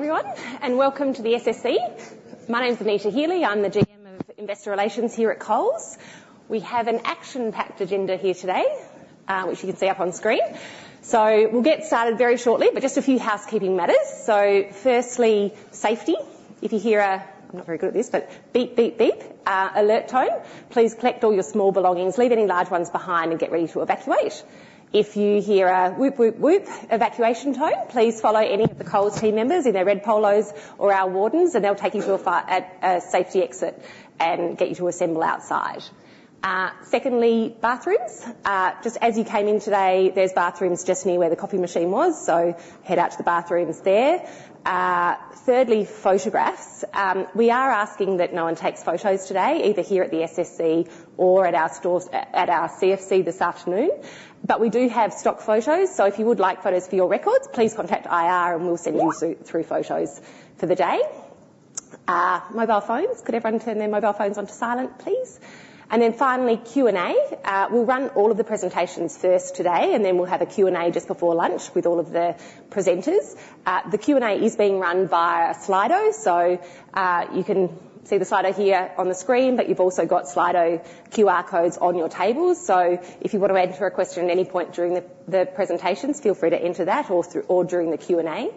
Hi, everyone, and welcome to the SSC. My name's Anita Healy. I'm the Head of Investor Relations here at Coles. We have an action-packed agenda here today, which you can see up on screen. So we'll get started very shortly, but just a few housekeeping matters. So firstly, safety. If you hear a, I'm not very good at this, but beep, beep, beep alert tone, please collect all your small belongings, leave any large ones behind, and get ready to evacuate. If you hear a whoop, whoop, whoop evacuation tone, please follow any of the Coles team members in their red polos or our wardens, and they'll take you to a safety exit and get you to assemble outside. Secondly, bathrooms. Just as you came in today, there's bathrooms just near where the coffee machine was, so head out to the bathrooms there. Thirdly, photographs. We are asking that no one takes photos today, either here at the SSC or at our CFC this afternoon, but we do have stock photos, so if you would like photos for your records, please contact IR, and we'll send you through photos for the day. Mobile phones. Could everyone turn their mobile phones onto silent, please, and then finally, Q&A. We'll run all of the presentations first today, and then we'll have a Q&A just before lunch with all of the presenters. The Q&A is being run via Slido, so you can see the Slido here on the screen, but you've also got Slido QR codes on your tables, so if you want to enter a question at any point during the presentations, feel free to enter that or during the Q&A.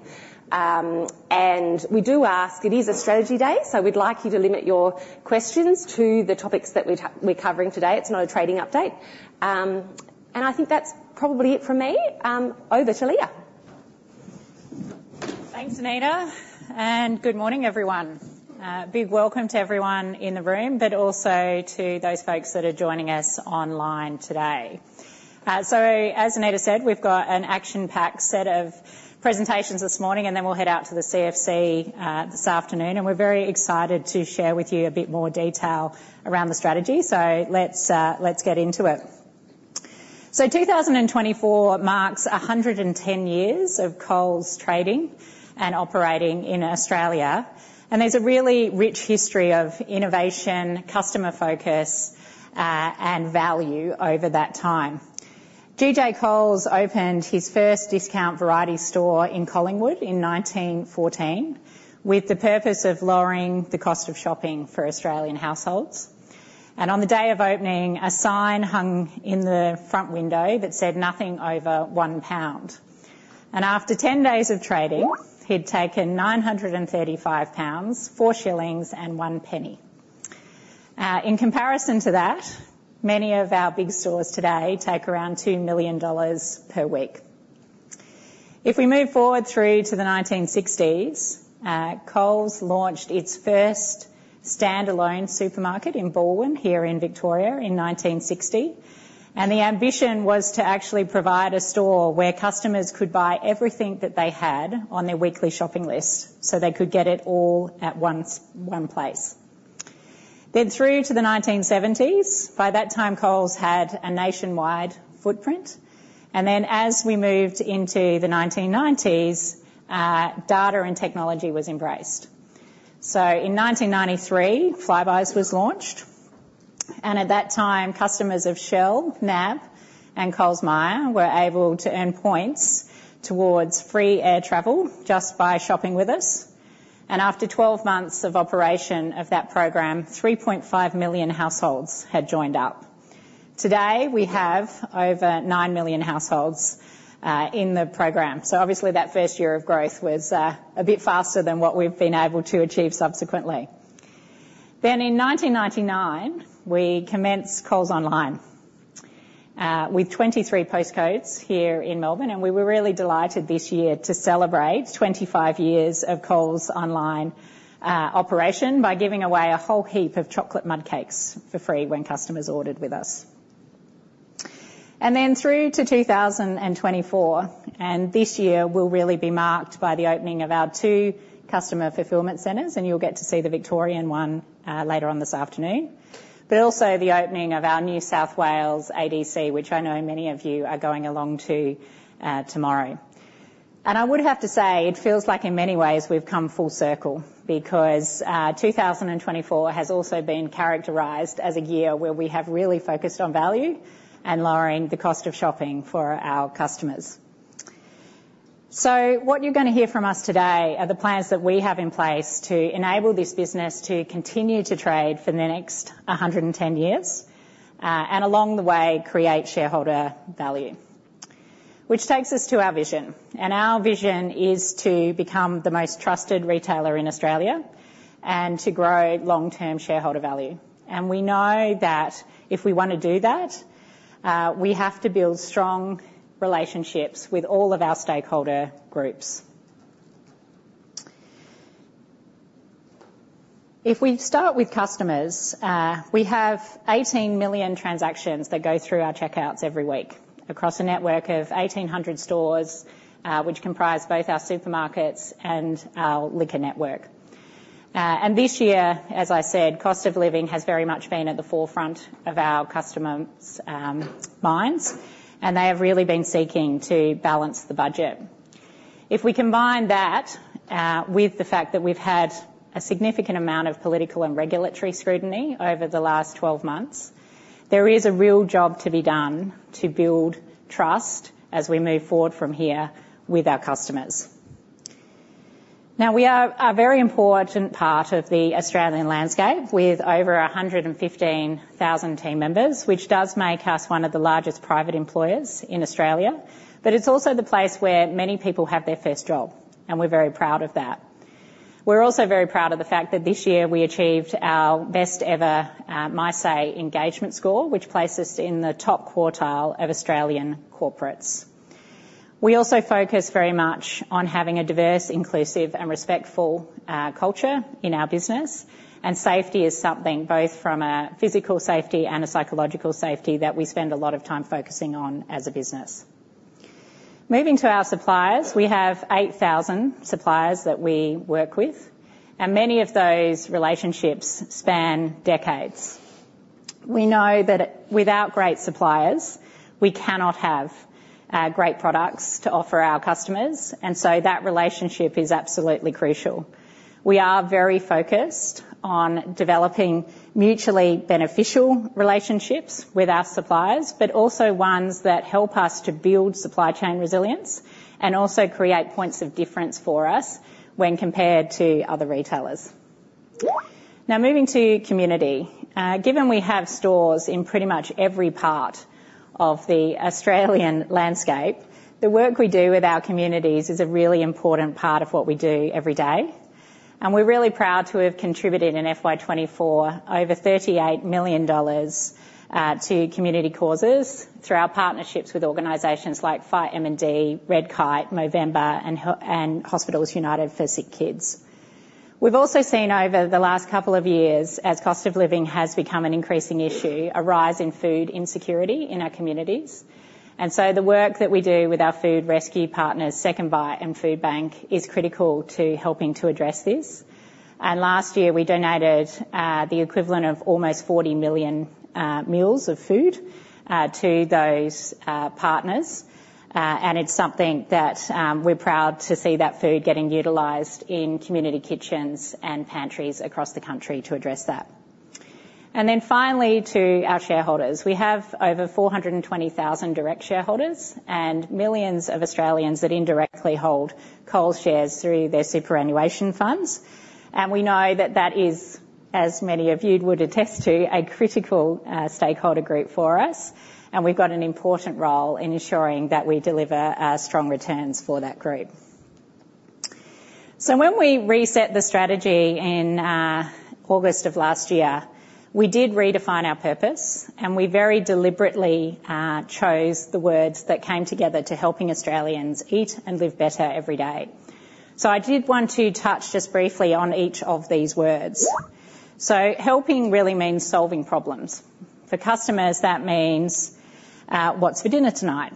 And we do ask, it is a strategy day, so we'd like you to limit your questions to the topics that we're covering today. It's not a trading update. And I think that's probably it from me. Over to Leah. Thanks, Anita. And good morning, everyone. Big welcome to everyone in the room, but also to those folks that are joining us online today. So as Anita said, we've got an action-packed set of presentations this morning, and then we'll head out to the CFC this afternoon. And we're very excited to share with you a bit more detail around the strategy. So let's get into it. So 2024 marks 110 years of Coles trading and operating in Australia. And there's a really rich history of innovation, customer focus, and value over that time. G.J. Coles opened his first discount variety store in Collingwood in 1914 with the purpose of lowering the cost of shopping for Australian households. And on the day of opening, a sign hung in the front window that said nothing over 1 pound. And after 10 days of trading, he'd taken 935 pounds, four shillings, and one penny. In comparison to that, many of our big stores today take around 2 million dollars per week. If we move forward through to the 1960s, Coles launched its first standalone supermarket in Balwyn here in Victoria in 1960, and the ambition was to actually provide a store where customers could buy everything that they had on their weekly shopping list so they could get it all at one place. Then through to the 1970s, by that time, Coles had a nationwide footprint, and then as we moved into the 1990s, data and technology was embraced. So in 1993, Flybuys was launched, and at that time, customers of Shell, NAB, and Coles Myer were able to earn points towards free air travel just by shopping with us. And after 12 months of operation of that program, 3.5 million households had joined up. Today, we have over 9 million households in the program. Obviously, that first year of growth was a bit faster than what we've been able to achieve subsequently. In 1999, we commenced Coles Online with 23 postcodes here in Melbourne. We were really delighted this year to celebrate 25 years of Coles Online operation by giving away a whole heap of chocolate mudcakes for free when customers ordered with us. Through to 2024, this year will really be marked by the opening of our two Customer Fulfilment Centres. You'll get to see the Victorian one later on this afternoon, but also the opening of our New South Wales ADC, which I know many of you are going along to tomorrow. And I would have to say it feels like in many ways we've come full circle because 2024 has also been characterized as a year where we have really focused on value and lowering the cost of shopping for our customers. So what you're going to hear from us today are the plans that we have in place to enable this business to continue to trade for the next 110 years and along the way create shareholder value, which takes us to our vision. And our vision is to become the most trusted retailer in Australia and to grow long-term shareholder value. And we know that if we want to do that, we have to build strong relationships with all of our stakeholder groups. If we start with customers, we have 18 million transactions that go through our checkouts every week across a network of 1,800 stores, which comprise both our supermarkets and our liquor network. And this year, as I said, cost of living has very much been at the forefront of our customers' minds, and they have really been seeking to balance the budget. If we combine that with the fact that we've had a significant amount of political and regulatory scrutiny over the last 12 months, there is a real job to be done to build trust as we move forward from here with our customers. Now, we are a very important part of the Australian landscape with over 115,000 team members, which does make us one of the largest private employers in Australia, but it's also the place where many people have their first job, and we're very proud of that. We're also very proud of the fact that this year we achieved our best-ever mysay engagement score, which placed us in the top quartile of Australian corporates. We also focus very much on having a diverse, inclusive, and respectful culture in our business, and safety is something both from a physical safety and a psychological safety that we spend a lot of time focusing on as a business. Moving to our suppliers, we have 8,000 suppliers that we work with, and many of those relationships span decades. We know that without great suppliers, we cannot have great products to offer our customers. That relationship is absolutely crucial. We are very focused on developing mutually beneficial relationships with our suppliers, but also ones that help us to build supply chain resilience and also create points of difference for us when compared to other retailers. Now, moving to community. Given we have stores in pretty much every part of the Australian landscape, the work we do with our communities is a really important part of what we do every day. We're really proud to have contributed in FY 2024 over AUD 38 million to community causes through our partnerships with organizations like FightMND, Redkite, Movember, and Hospitals United for Sick Kids. We've also seen over the last couple of years, as cost of living has become an increasing issue, a rise in food insecurity in our communities. And so the work that we do with our food rescue partners, SecondBite and Foodbank, is critical to helping to address this. And last year, we donated the equivalent of almost 40 million meals of food to those partners. And it's something that we're proud to see that food getting utilized in community kitchens and pantries across the country to address that. And then finally, to our shareholders. We have over 420,000 direct shareholders and millions of Australians that indirectly hold Coles shares through their superannuation funds. And we know that that is, as many of you would attest to, a critical stakeholder group for us. And we've got an important role in ensuring that we deliver strong returns for that group. So when we reset the strategy in August of last year, we did redefine our purpose, and we very deliberately chose the words that came together to helping Australians eat and live better every day. So I did want to touch just briefly on each of these words. So helping really means solving problems. For customers, that means what's for dinner tonight?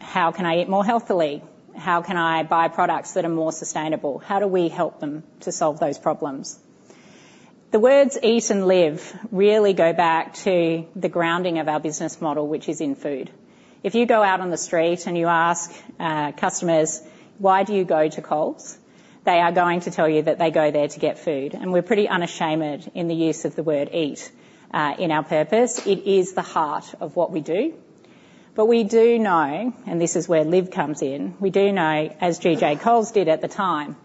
How can I eat more healthily? How can I buy products that are more sustainable? How do we help them to solve those problems? The words eat and live really go back to the grounding of our business model, which is in food. If you go out on the street and you ask customers, "Why do you go to Coles?" they are going to tell you that they go there to get food. And we're pretty unashamed in the use of the word eat in our purpose. It is the heart of what we do. But we do know, and this is where live comes in, we do know, as G.J. Coles did at the time,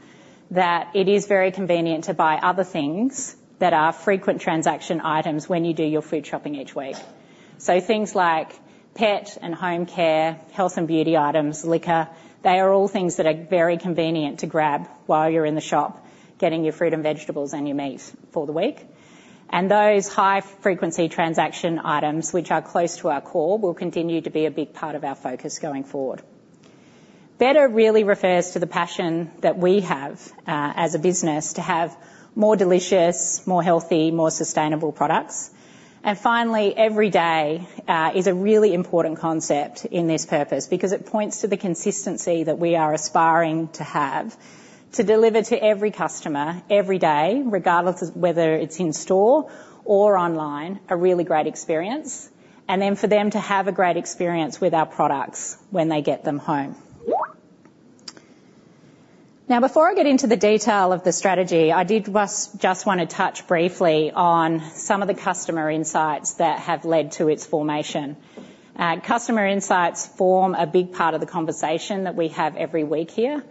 that it is very convenient to buy other things that are frequent transaction items when you do your food shopping each week. So things like pet and home care, health and beauty items, liquor, they are all things that are very convenient to grab while you're in the shop getting your fruit and vegetables and your meat for the week. And those high-frequency transaction items, which are close to our core, will continue to be a big part of our focus going forward. Better really refers to the passion that we have as a business to have more delicious, more healthy, more sustainable products. And finally, every day is a really important concept in this purpose because it points to the consistency that we are aspiring to have to deliver to every customer every day, regardless of whether it's in store or online, a really great experience, and then for them to have a great experience with our products when they get them home. Now, before I get into the detail of the strategy, I did just want to touch briefly on some of the customer insights that have led to its formation. Customer insights form a big part of the conversation that we have every week here.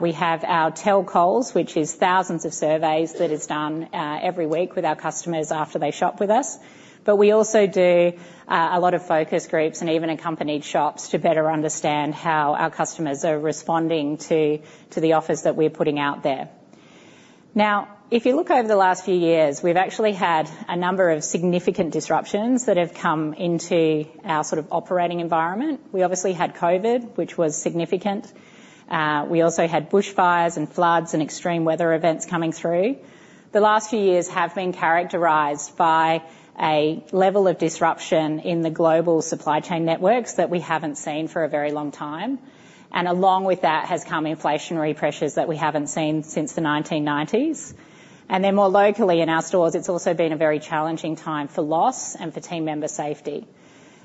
We have our Tell Coles, which is thousands of surveys that are done every week with our customers after they shop with us. But we also do a lot of focus groups and even accompanied shops to better understand how our customers are responding to the offers that we're putting out there. Now, if you look over the last few years, we've actually had a number of significant disruptions that have come into our sort of operating environment. We obviously had COVID, which was significant. We also had bushfires and floods and extreme weather events coming through. The last few years have been characterized by a level of disruption in the global supply chain networks that we haven't seen for a very long time. And along with that has come inflationary pressures that we haven't seen since the 1990s. And then more locally in our stores, it's also been a very challenging time for loss and for team member safety.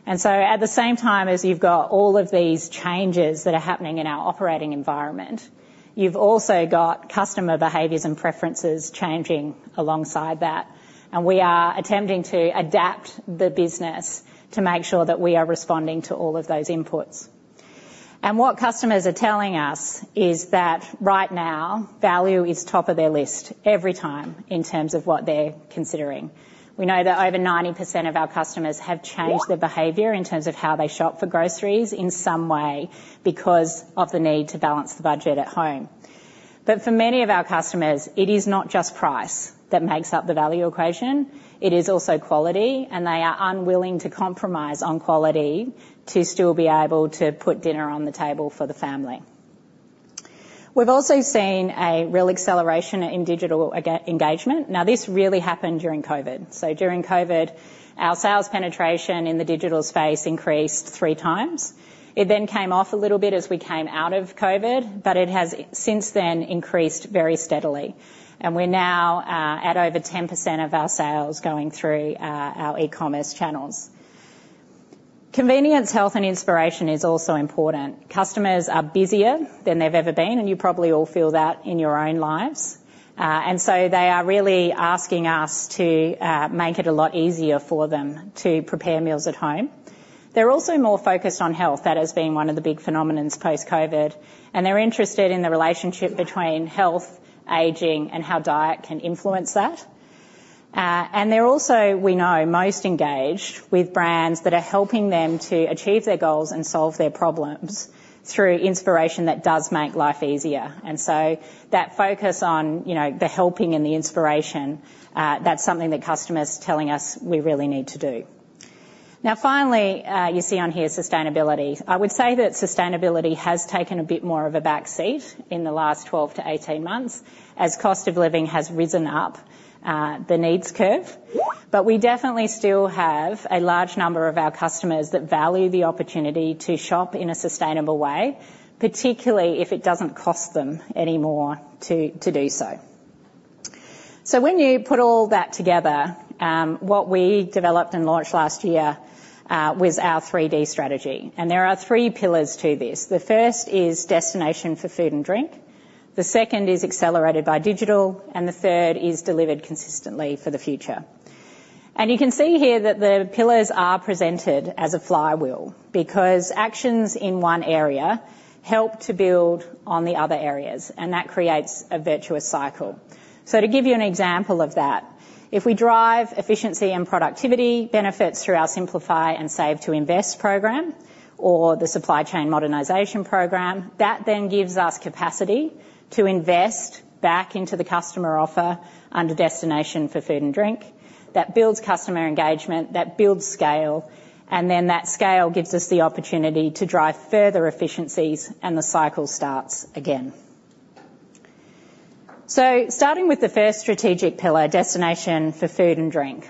And so at the same time as you've got all of these changes that are happening in our operating environment, you've also got customer behaviors and preferences changing alongside that. And we are attempting to adapt the business to make sure that we are responding to all of those inputs. And what customers are telling us is that right now, value is top of their list every time in terms of what they're considering. We know that over 90% of our customers have changed their behavior in terms of how they shop for groceries in some way because of the need to balance the budget at home. But for many of our customers, it is not just price that makes up the value equation. It is also quality, and they are unwilling to compromise on quality to still be able to put dinner on the table for the family. We've also seen a real acceleration in digital engagement. Now, this really happened during COVID. So during COVID, our sales penetration in the digital space increased three times. It then came off a little bit as we came out of COVID, but it has since then increased very steadily. And we're now at over 10% of our sales going through our e-commerce channels. Convenience, health, and inspiration is also important. Customers are busier than they've ever been, and you probably all feel that in your own lives. And so they are really asking us to make it a lot easier for them to prepare meals at home. They're also more focused on health. That has been one of the big phenomena post-COVID. And they're interested in the relationship between health, aging, and how diet can influence that. They're also, we know, most engaged with brands that are helping them to achieve their goals and solve their problems through inspiration that does make life easier. So that focus on the helping and the inspiration, that's something that customers are telling us we really need to do. Now, finally, you see on here sustainability. I would say that sustainability has taken a bit more of a backseat in the last 12-18 months as cost of living has risen up the needs curve. But we definitely still have a large number of our customers that value the opportunity to shop in a sustainable way, particularly if it doesn't cost them anymore to do so. So when you put all that together, what we developed and launched last year was our 3D Strategy. There are three pillars to this. The first is Destination for Food and Drink. The second is Accelerated by Digital, and the third is Delivered Consistently for the Future, and you can see here that the pillars are presented as a flywheel because actions in one area help to build on the other areas, and that creates a virtuous cycle. So to give you an example of that, if we drive efficiency and productivity benefits through our Simplify and Save to Invest program or the Supply Chain Modernization program, that then gives us capacity to invest back into the customer offer under Destination for Food and Drink. That builds customer engagement. That builds scale, and then that scale gives us the opportunity to drive further efficiencies, and the cycle starts again, starting with the first strategic pillar, Destination for Food and Drink.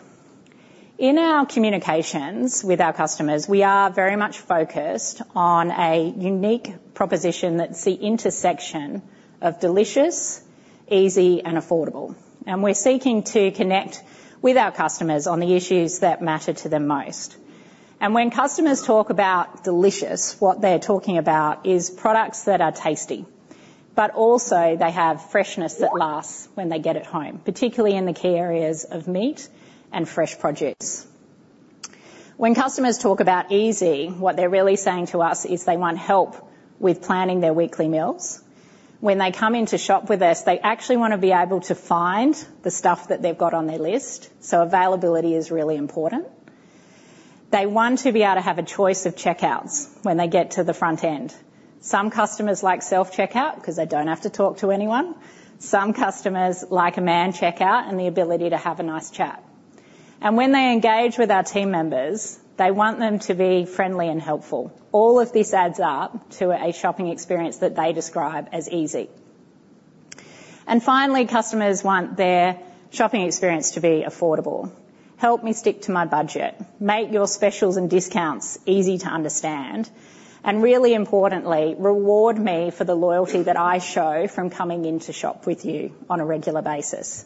In our communications with our customers, we are very much focused on a unique proposition that's the intersection of delicious, easy, and affordable, and we're seeking to connect with our customers on the issues that matter to them most, and when customers talk about delicious, what they're talking about is products that are tasty, but also they have freshness that lasts when they get it home, particularly in the key areas of meat and fresh produce. When customers talk about easy, what they're really saying to us is they want help with planning their weekly meals. When they come in to shop with us, they actually want to be able to find the stuff that they've got on their list, so availability is really important. They want to be able to have a choice of checkouts when they get to the front end. Some customers like self-checkout because they don't have to talk to anyone. Some customers like a manned checkout and the ability to have a nice chat. And when they engage with our team members, they want them to be friendly and helpful. All of this adds up to a shopping experience that they describe as easy. And finally, customers want their shopping experience to be affordable. Help me stick to my budget. Make your specials and discounts easy to understand. And really importantly, reward me for the loyalty that I show from coming in to shop with you on a regular basis.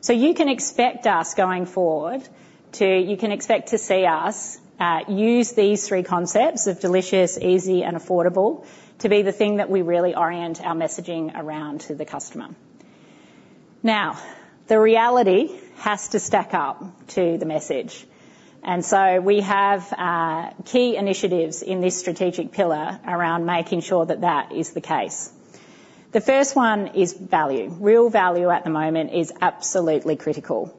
So you can expect us going forward to see us use these three concepts of delicious, easy, and affordable to be the thing that we really orient our messaging around to the customer. Now, the reality has to stack up to the message. And so we have key initiatives in this strategic pillar around making sure that that is the case. The first one is value. Real value at the moment is absolutely critical.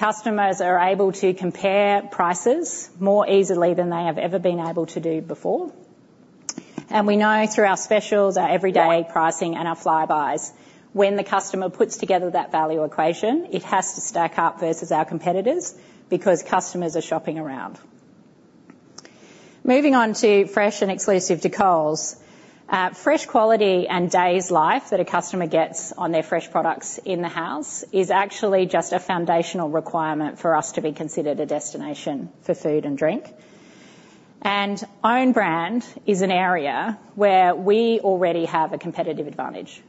Customers are able to compare prices more easily than they have ever been able to do before. And we know through our specials, our everyday pricing, and our Flybuys, when the customer puts together that value equation, it has to stack up versus our competitors because customers are shopping around. Moving on to fresh and exclusive to Coles. Fresh quality and days' life that a customer gets on their fresh products in the house is actually just a foundational requirement for us to be considered a Destination for Food and Drink. And Own Brand is an area where we already have a competitive advantage.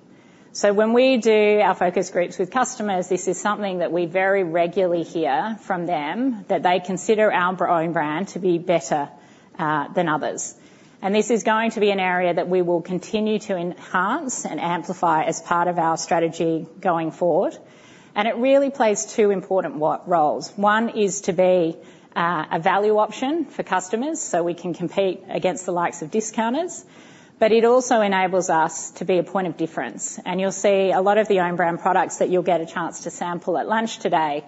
So when we do our focus groups with customers, this is something that we very regularly hear from them that they consider our Own Brand to be better than others. And this is going to be an area that we will continue to enhance and amplify as part of our strategy going forward. And it really plays two important roles. One is to be a value option for customers so we can compete against the likes of discounters, but it also enables us to be a point of difference. And you'll see a lot of the Own Brand products that you'll get a chance to sample at lunch today.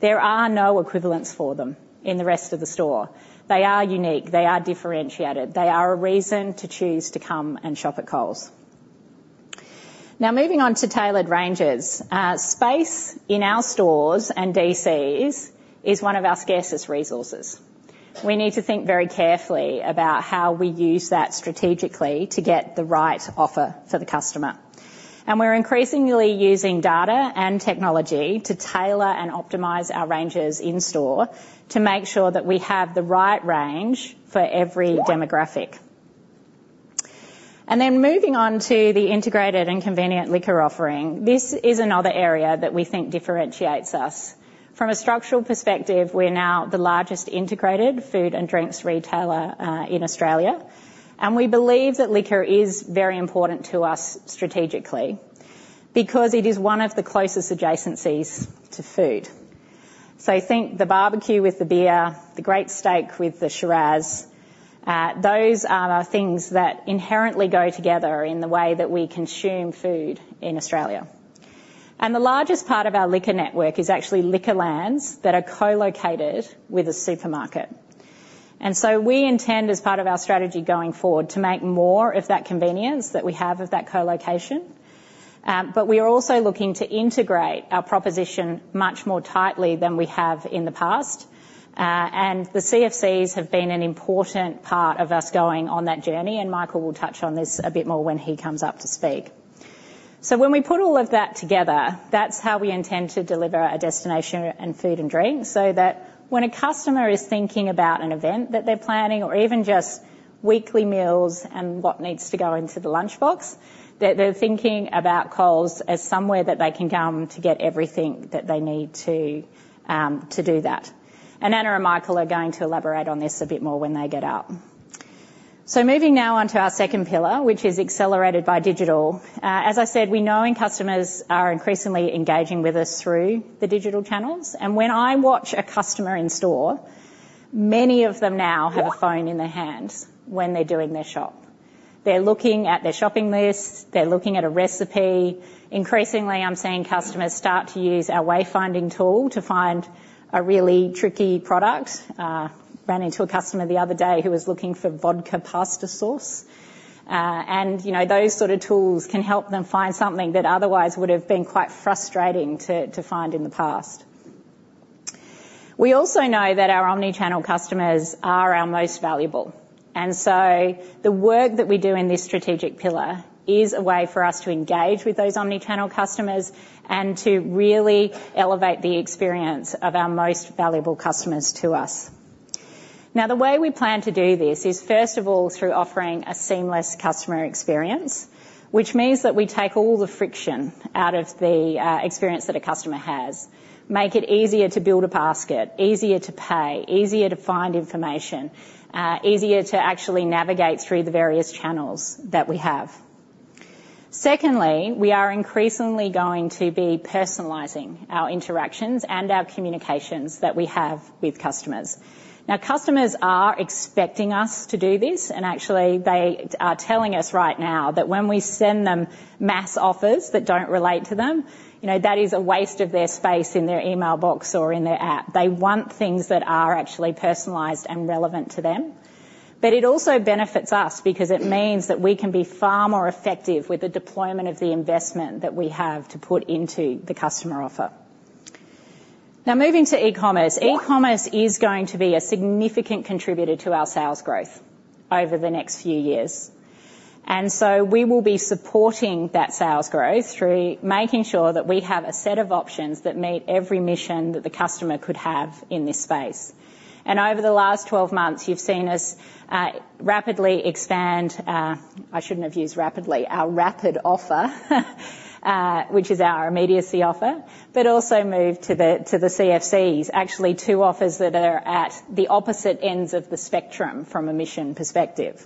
There are no equivalents for them in the rest of the store. They are unique. They are differentiated. They are a reason to choose to come and shop at Coles. Now, moving on to tailored ranges, space in our stores and DCs is one of our scarcest resources. We need to think very carefully about how we use that strategically to get the right offer for the customer, and we're increasingly using data and technology to tailor and optimize our ranges in store to make sure that we have the right range for every demographic, and then moving on to the integrated and convenient liquor offering, this is another area that we think differentiates us. From a structural perspective, we're now the largest integrated food and drinks retailer in Australia, and we believe that liquor is very important to us strategically because it is one of the closest adjacencies to food, so think the barbecue with the beer, the great steak with the Shiraz. Those are things that inherently go together in the way that we consume food in Australia. And the largest part of our liquor network is actually Liquorland that are co-located with a supermarket. And so we intend, as part of our strategy going forward, to make more of that convenience that we have of that co-location. But we are also looking to integrate our proposition much more tightly than we have in the past. And the CFCs have been an important part of us going on that journey. And Michael will touch on this a bit more when he comes up to speak. So when we put all of that together, that's how we intend to deliver a destination and food and drink so that when a customer is thinking about an event that they're planning or even just weekly meals and what needs to go into the lunchbox, that they're thinking about Coles as somewhere that they can come to get everything that they need to do that. And Anna and Michael are going to elaborate on this a bit more when they get out. So moving now on to our second pillar, which is Accelerated by Digital. As I said, we know customers are increasingly engaging with us through the digital channels. And when I watch a customer in store, many of them now have a phone in their hands when they're doing their shop. They're looking at their shopping list. They're looking at a recipe. Increasingly, I'm seeing customers start to use our wayfinding tool to find a really tricky product. I ran into a customer the other day who was looking for vodka pasta sauce, and those sort of tools can help them find something that otherwise would have been quite frustrating to find in the past. We also know that our omnichannel customers are our most valuable, and so the work that we do in this strategic pillar is a way for us to engage with those omnichannel customers and to really elevate the experience of our most valuable customers to us. Now, the way we plan to do this is, first of all, through offering a seamless customer experience, which means that we take all the friction out of the experience that a customer has, make it easier to build a basket, easier to pay, easier to find information, easier to actually navigate through the various channels that we have. Secondly, we are increasingly going to be personalizing our interactions and our communications that we have with customers. Now, customers are expecting us to do this. And actually, they are telling us right now that when we send them mass offers that don't relate to them, that is a waste of their space in their email box or in their app. They want things that are actually personalized and relevant to them. It also benefits us because it means that we can be far more effective with the deployment of the investment that we have to put into the customer offer. Now, moving to e-commerce, e-commerce is going to be a significant contributor to our sales growth over the next few years. So we will be supporting that sales growth through making sure that we have a set of options that meet every mission that the customer could have in this space. Over the last 12 months, you've seen us rapidly expand (I shouldn't have used rapidly) our Rapid offer, which is our immediacy offer, but also move to the CFCs, actually two offers that are at the opposite ends of the spectrum from a mission perspective.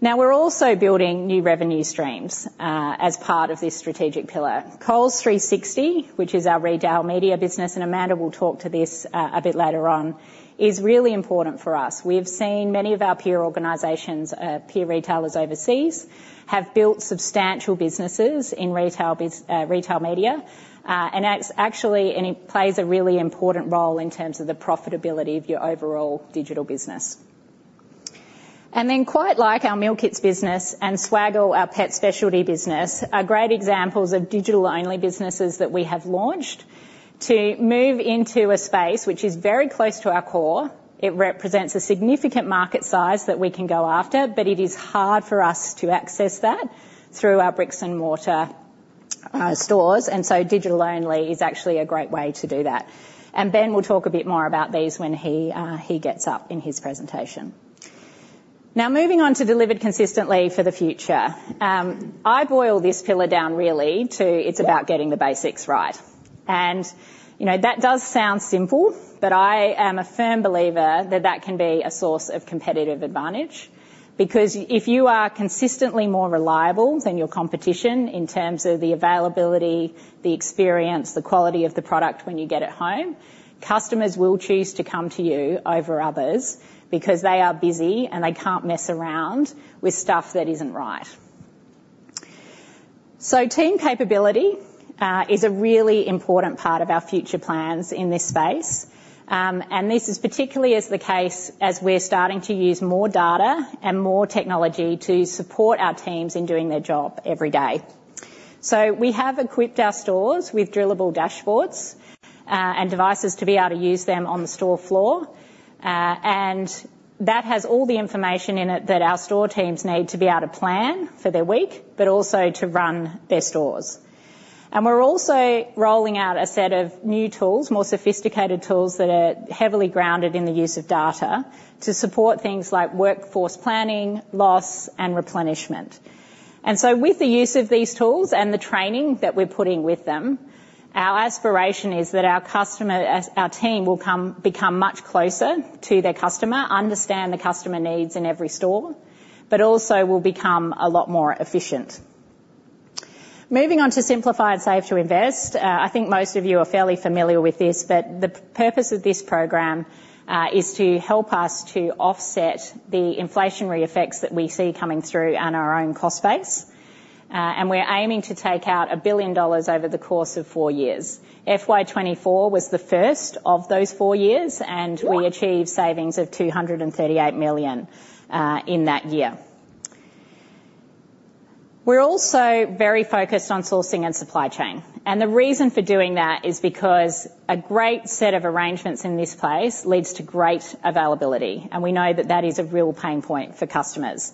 Now, we're also building new revenue streams as part of this strategic pillar. Coles 360, which is our retail media business, and Amanda will talk to this a bit later on, is really important for us. We've seen many of our peer organizations, peer retailers overseas, have built substantial businesses in retail media. And actually, it plays a really important role in terms of the profitability of your overall digital business. And then, QuiteLike, our meal kits business, and Swaggle, our pet specialty business, are great examples of digital-only businesses that we have launched to move into a space which is very close to our core. It represents a significant market size that we can go after, but it is hard for us to access that through our bricks-and-mortar stores. And so digital-only is actually a great way to do that. And Ben will talk a bit more about these when he gets up in his presentation. Now, moving on to Delivered Consistently for the Future, I boil this pillar down really to it's about getting the basics right. And that does sound simple, but I am a firm believer that that can be a source of competitive advantage because if you are consistently more reliable than your competition in terms of the availability, the experience, the quality of the product when you get it home, customers will choose to come to you over others because they are busy and they can't mess around with stuff that isn't right. So team capability is a really important part of our future plans in this space. And this is particularly the case as we're starting to use more data and more technology to support our teams in doing their job every day. So we have equipped our stores with drillable dashboards and devices to be able to use them on the store floor. And that has all the information in it that our store teams need to be able to plan for their week, but also to run their stores. And we're also rolling out a set of new tools, more sophisticated tools that are heavily grounded in the use of data to support things like workforce planning, loss, and replenishment. And so with the use of these tools and the training that we're putting with them, our aspiration is that our customer, our team, will become much closer to their customer, understand the customer needs in every store, but also will become a lot more efficient. Moving on to Simplify and Save to Invest, I think most of you are fairly familiar with this, but the purpose of this program is to help us to offset the inflationary effects that we see coming through on our own cost base, and we're aiming to take out 1 billion dollars over the course of four years. FY 2024 was the first of those four years, and we achieved savings of 238 million in that year. We're also very focused on sourcing and supply chain, and the reason for doing that is because a great set of arrangements in this place leads to great availability. And we know that that is a real pain point for customers.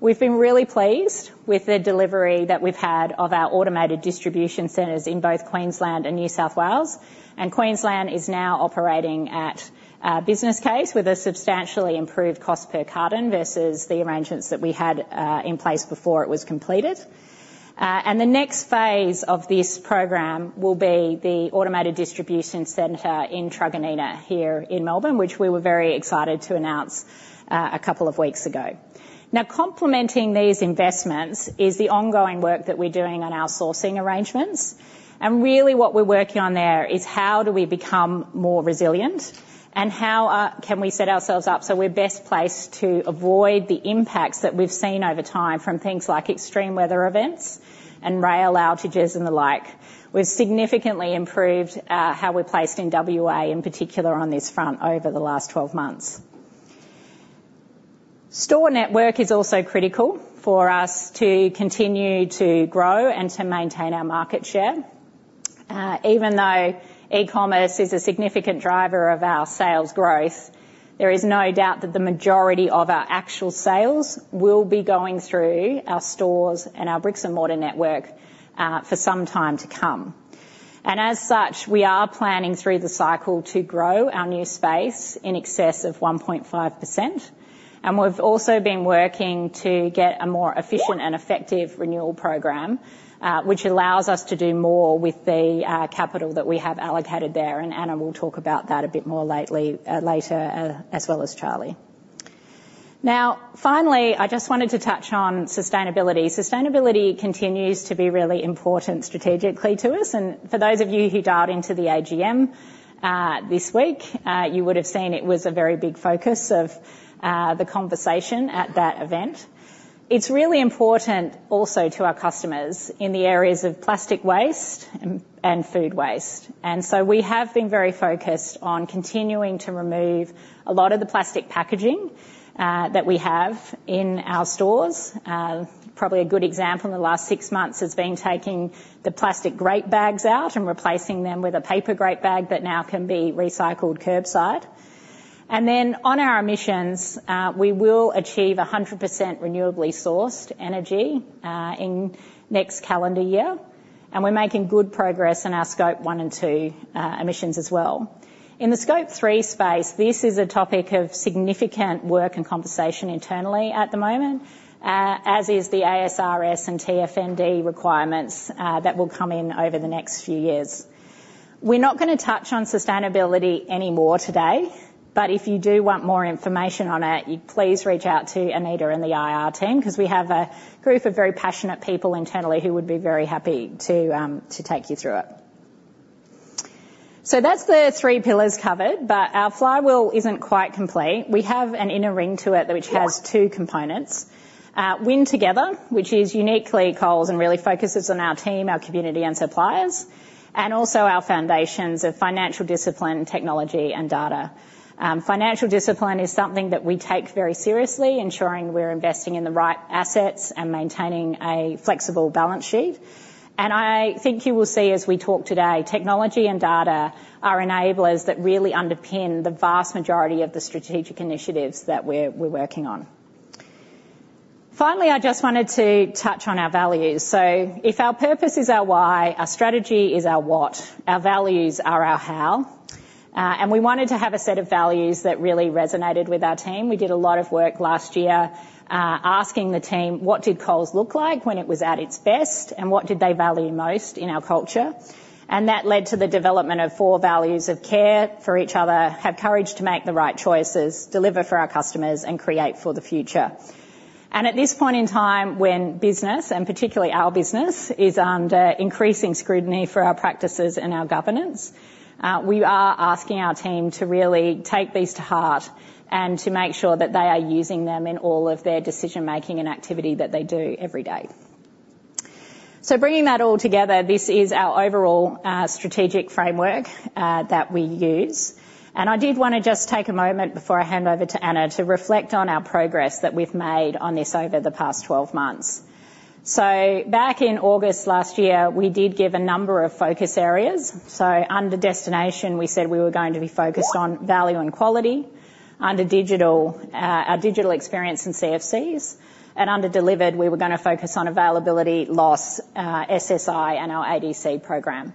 We've been really pleased with the delivery that we've had of our automated distribution centers in both Queensland and New South Wales. Queensland is now operating at business case with a substantially improved cost per carton versus the arrangements that we had in place before it was completed. The next phase of this program will be the Automated Distribution Centre in Truganina here in Melbourne, which we were very excited to announce a couple of weeks ago. Now, complementing these investments is the ongoing work that we're doing on our sourcing arrangements. Really, what we're working on there is how do we become more resilient and how can we set ourselves up so we're best placed to avoid the impacts that we've seen over time from things like extreme weather events and rail outages and the like. We've significantly improved how we're placed in WA, in particular on this front, over the last 12 months. Store network is also critical for us to continue to grow and to maintain our market share. Even though e-commerce is a significant driver of our sales growth, there is no doubt that the majority of our actual sales will be going through our stores and our bricks-and-mortar network for some time to come, and as such, we are planning through the cycle to grow our new space in excess of 1.5%, and we've also been working to get a more efficient and effective renewal program, which allows us to do more with the capital that we have allocated there, and Anna will talk about that a bit more later as well as Charlie. Now, finally, I just wanted to touch on sustainability. Sustainability continues to be really important strategically to us. And for those of you who dialed into the AGM this week, you would have seen it was a very big focus of the conversation at that event. It's really important also to our customers in the areas of plastic waste and food waste. And so we have been very focused on continuing to remove a lot of the plastic packaging that we have in our stores. Probably a good example in the last six months has been taking the plastic crate bags out and replacing them with a paper crate bag that now can be recycled kerbside. And then on our emissions, we will achieve 100% renewably sourced energy in next calendar year. And we're making good progress in our Scope 1 and 2 emissions as well. In the Scope 3 space, this is a topic of significant work and conversation internally at the moment, as is the ASRS and TNFD requirements that will come in over the next few years. We're not going to touch on sustainability anymore today, but if you do want more information on it, please reach out to Anita and the IR team because we have a group of very passionate people internally who would be very happy to take you through it. So that's the three pillars covered, but our Flywheel isn't quite complete. We have an inner ring to it which has two components: Win Together, which is uniquely Coles and really focuses on our team, our community, and suppliers, and also our foundations of financial discipline, technology, and data. Financial discipline is something that we take very seriously, ensuring we're investing in the right assets and maintaining a flexible balance sheet, and I think you will see as we talk today, technology and data are enablers that really underpin the vast majority of the strategic initiatives that we're working on. Finally, I just wanted to touch on our values, so if our purpose is our why, our strategy is our what, our values are our how, and we wanted to have a set of values that really resonated with our team. We did a lot of work last year asking the team, "What did Coles look like when it was at its best, and what did they value most in our culture?" And that led to the development of four values of Care for each other, Have courage to make the right choices, Deliver for our customers, and Create for the future. And at this point in time, when business, and particularly our business, is under increasing scrutiny for our practices and our governance, we are asking our team to really take these to heart and to make sure that they are using them in all of their decision-making and activity that they do every day. So bringing that all together, this is our overall strategic framework that we use. I did want to just take a moment before I hand over to Anna to reflect on our progress that we've made on this over the past 12 months. So back in August last year, we did give a number of focus areas. So under destination, we said we were going to be focused on value and quality, under digital, our digital experience and CFCs. And under delivered, we were going to focus on availability, loss, SSI, and our ADC program.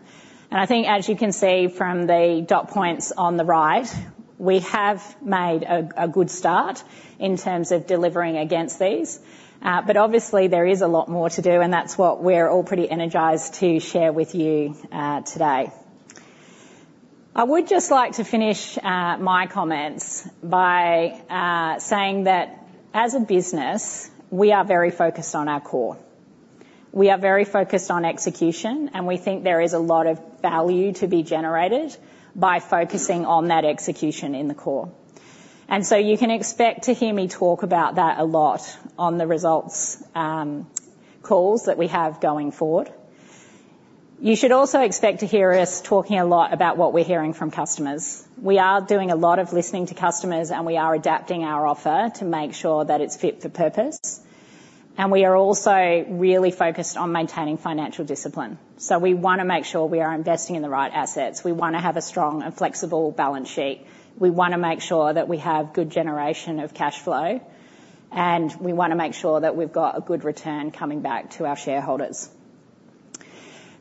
And I think, as you can see from the dot points on the right, we have made a good start in terms of delivering against these. But obviously, there is a lot more to do, and that's what we're all pretty energized to share with you today. I would just like to finish my comments by saying that as a business, we are very focused on our core. We are very focused on execution, and we think there is a lot of value to be generated by focusing on that execution in the core, and so you can expect to hear me talk about that a lot on the results calls that we have going forward. You should also expect to hear us talking a lot about what we're hearing from customers. We are doing a lot of listening to customers, and we are adapting our offer to make sure that it's fit for purpose, and we are also really focused on maintaining financial discipline, so we want to make sure we are investing in the right assets. We want to have a strong and flexible balance sheet. We want to make sure that we have good generation of cash flow, and we want to make sure that we've got a good return coming back to our shareholders.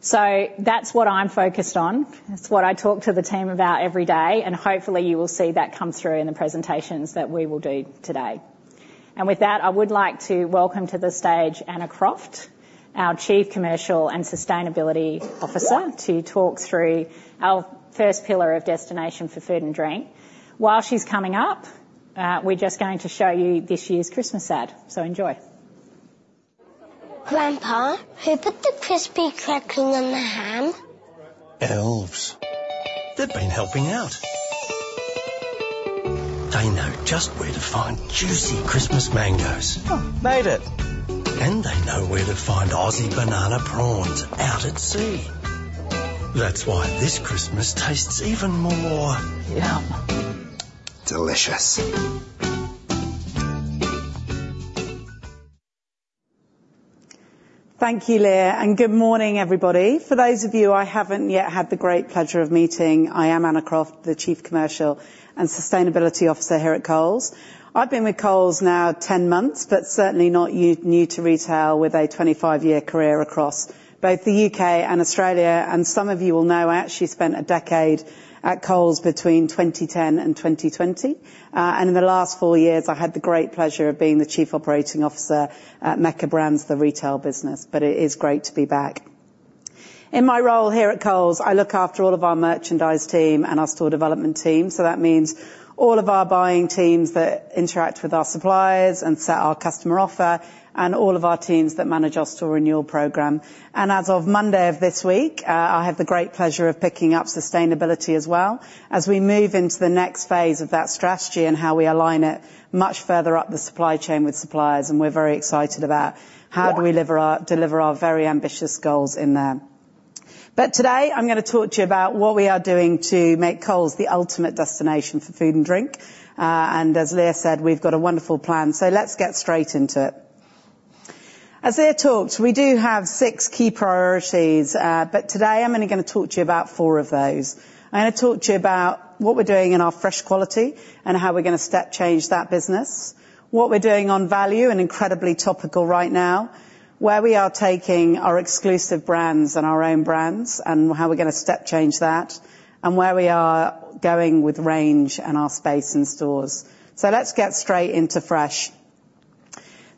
So that's what I'm focused on. That's what I talk to the team about every day. And hopefully, you will see that come through in the presentations that we will do today. And with that, I would like to welcome to the stage Anna Croft, our Chief Commercial and Sustainability Officer, to talk through our first pillar of Destination for Food and Drink. While she's coming up, we're just going to show you this year's Christmas ad. So enjoy. Grandpa, who put the Kris Kringle in the hamper? Elves. They've been helping out. They know just where to find juicy Christmas mangoes. Oh, made it. And they know where to find Aussie banana prawns out at sea. That's why this Christmas tastes even more... Yum. Delicious. Thank you, Leah. And good morning, everybody. For those of you I haven't yet had the great pleasure of meeting, I am Anna Croft, the Chief Commercial and Sustainability Officer here at Coles. I've been with Coles now 10 months, but certainly not new to retail with a 25-year career across both the U.K. and Australia, and some of you will know I actually spent a decade at Coles between 2010 and 2020, and in the last four years, I had the great pleasure of being the Chief Operating Officer at Mecca Brands, the retail business, but it is great to be back. In my role here at Coles, I look after all of our merchandise team and our store development team, so that means all of our buying teams that interact with our suppliers and set our customer offer, and all of our teams that manage our store renewal program. As of Monday of this week, I have the great pleasure of picking up sustainability as well as we move into the next phase of that strategy and how we align it much further up the supply chain with suppliers. We're very excited about how do we deliver our very ambitious goals in there. Today, I'm going to talk to you about what we are doing to make Coles the ultimate Destination for Food and Drink. As Leah said, we've got a wonderful plan. Let's get straight into it. As Leah talked, we do have six key priorities, but today, I'm only going to talk to you about four of those. I'm going to talk to you about what we're doing in our fresh quality and how we're going to step change that business, what we're doing on value and incredibly topical right now, where we are taking our exclusive brands and our Own Brands, and how we're going to step change that, and where we are going with range and our space and stores, so let's get straight into fresh.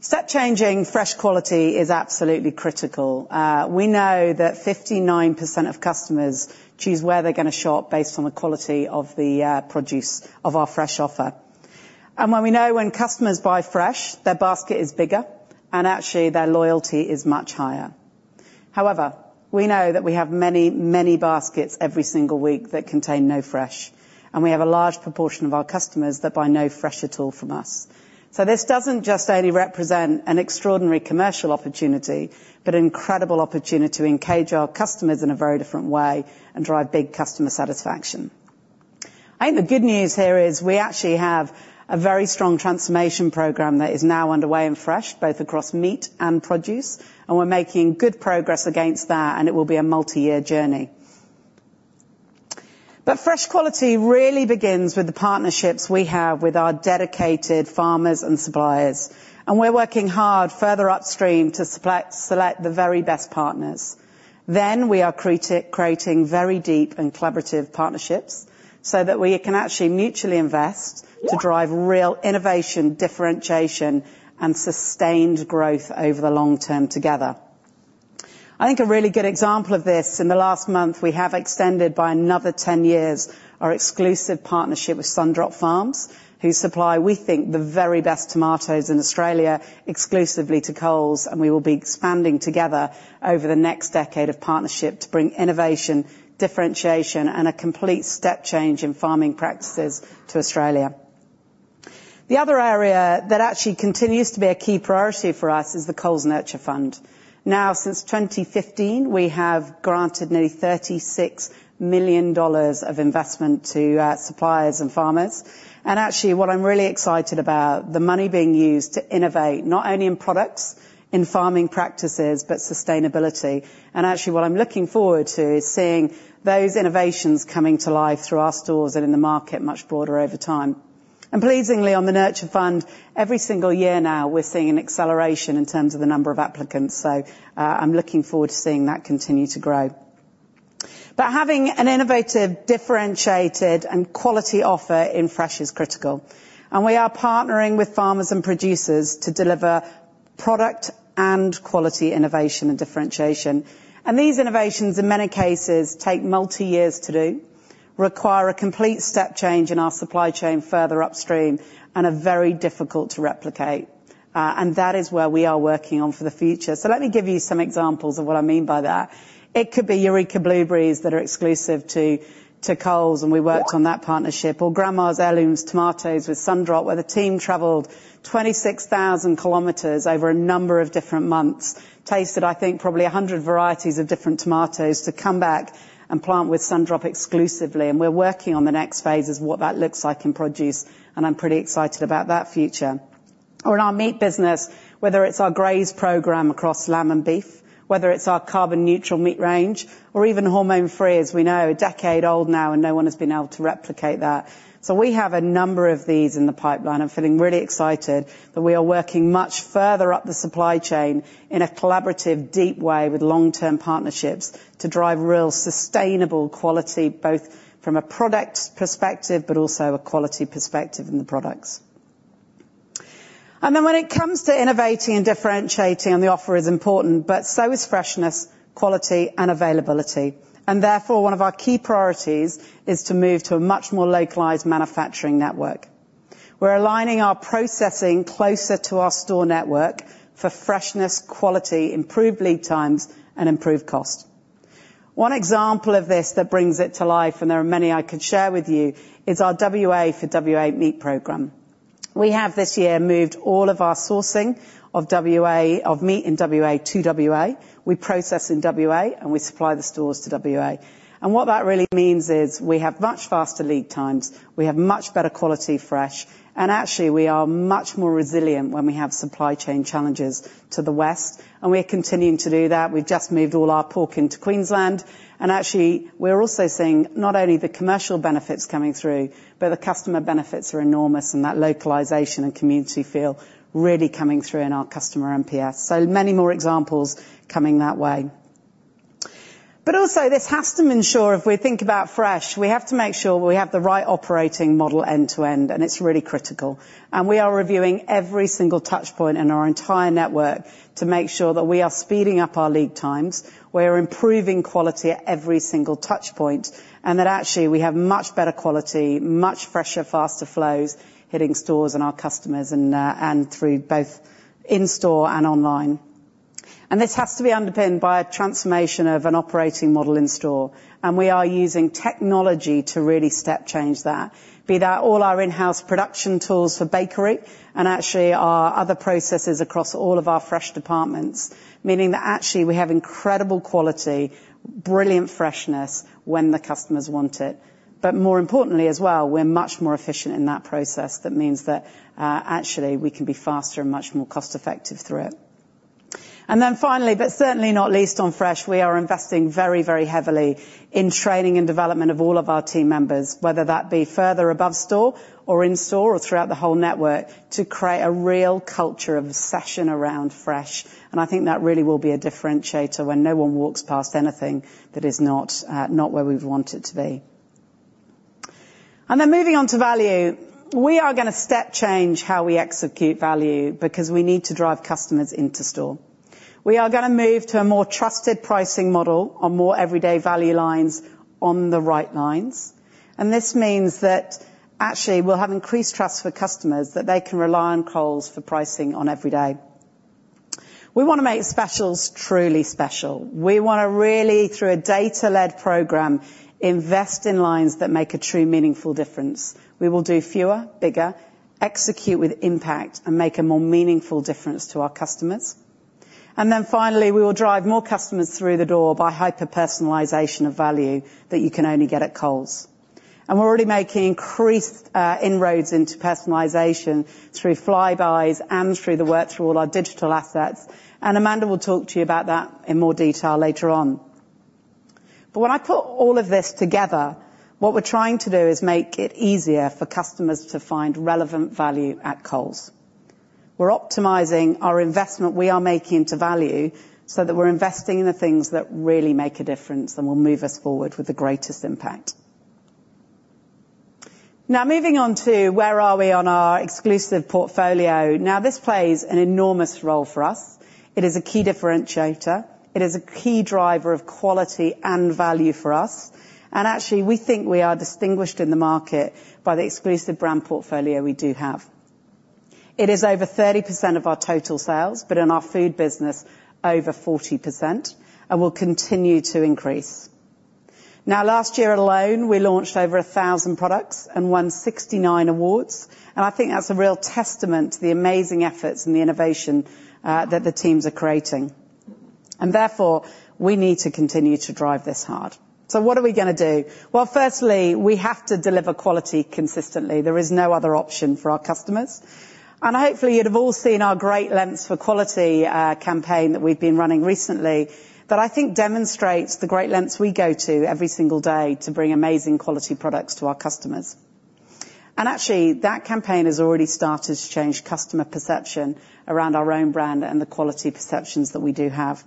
Step changing fresh quality is absolutely critical. We know that 59% of customers choose where they're going to shop based on the quality of the produce of our fresh offer. And we know when customers buy fresh, their basket is bigger, and actually, their loyalty is much higher. However, we know that we have many, many baskets every single week that contain no fresh. We have a large proportion of our customers that buy no fresh at all from us. So this doesn't just only represent an extraordinary commercial opportunity, but an incredible opportunity to engage our customers in a very different way and drive big customer satisfaction. I think the good news here is we actually have a very strong transformation program that is now underway in fresh, both across meat and produce. And we're making good progress against that, and it will be a multi-year journey. But fresh quality really begins with the partnerships we have with our dedicated farmers and suppliers. And we're working hard further upstream to select the very best partners. Then we are creating very deep and collaborative partnerships so that we can actually mutually invest to drive real innovation, differentiation, and sustained growth over the long term together. I think a really good example of this in the last month, we have extended by another 10 years our exclusive partnership with Sundrop Farms, who supply, we think, the very best tomatoes in Australia exclusively to Coles. And we will be expanding together over the next decade of partnership to bring innovation, differentiation, and a complete step change in farming practices to Australia. The other area that actually continues to be a key priority for us is the Coles Nurture Fund. Now, since 2015, we have granted nearly 36 million dollars of investment to suppliers and farmers. And actually, what I'm really excited about, the money being used to innovate not only in products, in farming practices, but sustainability. And actually, what I'm looking forward to is seeing those innovations coming to life through our stores and in the market much broader over time. And pleasingly, on the Nurture Fund, every single year now, we're seeing an acceleration in terms of the number of applicants. So I'm looking forward to seeing that continue to grow. But having an innovative, differentiated, and quality offer in fresh is critical. And we are partnering with farmers and producers to deliver product and quality innovation and differentiation. And these innovations, in many cases, take multi-years to do, require a complete step change in our supply chain further upstream, and are very difficult to replicate. And that is where we are working on for the future. So let me give you some examples of what I mean by that. It could be Eureka Blueberries that are exclusive to Coles, and we worked on that partnership, or Grandma's Heirlooms Tomatoes with Sundrop, where the team traveled 26,000 km over a number of different months, tasted, I think, probably 100 varieties of different tomatoes to come back and plant with Sundrop exclusively. And we're working on the next phase as to what that looks like in produce. And I'm pretty excited about that future. Or in our meat business, whether it's our Graze program across lamb and beef, whether it's our carbon-neutral meat range, or even hormone-free, as we know, a decade old now, and no one has been able to replicate that. So we have a number of these in the pipeline. I'm feeling really excited that we are working much further up the supply chain in a collaborative, deep way with long-term partnerships to drive real sustainable quality, both from a product perspective, but also a quality perspective in the products. And then when it comes to innovating and differentiating, and the offer is important, but so is freshness, quality, and availability. And therefore, one of our key priorities is to move to a much more localized manufacturing network. We're aligning our processing closer to our store network for freshness, quality, improved lead times, and improved cost. One example of this that brings it to life, and there are many I could share with you, is our WA for WA meat program. We have this year moved all of our sourcing of meat in WA to WA. We process in WA, and we supply the stores to WA. And what that really means is we have much faster lead times. We have much better quality fresh. And actually, we are much more resilient when we have supply chain challenges to the west. And we're continuing to do that. We've just moved all our pork into Queensland. And actually, we're also seeing not only the commercial benefits coming through, but the customer benefits are enormous, and that localization and community feel really coming through in our customer NPS. So many more examples coming that way. But also, this has to ensure if we think about fresh, we have to make sure we have the right operating model end to end, and it's really critical. We are reviewing every single touchpoint in our entire network to make sure that we are speeding up our lead times, we are improving quality at every single touchpoint, and that actually we have much better quality, much fresher, faster flows hitting stores and our customers through both in-store and online. This has to be underpinned by a transformation of an operating model in-store. We are using technology to really step change that, be that all our in-house production tools for bakery and actually our other processes across all of our fresh departments, meaning that actually we have incredible quality, brilliant freshness when the customers want it. More importantly as well, we're much more efficient in that process. That means that actually we can be faster and much more cost-effective through it. And then finally, but certainly not least on fresh, we are investing very, very heavily in training and development of all of our team members, whether that be further above store or in-store or throughout the whole network to create a real culture of obsession around fresh. And I think that really will be a differentiator when no one walks past anything that is not where we've wanted to be. And then moving on to value, we are going to step change how we execute value because we need to drive customers into store. We are going to move to a more trusted pricing model on more everyday value lines on the right lines. And this means that actually we'll have increased trust for customers that they can rely on Coles for pricing on every day. We want to make specials truly special. We want to really, through a data-led program, invest in lines that make a true meaningful difference. We will do fewer, bigger, execute with impact, and make a more meaningful difference to our customers, and then finally, we will drive more customers through the door by hyper-personalization of value that you can only get at Coles, and we're already making increased inroads into personalization through Flybuys and through the work through all our digital assets, and Amanda will talk to you about that in more detail later on, but when I put all of this together, what we're trying to do is make it easier for customers to find relevant value at Coles. We're optimizing our investment we are making into value so that we're investing in the things that really make a difference and will move us forward with the greatest impact. Now, moving on to where are we on our exclusive portfolio. Now, this plays an enormous role for us. It is a key differentiator. It is a key driver of quality and value for us, and actually, we think we are distinguished in the market by the exclusive brand portfolio we do have. It is over 30% of our total sales, but in our food business, over 40%, and will continue to increase. Now, last year alone, we launched over 1,000 products and won 69 awards, and I think that's a real testament to the amazing efforts and the innovation that the teams are creating, and therefore, we need to continue to drive this hard, so what are we going to do? Well, firstly, we have to deliver quality consistently. There is no other option for our customers. Hopefully, you'd have all seen our Great Lengths for Quality campaign that we've been running recently, that I think demonstrates the great lengths we go to every single day to bring amazing quality products to our customers. Actually, that campaign has already started to change customer perception around our Own Brand and the quality perceptions that we do have.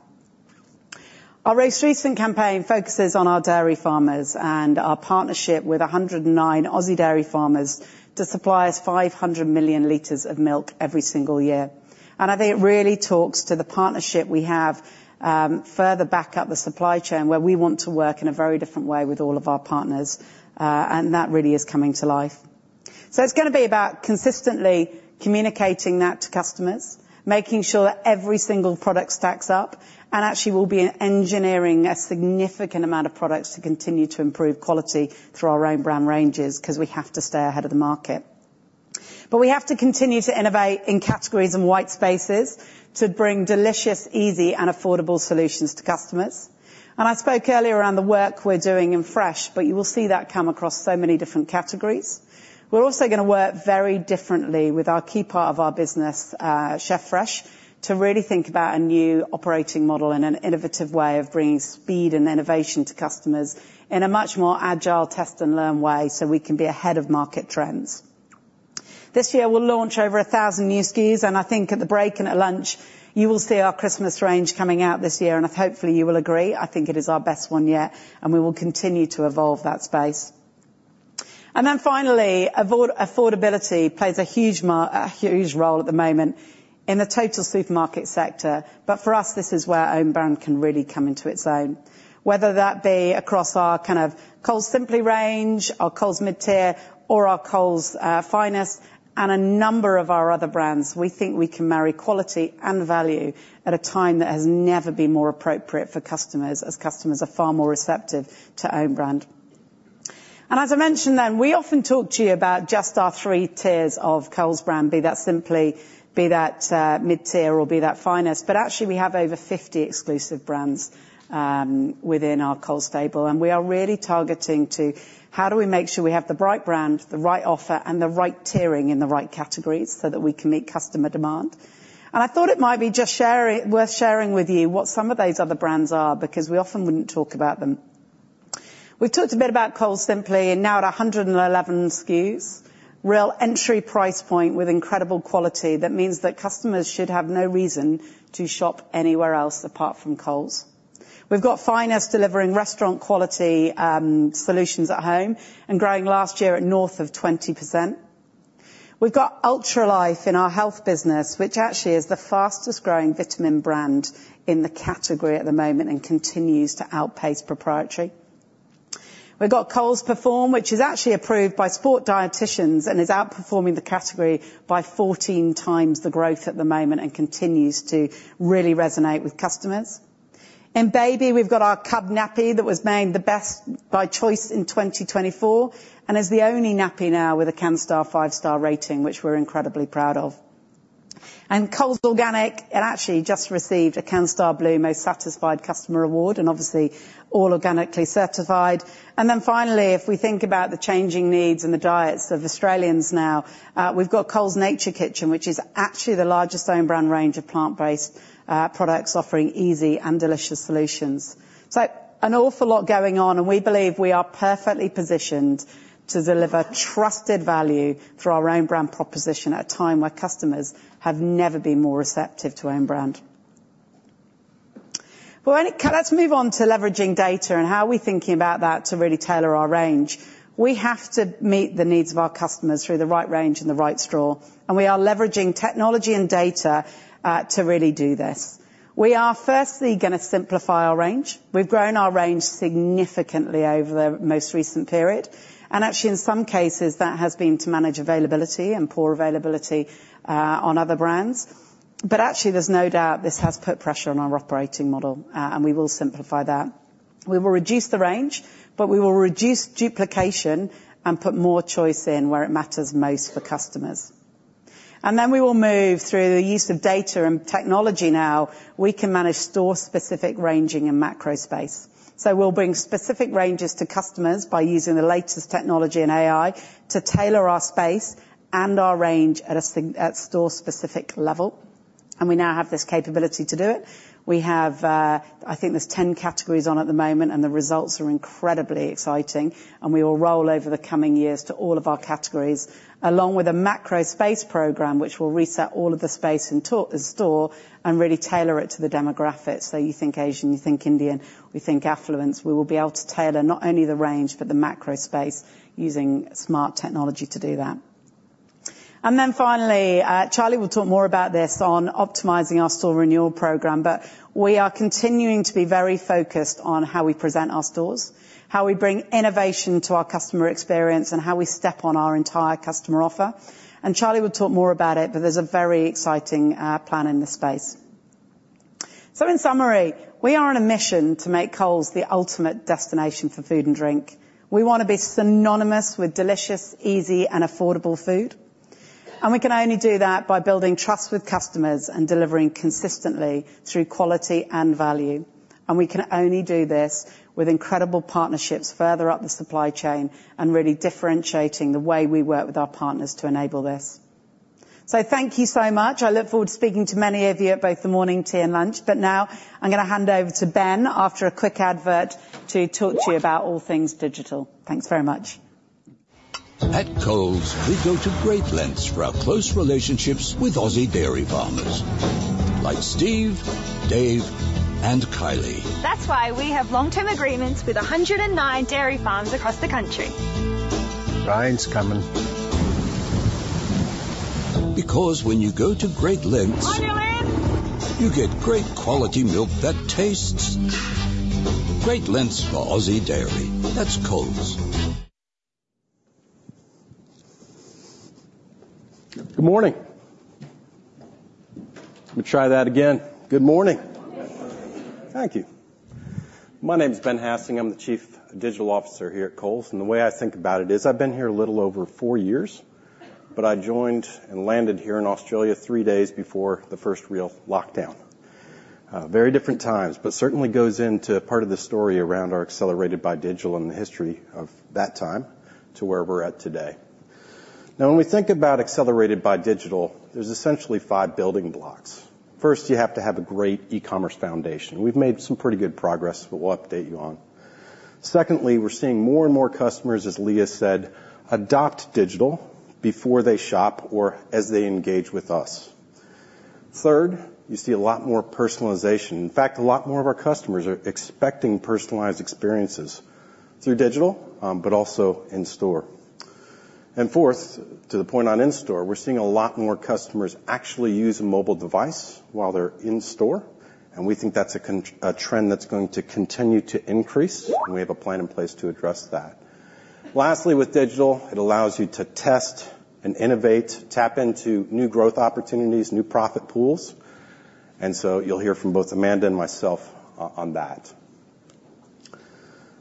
Our most recent campaign focuses on our dairy farmers and our partnership with 109 Aussie dairy farmers to supply us 500 million liters of milk every single year. I think it really talks to the partnership we have further back up the supply chain where we want to work in a very different way with all of our partners. That really is coming to life. It's going to be about consistently communicating that to customers, making sure that every single product stacks up. Actually, we'll be engineering a significant amount of products to continue to improve quality through our Own Brand ranges because we have to stay ahead of the market. But we have to continue to innovate in categories and white spaces to bring delicious, easy, and affordable solutions to customers. And I spoke earlier around the work we're doing in fresh, but you will see that come across so many different categories. We're also going to work very differently with our key part of our business, Chef Fresh, to really think about a new operating model and an innovative way of bringing speed and innovation to customers in a much more agile test and learn way so we can be ahead of market trends. This year, we'll launch over 1,000 new SKUs. I think at the break and at lunch, you will see our Christmas range coming out this year. Hopefully, you will agree. I think it is our best one yet. We will continue to evolve that space. Finally, affordability plays a huge role at the moment in the total supermarket sector. But for us, this is where our Own Brand can really come into its own. Whether that be across our kind of Coles Simply range, our Coles mid-tier, or our Coles Finest, and a number of our other brands, we think we can marry quality and value at a time that has never been more appropriate for customers as customers are far more receptive to Own Brand. And as I mentioned then, we often talk to you about just our three tiers of Coles brand, be that Simply, be that mid-tier, or be that Finest. But actually, we have over 50 exclusive brands within our Coles stable. And we are really targeting to how do we make sure we have the right brand, the right offer, and the right tiering in the right categories so that we can meet customer demand. And I thought it might be just worth sharing with you what some of those other brands are because we often wouldn't talk about them. We've talked a bit about Coles Simply and now at 111 SKUs, real entry price point with incredible quality. That means that customers should have no reason to shop anywhere else apart from Coles. We've got Finest delivering restaurant quality solutions at home and growing last year at north of 20%. We've got UltraLife in our health business, which actually is the fastest growing vitamin brand in the category at the moment and continues to outpace proprietary. We've got Coles PerForm, which is actually approved by sport dietitians and is outperforming the category by 14x the growth at the moment and continues to really resonate with customers. In Baby, we've got our Cub Nappy that was made the best by choice in 2024 and is the only nappy now with a Canstar five-star rating, which we're incredibly proud of, and Coles Organic, it actually just received a Canstar Blue Most Satisfied Customer Award and obviously all organically certified. And then finally, if we think about the changing needs and the diets of Australians now, we've got Coles Nature's Kitchen, which is actually the largest Own Brand range of plant-based products offering easy and delicious solutions. So an awful lot going on, and we believe we are perfectly positioned to deliver trusted value through our Own Brand proposition at a time where customers have never been more receptive to Own Brand. But let's move on to leveraging data and how are we thinking about that to really tailor our range? We have to meet the needs of our customers through the right range and the right store. And we are leveraging technology and data to really do this. We are firstly going to simplify our range. We've grown our range significantly over the most recent period. And actually, in some cases, that has been to manage availability and poor availability on other brands. But actually, there's no doubt this has put pressure on our operating model, and we will simplify that. We will reduce the range, but we will reduce duplication and put more choice in where it matters most for customers. And then we will move through the use of data and technology now. We can manage store-specific ranging and macro space. So we'll bring specific ranges to customers by using the latest technology and AI to tailor our space and our range at store-specific level. And we now have this capability to do it. We have, I think there's 10 categories on at the moment, and the results are incredibly exciting. And we will roll over the coming years to all of our categories along with a macro space program, which will reset all of the space in store and really tailor it to the demographics. So you think Asian, you think Indian, we think affluence. We will be able to tailor not only the range, but the macro space using smart technology to do that, and then finally, Charlie will talk more about this on optimizing our store renewal program, but we are continuing to be very focused on how we present our stores, how we bring innovation to our customer experience, and how we step on our entire customer offer, and Charlie will talk more about it, but there's a very exciting plan in this space, so in summary, we are on a mission to make Coles the ultimate Destination for Food and Drink. We want to be synonymous with delicious, easy, and affordable food, and we can only do that by building trust with customers and delivering consistently through quality and value. And we can only do this with incredible partnerships further up the supply chain and really differentiating the way we work with our partners to enable this. So thank you so much. I look forward to speaking to many of you at both the morning tea and lunch. But now, I'm going to hand over to Ben after a quick advert to talk to you about all things digital. Thanks very much. At Coles, we go to Great Lengths for our close relationships with Aussie dairy farmers like Steve, Dave, and Kylie. That's why we have long-term agreements with 109 dairy farms across the country. Rain's coming. Because when you go to Great Lengths, you get great quality milk that tastes great. Great Lengths for Aussie dairy. That's Coles. Good morning. Let me try that again. Good morning. Thank you. My name is Ben Hassing. I'm the Chief Digital Officer here at Coles. And the way I think about it is I've been here a little over four years, but I joined and landed here in Australia three days before the first real lockdown. Very different times but certainly goes into part of the story around our Accelerated by Digital and the history of that time to where we're at today. Now, when we think about Accelerated by Digital, there's essentially five building blocks. First, you have to have a great e-commerce foundation. We've made some pretty good progress, but we'll update you on. Secondly, we're seeing more and more customers, as Leah said, adopt digital before they shop or as they engage with us. Third, you see a lot more personalization. In fact, a lot more of our customers are expecting personalized experiences through digital, but also in store. And fourth, to the point on in-store, we're seeing a lot more customers actually use a mobile device while they're in store. And we think that's a trend that's going to continue to increase. And we have a plan in place to address that. Lastly, with digital, it allows you to test and innovate, tap into new growth opportunities, new profit pools. And so you'll hear from both Amanda and myself on that.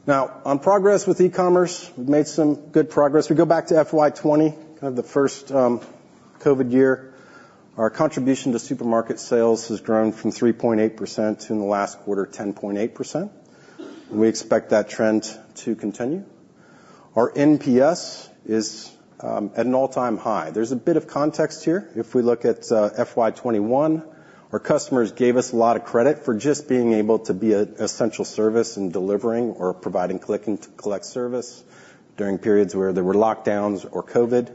Now, on progress with e-commerce, we've made some good progress. We go back to FY 2020, kind of the first COVID year. Our contribution to supermarket sales has grown from 3.8% to, in the last quarter, 10.8%. We expect that trend to continue. Our NPS is at an all-time high. There's a bit of context here. If we look at FY 2021, our customers gave us a lot of credit for just being able to be an essential service in delivering or providing Click & Collect service during periods where there were lockdowns or COVID.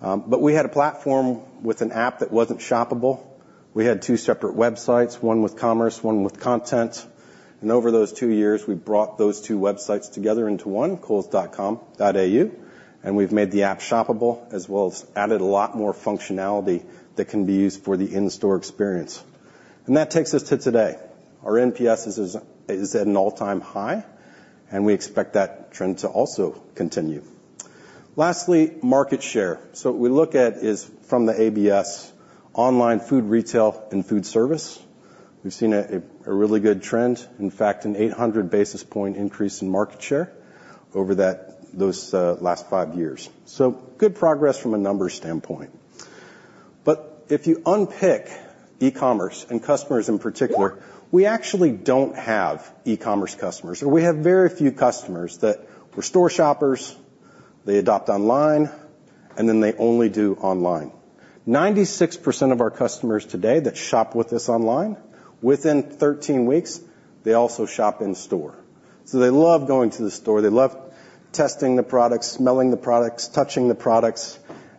But we had a platform with an app that wasn't shoppable. We had two separate websites, one with commerce, one with content. And over those two years, we brought those two websites together into one, coles.com.au. And we've made the app shoppable as well as added a lot more functionality that can be used for the in-store experience. And that takes us to today. Our NPS is at an all-time high, and we expect that trend to also continue. Lastly, market share. So what we look at is from the ABS, online food retail and food service. We've seen a really good trend, in fact, an 800 basis points increase in market share over those last five years, so good progress from a numbers standpoint, but if you unpick e-commerce and customers in particular, we actually don't have e-commerce customers, or we have very few customers that were store shoppers. They adopt online, and then they only do online. 96% of our customers today that shop with us online, within 13 weeks, they also shop in store. So they love going to the store. They love testing the products, smelling the products, touching the products,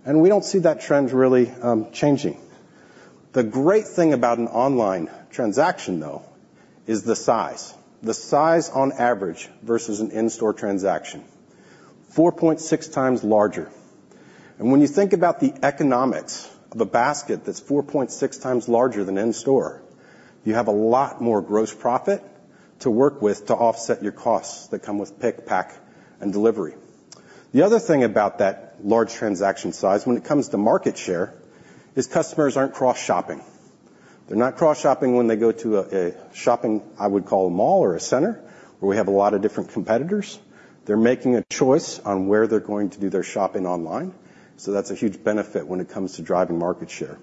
and we don't see that trend really changing. The great thing about an online transaction, though, is the size. The size on average versus an in-store transaction, 4.6 times larger. When you think about the economics of a basket that's 4.6x larger than in-store, you have a lot more gross profit to work with to offset your costs that come with pick, pack, and delivery. The other thing about that large transaction size, when it comes to market share, is customers aren't cross-shopping. They're not cross-shopping when they go to a shopping, I would call a mall or a center where we have a lot of different competitors. They're making a choice on where they're going to do their shopping online. So that's a huge benefit when it comes to driving market share.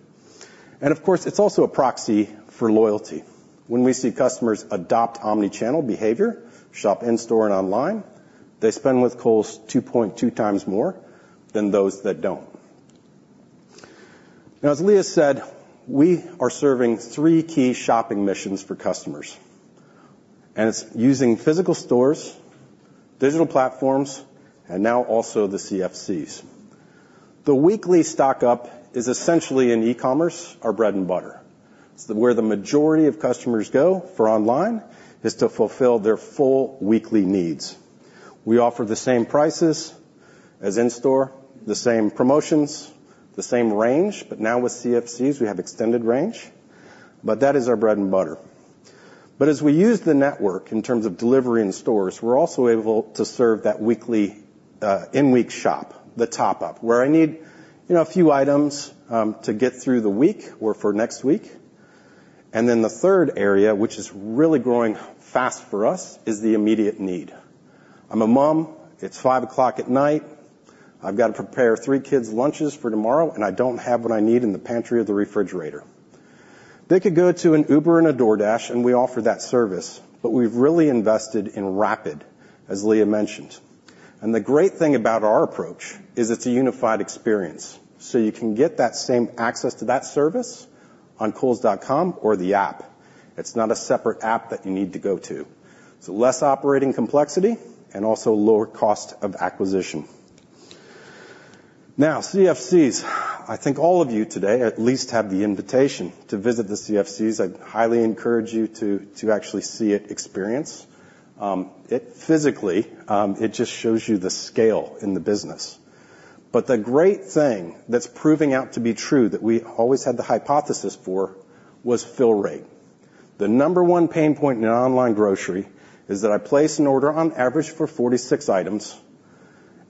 And of course, it's also a proxy for loyalty. When we see customers adopt omnichannel behavior, shop in-store and online, they spend with Coles 2.2x more than those that don't. Now, as Leah said, we are serving three key shopping missions for customers. And it's using physical stores, digital platforms, and now also the CFCs. The weekly stock-up is essentially, in e-commerce, our bread and butter. It's where the majority of customers go for online is to fulfill their full weekly needs. We offer the same prices as in-store, the same promotions, the same range, but now with CFCs, we have extended range. But that is our bread and butter. But as we use the network in terms of delivery in stores, we're also able to serve that weekly in-week shop, the top-up, where I need a few items to get through the week or for next week. And then the third area, which is really growing fast for us, is the immediate need. I'm a mom. It's 5:00 P.M. I've got to prepare three kids' lunches for tomorrow, and I don't have what I need in the pantry or the refrigerator. They could go to an Uber and a DoorDash, and we offer that service. But we've really invested in Rapid, as Leah mentioned. And the great thing about our approach is it's a unified experience. So you can get that same access to that service on coles.com or the app. It's not a separate app that you need to go to. It's less operating complexity and also lower cost of acquisition. Now, CFCs, I think all of you today at least have the invitation to visit the CFCs. I'd highly encourage you to actually experience it. Physically, it just shows you the scale in the business. But the great thing that's proving out to be true that we always had the hypothesis for was fill rate. The number one pain point in an online grocery is that I place an order on average for 46 items,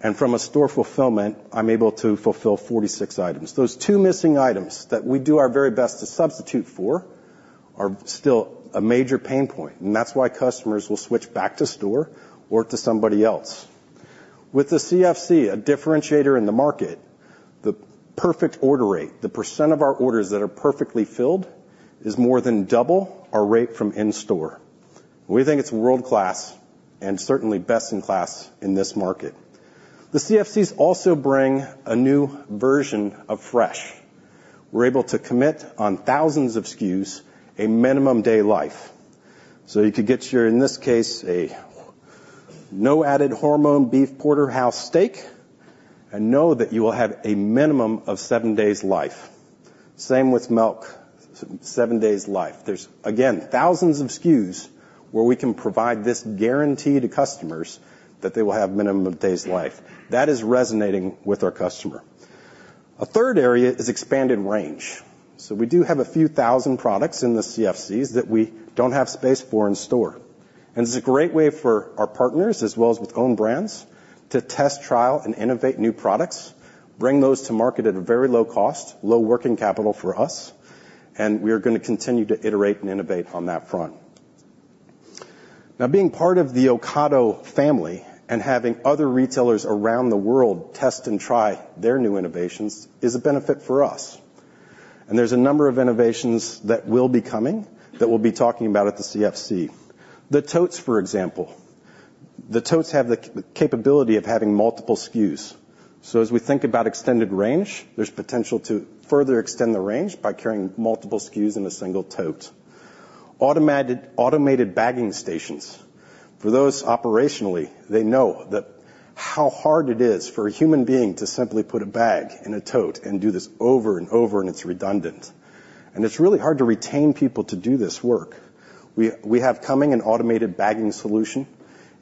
and from a store fulfillment, I'm able to fulfill 46 items. Those two missing items that we do our very best to substitute for are still a major pain point, and that's why customers will switch back to store or to somebody else. With the CFC, a differentiator in the market, the perfect order rate, the percent of our orders that are perfectly filled, is more than double our rate from in-store. We think it's world-class and certainly best in class in this market. The CFCs also bring a new version of fresh. We're able to commit on thousands of SKUs a minimum day life. So you could get your, in this case, a no-added hormone beef porterhouse steak and know that you will have a minimum of seven days life. Same with milk, seven days life. There's, again, thousands of SKUs where we can provide this guarantee to customers that they will have minimum days life. That is resonating with our customer. A third area is expanded range. So we do have a few thousand products in the CFCs that we don't have space for in store. And it's a great way for our partners, as well as with Own Brands, to test, trial, and innovate new products, bring those to market at a very low cost, low working capital for us. And we are going to continue to iterate and innovate on that front. Now, being part of the Ocado family and having other retailers around the world test and try their new innovations is a benefit for us. And there's a number of innovations that will be coming that we'll be talking about at the CFC. The totes, for example. The totes have the capability of having multiple SKUs. So as we think about extended range, there's potential to further extend the range by carrying multiple SKUs in a single tote. Automated bagging stations. For those operationally, they know how hard it is for a human being to simply put a bag in a tote and do this over and over, and it's redundant. And it's really hard to retain people to do this work. We have coming an automated bagging solution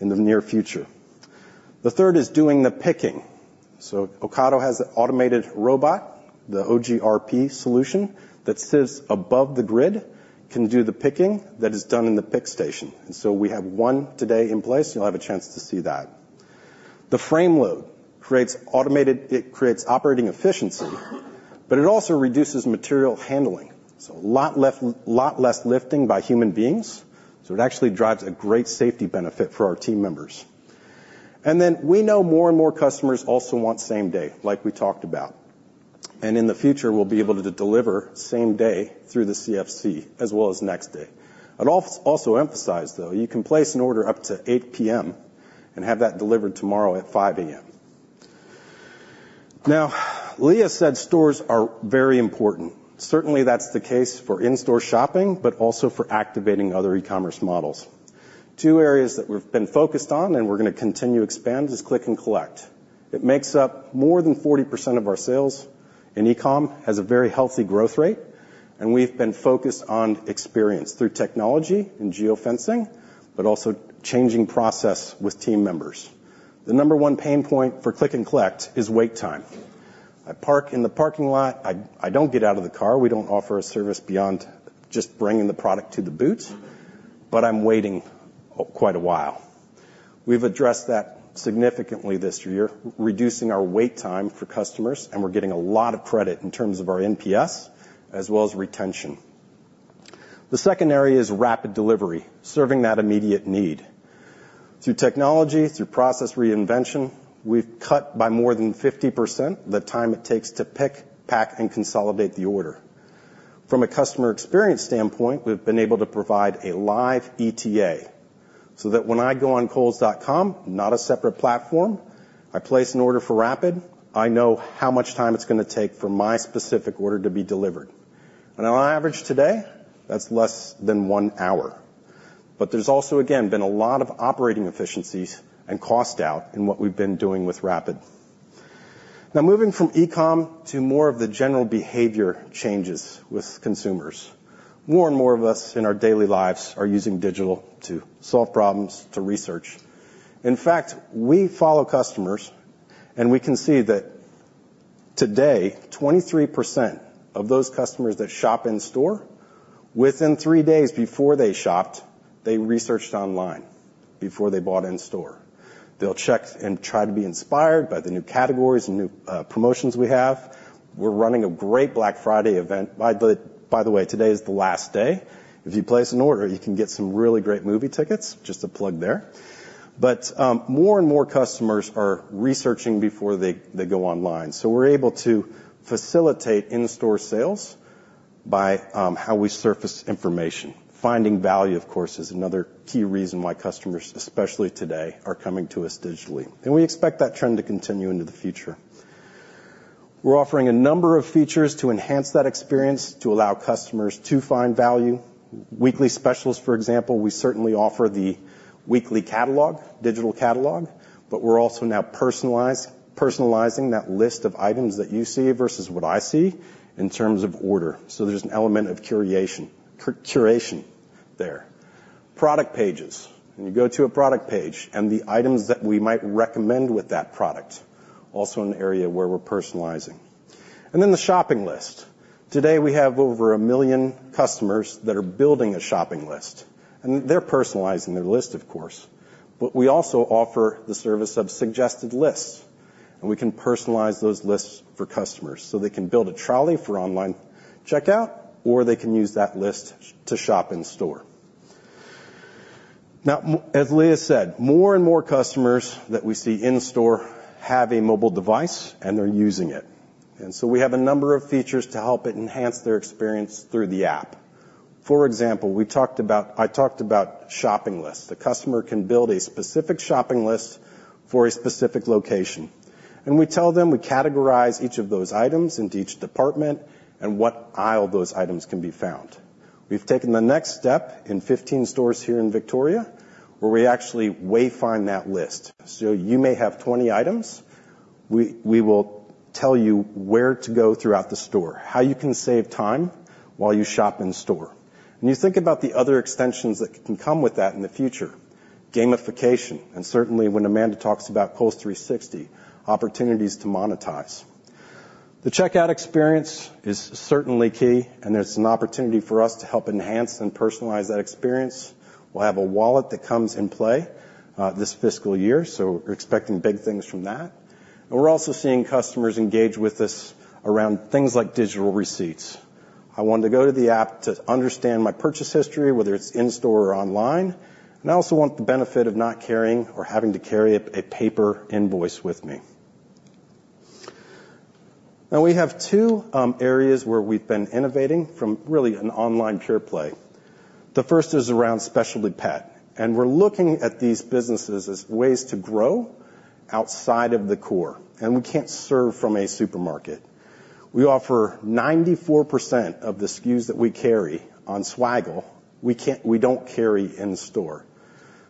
in the near future. The third is doing the picking. Ocado has an automated robot, the OGRP solution, that sits above the grid, can do the picking that is done in the pick station. And so we have one today in place. You'll have a chance to see that. The frame load creates automated, it creates operating efficiency, but it also reduces material handling. So a lot less lifting by human beings. So it actually drives a great safety benefit for our team members. And then we know more and more customers also want same day, like we talked about. And in the future, we'll be able to deliver same day through the CFC, as well as next day. I'd also emphasize, though, you can place an order up to 8:00 P.M. and have that delivered tomorrow at 5:00 A.M. Now, Leah said stores are very important. Certainly, that's the case for in-store shopping, but also for activating other e-commerce models. Two areas that we've been focused on and we're going to continue to expand is Click & Collect. It makes up more than 40% of our sales in e-comm, has a very healthy growth rate, and we've been focused on experience through technology and geofencing, but also changing process with team members. The number one pain point for Click & Collect is wait time. I park in the parking lot. I don't get out of the car. We don't offer a service beyond just bringing the product to the boot, but I'm waiting quite a while. We've addressed that significantly this year, reducing our wait time for customers, and we're getting a lot of credit in terms of our NPS, as well as retention. The second area is rapid delivery, serving that immediate need. Through technology, through process reinvention, we've cut by more than 50% the time it takes to pick, pack, and consolidate the order. From a customer experience standpoint, we've been able to provide a live ETA so that when I go on coles.com, not a separate platform, I place an order for Rapid. I know how much time it's going to take for my specific order to be delivered, and on average today, that's less than one hour. But there's also, again, been a lot of operating efficiencies and cost out in what we've been doing with Rapid. Now, moving from e-comm to more of the general behavior changes with consumers. More and more of us in our daily lives are using digital to solve problems, to research. In fact, we follow customers, and we can see that today, 23% of those customers that shop in store, within three days before they shopped, they researched online before they bought in store. They'll check and try to be inspired by the new categories and new promotions we have. We're running a great Black Friday event. By the way, today is the last day. If you place an order, you can get some really great movie tickets, just a plug there, but more and more customers are researching before they go online, so we're able to facilitate in-store sales by how we surface information. Finding value, of course, is another key reason why customers, especially today, are coming to us digitally, and we expect that trend to continue into the future. We're offering a number of features to enhance that experience to allow customers to find value. Weekly specials, for example, we certainly offer the weekly catalog, digital catalog, but we're also now personalizing that list of items that you see versus what I see in terms of order, so there's an element of curation there. Product pages. When you go to a product page and the items that we might recommend with that product, also an area where we're personalizing, and then the shopping list. Today, we have over a million customers that are building a shopping list, and they're personalizing their list, of course, but we also offer the service of suggested lists, and we can personalize those lists for customers so they can build a trolley for online checkout, or they can use that list to shop in store. Now, as Leah said, more and more customers that we see in store have a mobile device, and they're using it. We have a number of features to help enhance their experience through the app. For example, I talked about shopping lists. The customer can build a specific shopping list for a specific location. We tell them we categorize each of those items into each department and what aisle those items can be found. We've taken the next step in 15 stores here in Victoria where we actually wayfind that list. You may have 20 items. We will tell you where to go throughout the store, how you can save time while you shop in store. You think about the other extensions that can come with that in the future, gamification, and certainly when Amanda talks about Coles 360, opportunities to monetize. The checkout experience is certainly key, and there's an opportunity for us to help enhance and personalize that experience. We'll have a wallet that comes in play this fiscal year, so we're expecting big things from that. And we're also seeing customers engage with us around things like digital receipts. I want to go to the app to understand my purchase history, whether it's in store or online. And I also want the benefit of not carrying or having to carry a paper invoice with me. Now, we have two areas where we've been innovating from really an online pure play. The first is around specialty pet. And we're looking at these businesses as ways to grow outside of the core. And we can't serve from a supermarket. We offer 94% of the SKUs that we carry on Swaggle. We don't carry in store.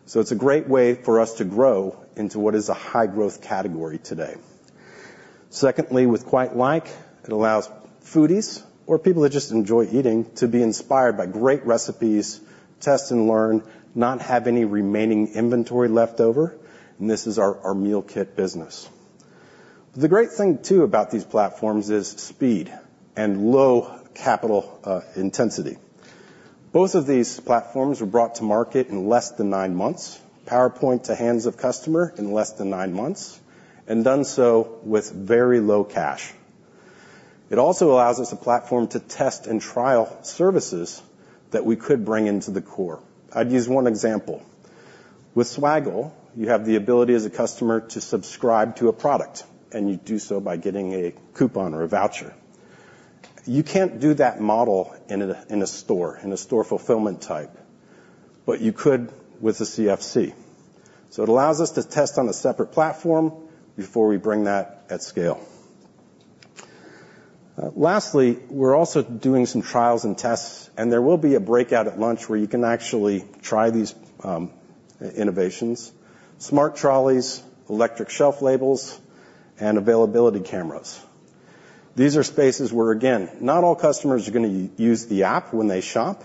So it's a great way for us to grow into what is a high-growth category today. Secondly, with QuiteLike, it allows foodies or people that just enjoy eating to be inspired by great recipes, test and learn, not have any remaining inventory leftover, and this is our meal kit business. The great thing too about these platforms is speed and low capital intensity. Both of these platforms were brought to market in less than nine months, PowerPoint to hands of customer in less than nine months, and done so with very low cash. It also allows us a platform to test and trial services that we could bring into the core. I'd use one example. With Swaggle, you have the ability as a customer to subscribe to a product, and you do so by getting a coupon or a voucher. You can't do that model in a store, in a store fulfillment type, but you could with a CFC. It allows us to test on a separate platform before we bring that at scale. Lastly, we're also doing some trials and tests, and there will be a breakout at lunch where you can actually try these innovations: smart trolleys, electric shelf labels, and availability cameras. These are spaces where, again, not all customers are going to use the app when they shop,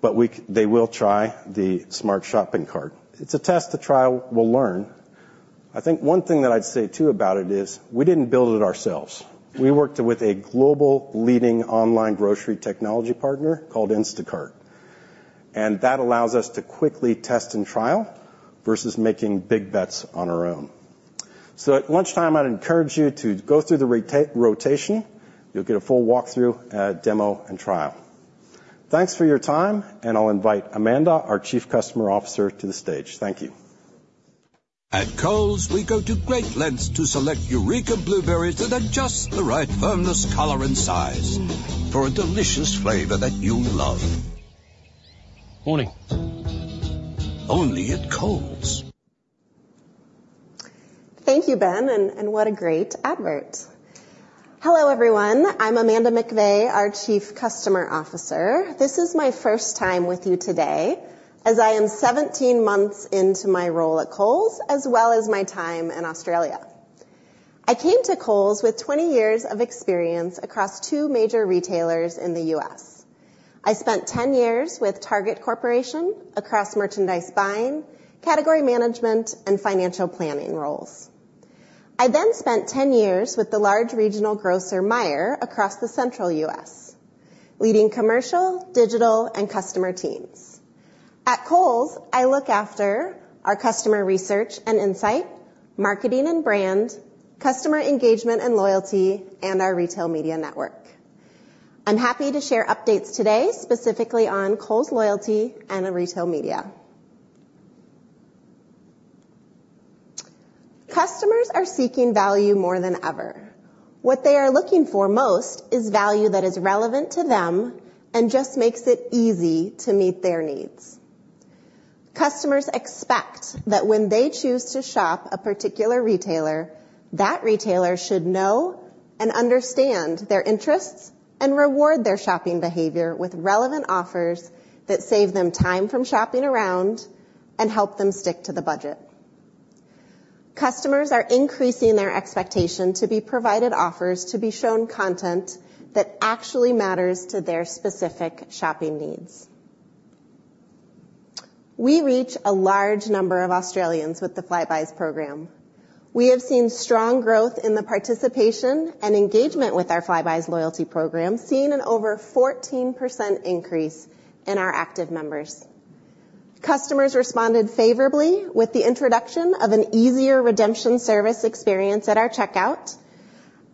but they will try the smart shopping cart. It's a test to try. We'll learn. I think one thing that I'd say too about it is we didn't build it ourselves. We worked with a global leading online grocery technology partner called Instacart. And that allows us to quickly test and trial versus making big bets on our own. At lunchtime, I'd encourage you to go through the rotation. You'll get a full walkthrough, demo, and trial. Thanks for your time, and I'll invite Amanda, our Chief Customer Officer, to the stage. Thank you. At Coles, we go to great lengths to select Eureka Blueberries that are just the right firmness, color, and size for a delicious flavor that you love. Morning. Only at Coles. Thank you, Ben, and what a great advert. Hello, everyone. I'm Amanda McVay, our Chief Customer Officer. This is my first time with you today, as I am 17 months into my role at Coles, as well as my time in Australia. I came to Coles with 20 years of experience across two major retailers in the U.S. I spent 10 years with Target Corporation across merchandise buying, category management, and financial planning roles. I then spent 10 years with the large regional grocer Meijer across the central U.S., leading commercial, digital, and customer teams. At Coles, I look after our customer research and insight, marketing and brand, customer engagement and loyalty, and our retail media network. I'm happy to share updates today specifically on Coles loyalty and retail media. Customers are seeking value more than ever. What they are looking for most is value that is relevant to them and just makes it easy to meet their needs. Customers expect that when they choose to shop a particular retailer, that retailer should know and understand their interests and reward their shopping behavior with relevant offers that save them time from shopping around and help them stick to the budget. Customers are increasing their expectation to be provided offers to be shown content that actually matters to their specific shopping needs. We reach a large number of Australians with the Flybuys program. We have seen strong growth in the participation and engagement with our Flybuys loyalty program, seeing an over 14% increase in our active members. Customers responded favorably with the introduction of an easier redemption service experience at our checkout.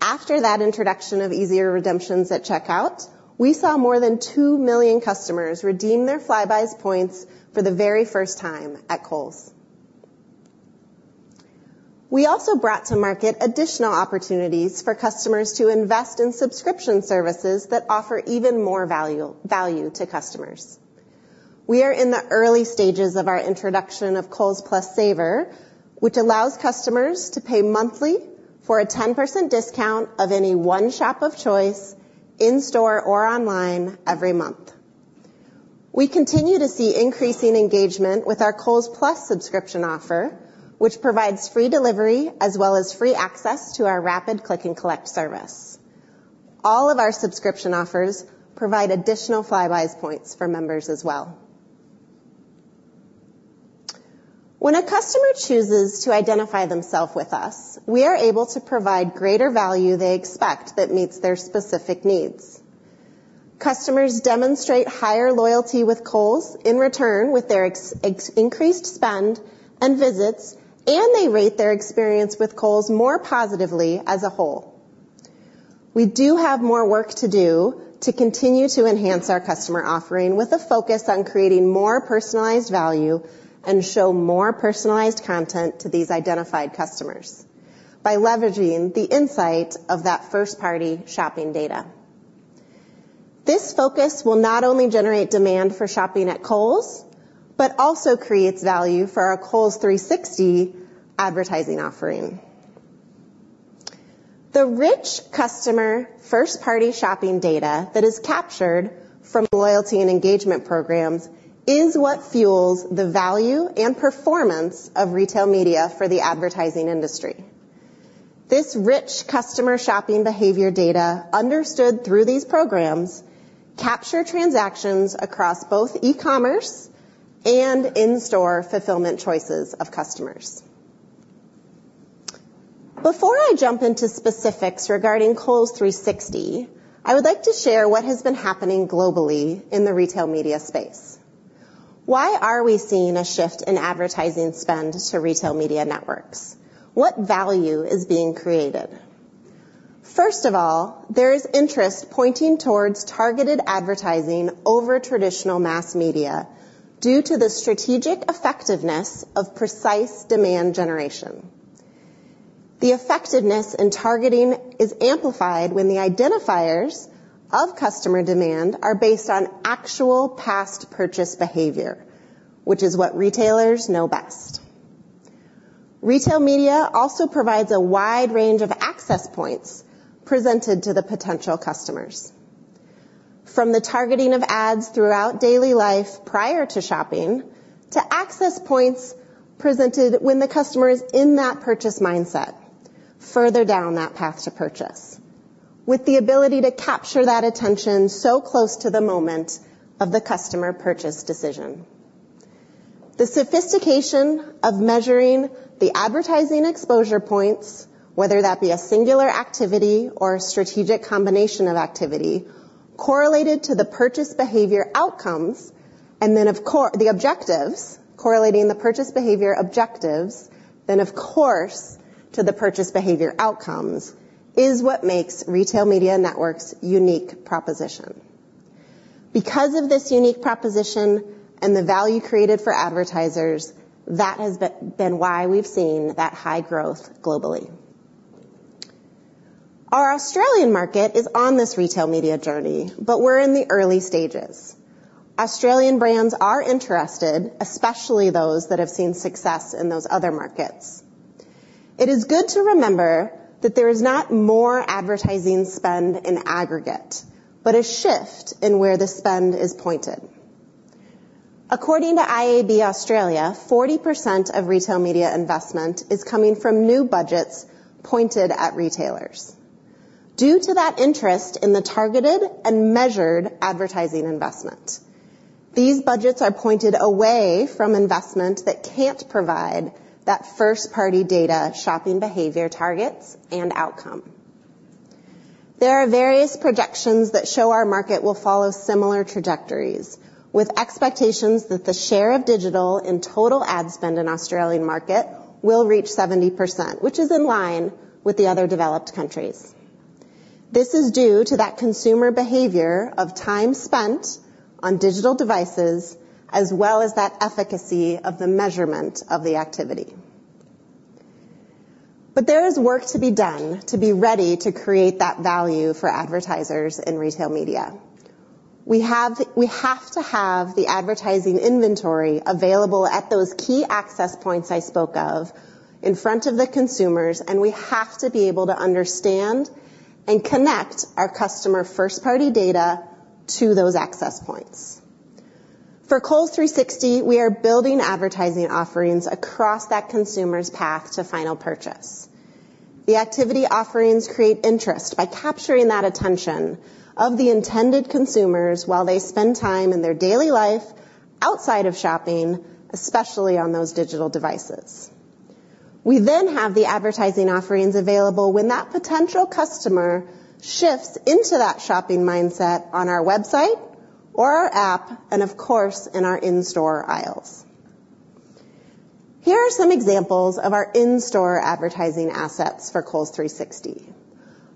After that introduction of easier redemptions at checkout, we saw more than 2 million customers redeem their Flybuys points for the very first time at Coles. We also brought to market additional opportunities for customers to invest in subscription services that offer even more value to customers. We are in the early stages of our introduction of Coles Plus Saver, which allows customers to pay monthly for a 10% discount of any one shop of choice in store or online every month. We continue to see increasing engagement with our Coles Plus subscription offer, which provides free delivery as well as free access to our Rapid Click & Collect service. All of our subscription offers provide additional Flybuys points for members as well. When a customer chooses to identify themself with us, we are able to provide greater value they expect that meets their specific needs. Customers demonstrate higher loyalty with Coles in return with their increased spend and visits, and they rate their experience with Coles more positively as a whole. We do have more work to do to continue to enhance our customer offering with a focus on creating more personalized value and show more personalized content to these identified customers by leveraging the insight of that first-party shopping data. This focus will not only generate demand for shopping at Coles, but also creates value for our Coles 360 advertising offering. The rich customer first-party shopping data that is captured from loyalty and engagement programs is what fuels the value and performance of retail media for the advertising industry. This rich customer shopping behavior data understood through these programs captures transactions across both e-commerce and in-store fulfillment choices of customers. Before I jump into specifics regarding Coles 360, I would like to share what has been happening globally in the retail media space. Why are we seeing a shift in advertising spend to retail media networks? What value is being created? First of all, there is interest pointing towards targeted advertising over traditional mass media due to the strategic effectiveness of precise demand generation. The effectiveness in targeting is amplified when the identifiers of customer demand are based on actual past purchase behavior, which is what retailers know best. Retail media also provides a wide range of access points presented to the potential customers. From the targeting of ads throughout daily life prior to shopping to access points presented when the customer is in that purchase mindset further down that path to purchase, with the ability to capture that attention so close to the moment of the customer purchase decision. The sophistication of measuring the advertising exposure points, whether that be a singular activity or a strategic combination of activity, correlated to the purchase behavior outcomes and then the objectives, correlating the purchase behavior objectives then, of course, to the purchase behavior outcomes is what makes retail media networks' unique proposition. Because of this unique proposition and the value created for advertisers, that has been why we've seen that high growth globally. Our Australian market is on this retail media journey, but we're in the early stages. Australian brands are interested, especially those that have seen success in those other markets. It is good to remember that there is not more advertising spend in aggregate, but a shift in where the spend is pointed. According to IAB Australia, 40% of retail media investment is coming from new budgets pointed at retailers. Due to that interest in the targeted and measured advertising investment, these budgets are pointed away from investment that can't provide that first-party data shopping behavior targets and outcome. There are various projections that show our market will follow similar trajectories, with expectations that the share of digital in total ad spend in the Australian market will reach 70%, which is in line with the other developed countries. This is due to that consumer behavior of time spent on digital devices, as well as that efficacy of the measurement of the activity. But there is work to be done to be ready to create that value for advertisers in retail media. We have to have the advertising inventory available at those key access points I spoke of in front of the consumers, and we have to be able to understand and connect our customer first-party data to those access points. For Coles 360, we are building advertising offerings across that consumer's path to final purchase. The activity offerings create interest by capturing that attention of the intended consumers while they spend time in their daily life outside of shopping, especially on those digital devices. We then have the advertising offerings available when that potential customer shifts into that shopping mindset on our website or our app, and of course, in our in-store aisles. Here are some examples of our in-store advertising assets for Coles 360.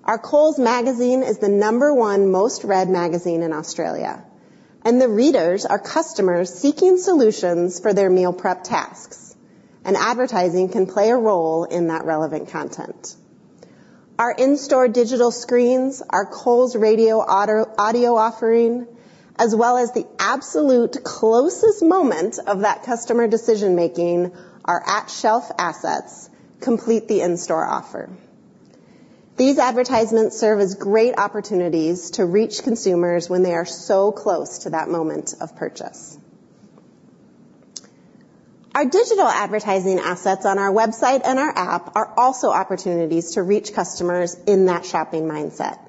Our Coles Magazine is the number one most read magazine in Australia, and the readers are customers seeking solutions for their meal prep tasks, and advertising can play a role in that relevant content. Our in-store digital screens, our Coles Radio audio offering, as well as the absolute closest moment of that customer decision-making, our at-shelf assets complete the in-store offer. These advertisements serve as great opportunities to reach consumers when they are so close to that moment of purchase. Our digital advertising assets on our website and our app are also opportunities to reach customers in that shopping mindset.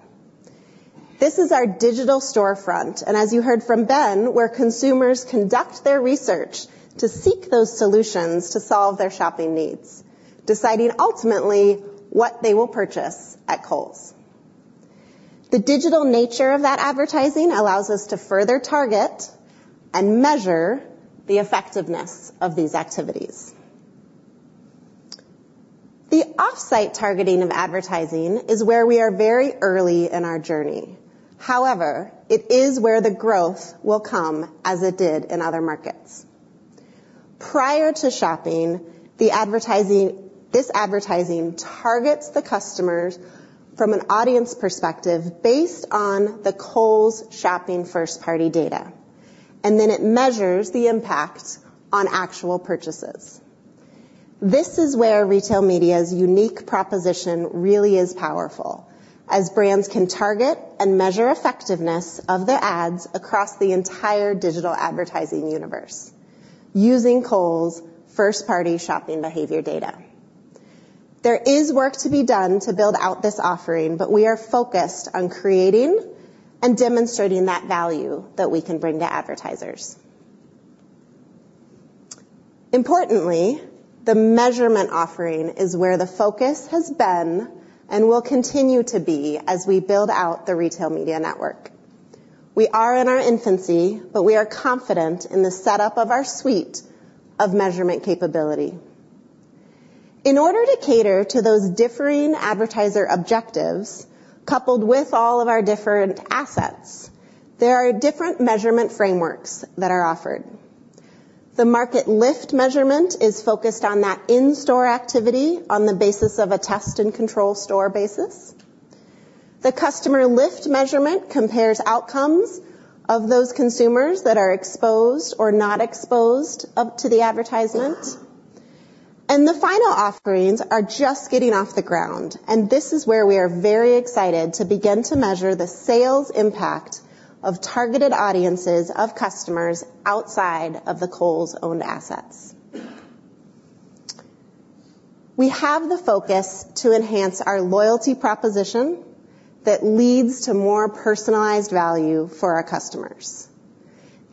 This is our digital storefront, and as you heard from Ben, where consumers conduct their research to seek those solutions to solve their shopping needs, deciding ultimately what they will purchase at Coles. The digital nature of that advertising allows us to further target and measure the effectiveness of these activities. The off-site targeting of advertising is where we are very early in our journey. However, it is where the growth will come as it did in other markets. Prior to shopping, this advertising targets the customers from an audience perspective based on the Coles shopping first-party data, and then it measures the impact on actual purchases. This is where retail media's unique proposition really is powerful, as brands can target and measure effectiveness of their ads across the entire digital advertising universe using Coles' first-party shopping behavior data. There is work to be done to build out this offering, but we are focused on creating and demonstrating that value that we can bring to advertisers. Importantly, the measurement offering is where the focus has been and will continue to be as we build out the retail media network. We are in our infancy, but we are confident in the setup of our suite of measurement capability. In order to cater to those differing advertiser objectives coupled with all of our different assets, there are different measurement frameworks that are offered. The market lift measurement is focused on that in-store activity on the basis of a test and control store basis. The customer lift measurement compares outcomes of those consumers that are exposed or not exposed to the advertisement, and the final offerings are just getting off the ground, and this is where we are very excited to begin to measure the sales impact of targeted audiences of customers outside of the Coles-owned assets. We have the focus to enhance our loyalty proposition that leads to more personalized value for our customers.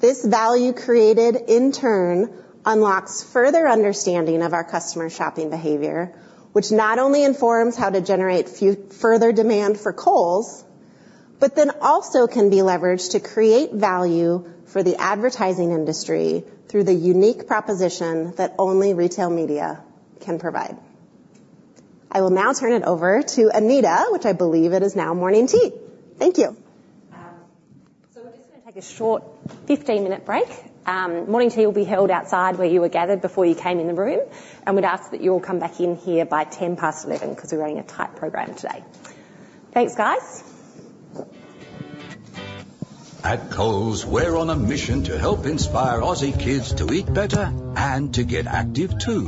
This value created, in turn, unlocks further understanding of our customer shopping behavior, which not only informs how to generate further demand for Coles, but then also can be leveraged to create value for the advertising industry through the unique proposition that only retail media can provide. I will now turn it over to Anita, which I believe it is now morning tea. Thank you. So we're just going to take a short 15-minute break. Morning tea will be held outside where you were gathered before you came in the room, and we'd ask that you all come back in here by 11:10 A.M. because we're running a tight program today. Thanks, guys. At Coles, we're on a mission to help inspire Aussie kids to eat better and to get active too.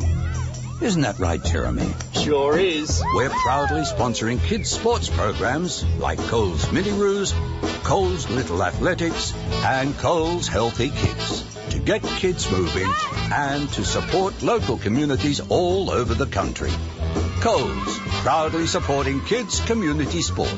Isn't that right, Jeremy? Sure is. We're proudly sponsoring kids' sports programs like Coles MiniRoos, Coles Little Athletics, and Coles Healthy Kicks to get kids moving and to support local communities all over the country. Coles, proudly supporting kids' community sport.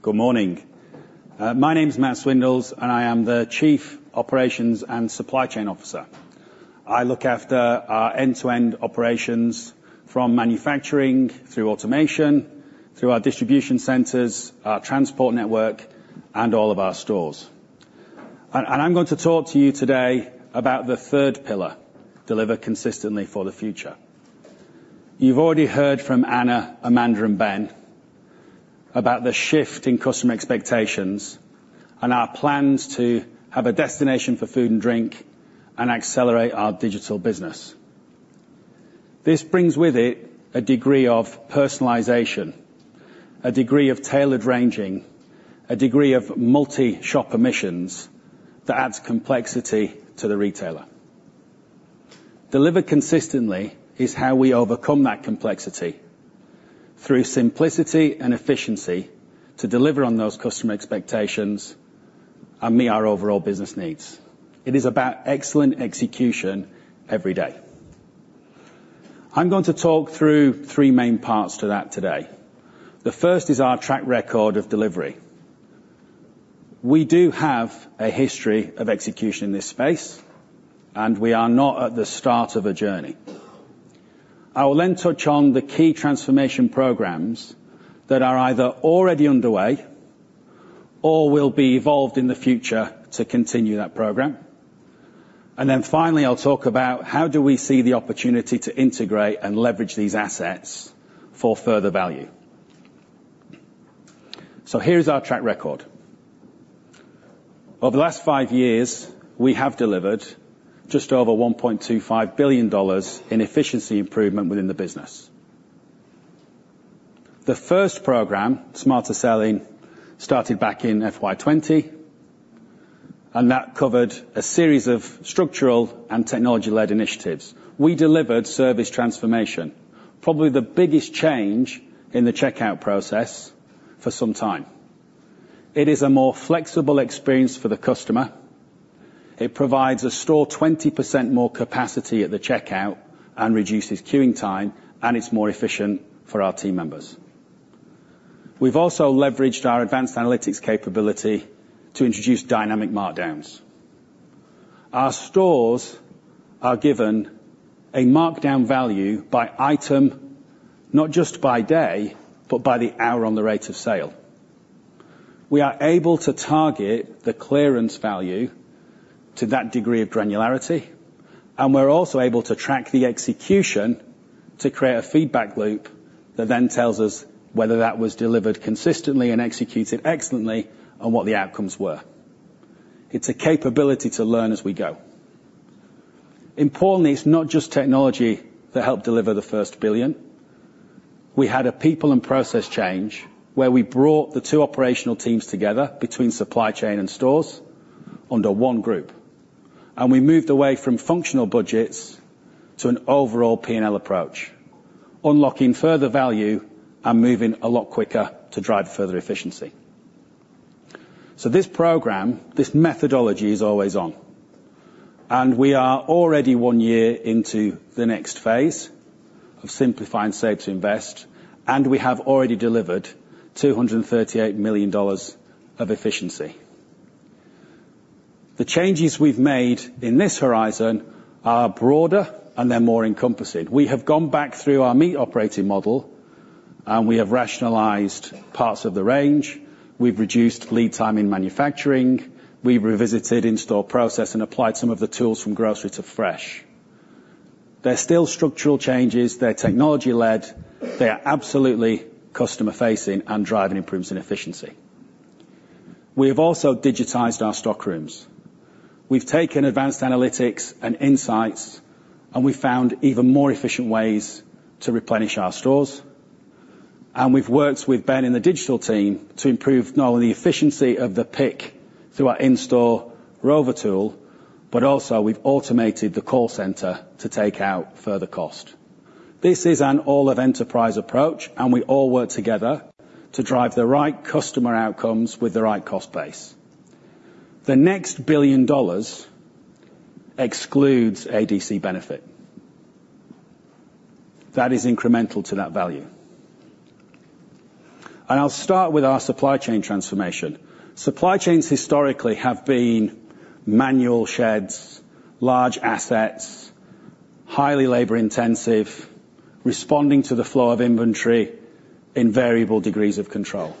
Good morning. My name's Matt Swindells, and I am the Chief Operations and Supply Chain Officer. I look after our end-to-end operations from manufacturing through automation, through our distribution centers, our transport network, and all of our stores. And I'm going to talk to you today about the third pillar: Deliver Consistently for the Future. You've already heard from Anna, Amanda, and Ben about the shift in customer expectations and our plans to have a Destination for Food and Drink and accelerate our digital business. This brings with it a degree of personalization, a degree of tailored ranging, a degree of multi-shop permissions that adds complexity to the retailer. Deliver Consistently is how we overcome that complexity through simplicity and efficiency to deliver on those customer expectations and meet our overall business needs. It is about excellent execution every day. I'm going to talk through three main parts to that today. The first is our track record of delivery. We do have a history of execution in this space, and we are not at the start of a journey. I will then touch on the key transformation programs that are either already underway or will be evolved in the future to continue that program, and then finally, I'll talk about how do we see the opportunity to integrate and leverage these assets for further value, so here is our track record. Over the last five years, we have delivered just over 1.25 billion dollars in efficiency improvement within the business. The first program, Smarter Selling, started back in FY 2020, and that covered a series of structural and technology-led initiatives. We delivered service transformation, probably the biggest change in the checkout process for some time. It is a more flexible experience for the customer. It provides a store 20% more capacity at the checkout and reduces queuing time, and it's more efficient for our team members. We've also leveraged our advanced analytics capability to introduce dynamic markdowns. Our stores are given a markdown value by item, not just by day, but by the hour on the rate of sale. We are able to target the clearance value to that degree of granularity, and we're also able to track the execution to create a feedback loop that then tells us whether that was delivered consistently and executed excellently and what the outcomes were. It's a capability to learn as we go. Importantly, it's not just technology that helped deliver the first billion. We had a people and process change where we brought the two operational teams together between supply chain and stores under one group, and we moved away from functional budgets to an overall P&L approach, unlocking further value and moving a lot quicker to drive further efficiency. So this program, this methodology is always on, and we are already one year into the next phase of Simplify and Save to Invest, and we have already delivered 238 million dollars of efficiency. The changes we've made in this horizon are broader, and they're more encompassing. We have gone back through our meat operating model, and we have rationalized parts of the range. We've reduced lead time in manufacturing. We've revisited in-store process and applied some of the tools from grocery to fresh. They're still structural changes. They're technology-led. They are absolutely customer-facing and driving improvements in efficiency. We have also digitized our stockrooms. We've taken advanced analytics and insights, and we've found even more efficient ways to replenish our stores, and we've worked with Ben in the digital team to improve not only the efficiency of the pick through our in-store Rover tool, but also we've automated the call center to take out further cost. This is an all-of-enterprise approach, and we all work together to drive the right customer outcomes with the right cost base. The next billion dollars excludes ADC benefit. That is incremental to that value, and I'll start with our supply chain transformation. Supply chains historically have been manual sheds, large assets, highly labor-intensive, responding to the flow of inventory in variable degrees of control.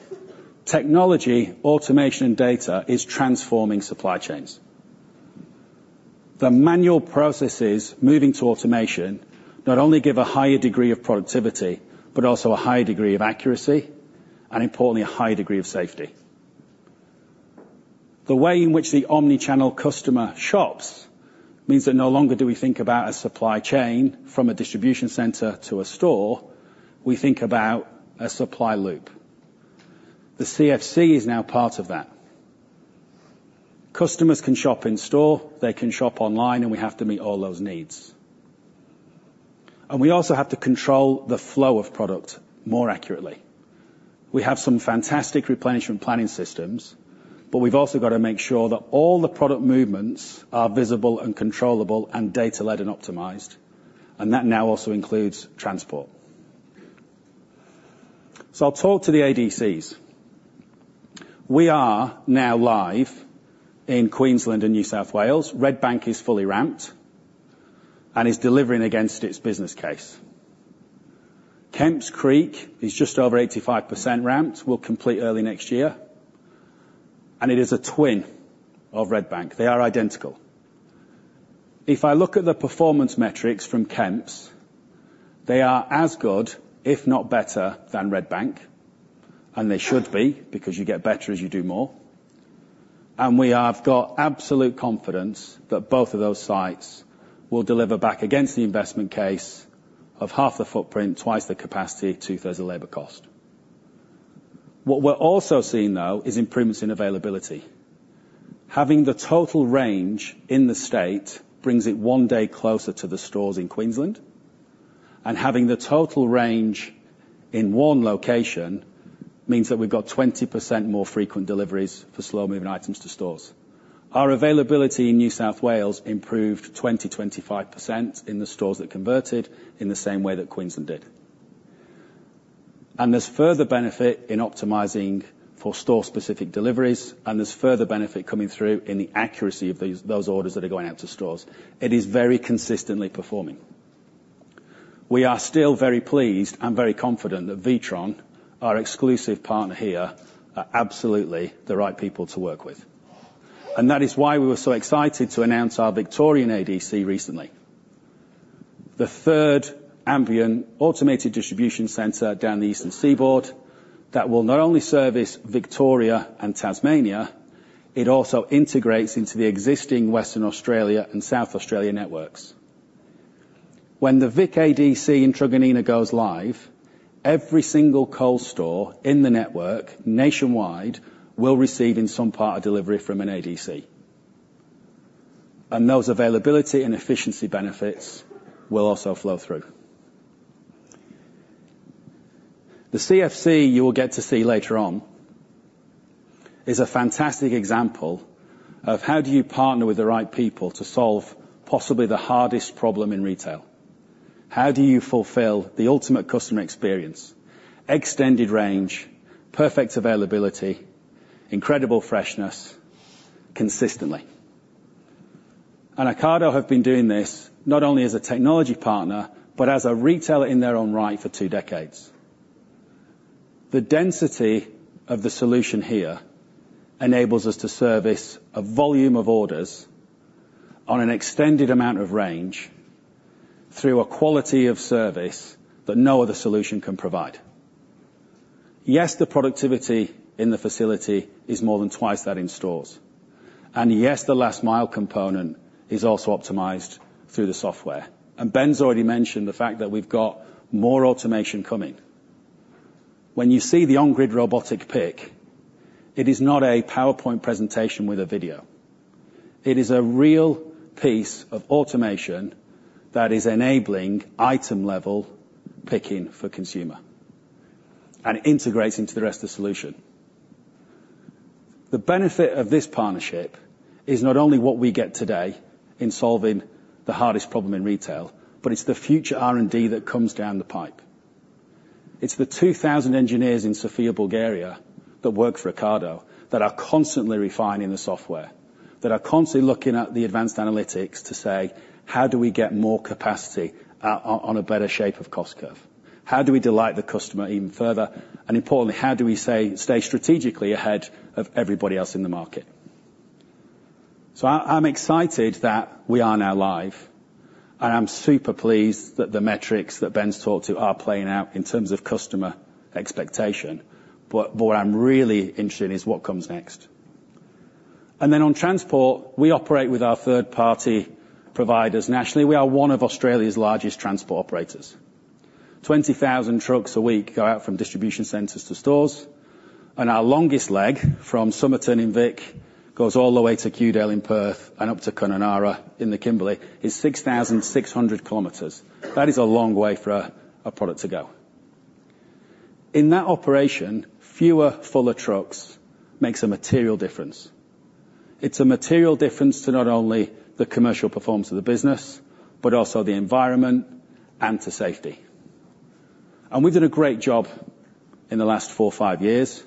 Technology, automation, and data is transforming supply chains. The manual processes moving to automation not only give a higher degree of productivity, but also a higher degree of accuracy and, importantly, a higher degree of safety. The way in which the omnichannel customer shops means that no longer do we think about a supply chain from a distribution center to a store. We think about a supply loop. The CFC is now part of that. Customers can shop in-store, they can shop online, and we have to meet all those needs. We also have to control the flow of product more accurately. We have some fantastic replenishment planning systems, but we've also got to make sure that all the product movements are visible and controllable and data-led and optimized, and that now also includes transport. I'll talk to the ADCs. We are now live in Queensland and New South Wales. Redbank is fully ramped and is delivering against its business case. Kemps Creek is just over 85% ramped. We'll complete early next year, and it is a twin of Redbank. They are identical. If I look at the performance metrics from Kemps, they are as good, if not better, than Redbank, and they should be because you get better as you do more. And we have got absolute confidence that both of those sites will deliver back against the investment case of half the footprint, twice the capacity, two-thirds of labor cost. What we're also seeing, though, is improvements in availability. Having the total range in the state brings it one day closer to the stores in Queensland, and having the total range in one location means that we've got 20% more frequent deliveries for slow-moving items to stores. Our availability in New South Wales improved 20%-25% in the stores that converted in the same way that Queensland did, and there's further benefit in optimizing for store-specific deliveries, and there's further benefit coming through in the accuracy of those orders that are going out to stores. It is very consistently performing. We are still very pleased and very confident that Witron, our exclusive partner here, are absolutely the right people to work with, and that is why we were so excited to announce our Victorian ADC recently, the third ambient automated distribution center down the eastern seaboard that will not only service Victoria and Tasmania, it also integrates into the existing Western Australia and South Australia networks. When the Vic ADC in Truganina goes live, every single Coles store in the network nationwide will receive in some part a delivery from an ADC, and those availability and efficiency benefits will also flow through. The CFC you will get to see later on is a fantastic example of how do you partner with the right people to solve possibly the hardest problem in retail. How do you fulfill the ultimate customer experience, extended range, perfect availability, incredible freshness consistently? And Ocado has been doing this not only as a technology partner, but as a retailer in their own right for two decades. The density of the solution here enables us to service a volume of orders with an extended range through a quality of service that no other solution can provide. Yes, the productivity in the facility is more than twice that in stores. Yes, the last-mile component is also optimized through the software. Ben's already mentioned the fact that we've got more automation coming. When you see the on-grid robotic pick, it is not a PowerPoint presentation with a video. It is a real piece of automation that is enabling item-level picking for consumer, and it integrates into the rest of the solution. The benefit of this partnership is not only what we get today in solving the hardest problem in retail, but it's the future R&D that comes down the pipe. It's the 2,000 engineers in Sofia, Bulgaria, that work for Ocado that are constantly refining the software, that are constantly looking at the advanced analytics to say, "How do we get more capacity on a better shape of cost curve? How do we delight the customer even further? And importantly, how do we stay strategically ahead of everybody else in the market?" So I'm excited that we are now live, and I'm super pleased that the metrics that Ben's talked to are playing out in terms of customer expectation. But what I'm really interested in is what comes next. And then on transport, we operate with our third-party providers nationally. We are one of Australia's largest transport operators. 20,000 trucks a week go out from distribution centers to stores, and our longest leg from Somerton in VIC goes all the way to Kewdale in Perth and up to Kununurra in the Kimberley is 6,600 km. That is a long way for a product to go. In that operation, fewer fuller trucks makes a material difference. It's a material difference to not only the commercial performance of the business, but also the environment and to safety. And we've done a great job in the last four or five years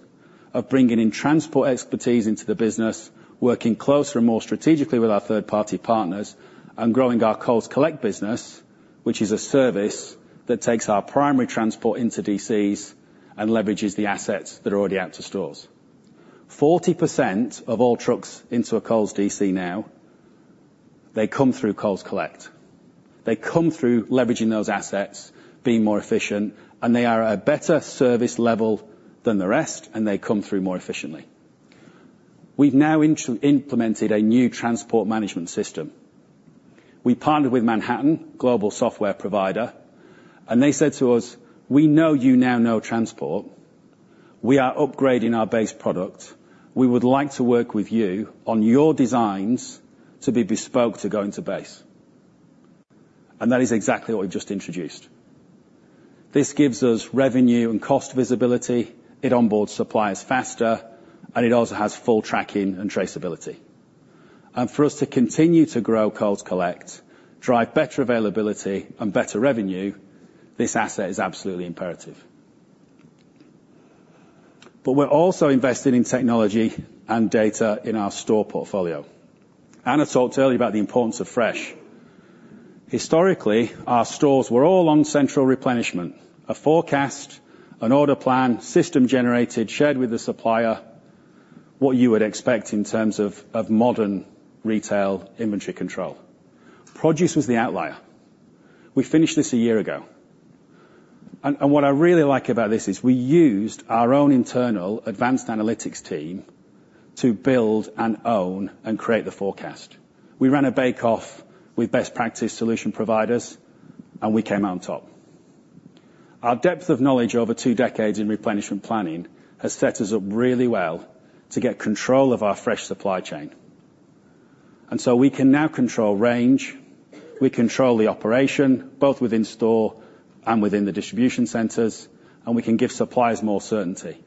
of bringing in transport expertise into the business, working closer and more strategically with our third-party partners and growing our Coles Collect business, which is a service that takes our primary transport into DCs and leverages the assets that are already out to stores. 40% of all trucks into a DC now. They come through Coles Collect. they come through leveraging those assets, being more efficient, and they are at a better service level than the rest, and they come through more efficiently. We've now implemented a new transport management system. We partnered with Manhattan, a global software provider, and they said to us, "We know you now know transport. We are upgrading our base product. We would like to work with you on your designs to be bespoke to go into base. And that is exactly what we've just introduced. This gives us revenue and cost visibility. It onboards suppliers faster, and it also has full tracking and traceability. And for us to continue to grow Coles Collect, drive better availability, and better revenue, this asset is absolutely imperative. But we're also investing in technology and data in our store portfolio. And I talked earlier about the importance of fresh. Historically, our stores were all on central replenishment, a forecast, an order plan, system-generated, shared with the supplier what you would expect in terms of modern retail inventory control. Produce was the outlier. We finished this a year ago. And what I really like about this is we used our own internal advanced analytics team to build and own and create the forecast. We ran a bake-off with best practice solution providers, and we came out on top. Our depth of knowledge over two decades in replenishment planning has set us up really well to get control of our fresh supply chain. And so we can now control range. We control the operation, both within store and within the distribution centers, and we can give suppliers more certainty.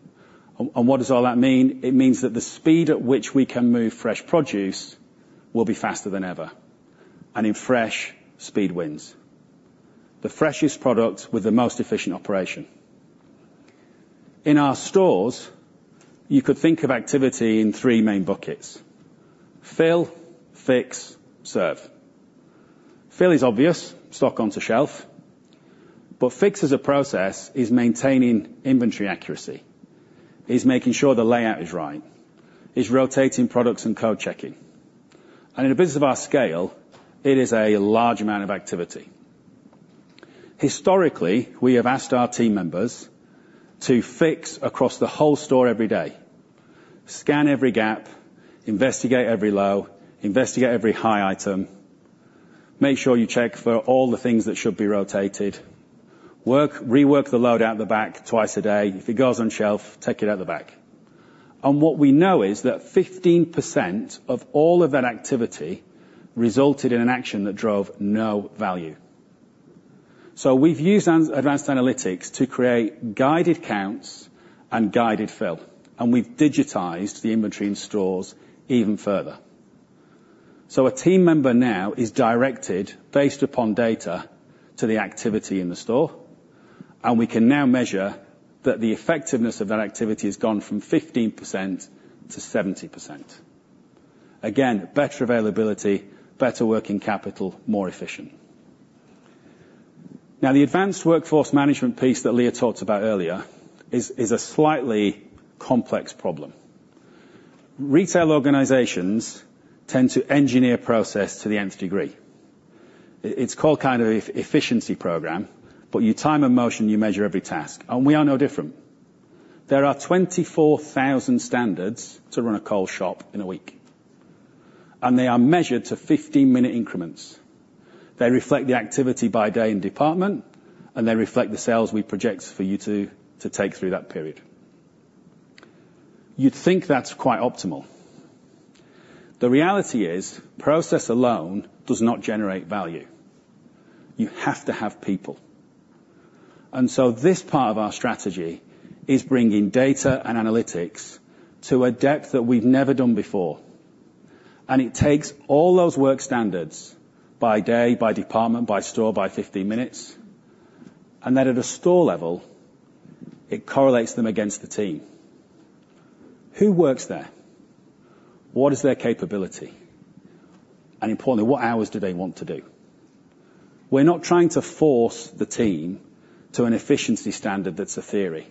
And what does all that mean? It means that the speed at which we can move fresh produce will be faster than ever. And in fresh, speed wins. The freshest product with the most efficient operation. In our stores, you could think of activity in three main buckets: Fill, Fix, Serve. Fill is obvious, stock onto shelf. But fix as a process is maintaining inventory accuracy, is making sure the layout is right, is rotating products and code-checking. In a business of our scale, it is a large amount of activity. Historically, we have asked our team members to fix across the whole store every day, scan every gap, investigate every low, investigate every high item, make sure you check for all the things that should be rotated, rework the load out the back twice a day. If it goes on shelf, take it out the back. What we know is that 15% of all of that activity resulted in an action that drove no value. We've used advanced analytics to create guided counts and guided fill, and we've digitized the inventory in stores even further. A team member now is directed, based upon data, to the activity in the store, and we can now measure that the effectiveness of that activity has gone from 15% to 70%. Again, better availability, better working capital, more efficient. Now, the advanced workforce management piece that Leah talked about earlier is a slightly complex problem. Retail organizations tend to engineer process to the nth degree. It's called kind of an efficiency program, but you time and motion, you measure every task. And we are no different. There are 24,000 standards to run a Coles shop in a week, and they are measured to 15-minute increments. They reflect the activity by day in department, and they reflect the sales we project for you to take through that period. You'd think that's quite optimal. The reality is process alone does not generate value. You have to have people. And so this part of our strategy is bringing data and analytics to a depth that we've never done before. And it takes all those work standards by day, by department, by store, by 15 minutes, and then at a store level, it correlates them against the team. Who works there? What is their capability? And importantly, what hours do they want to do? We're not trying to force the team to an efficiency standard that's a theory.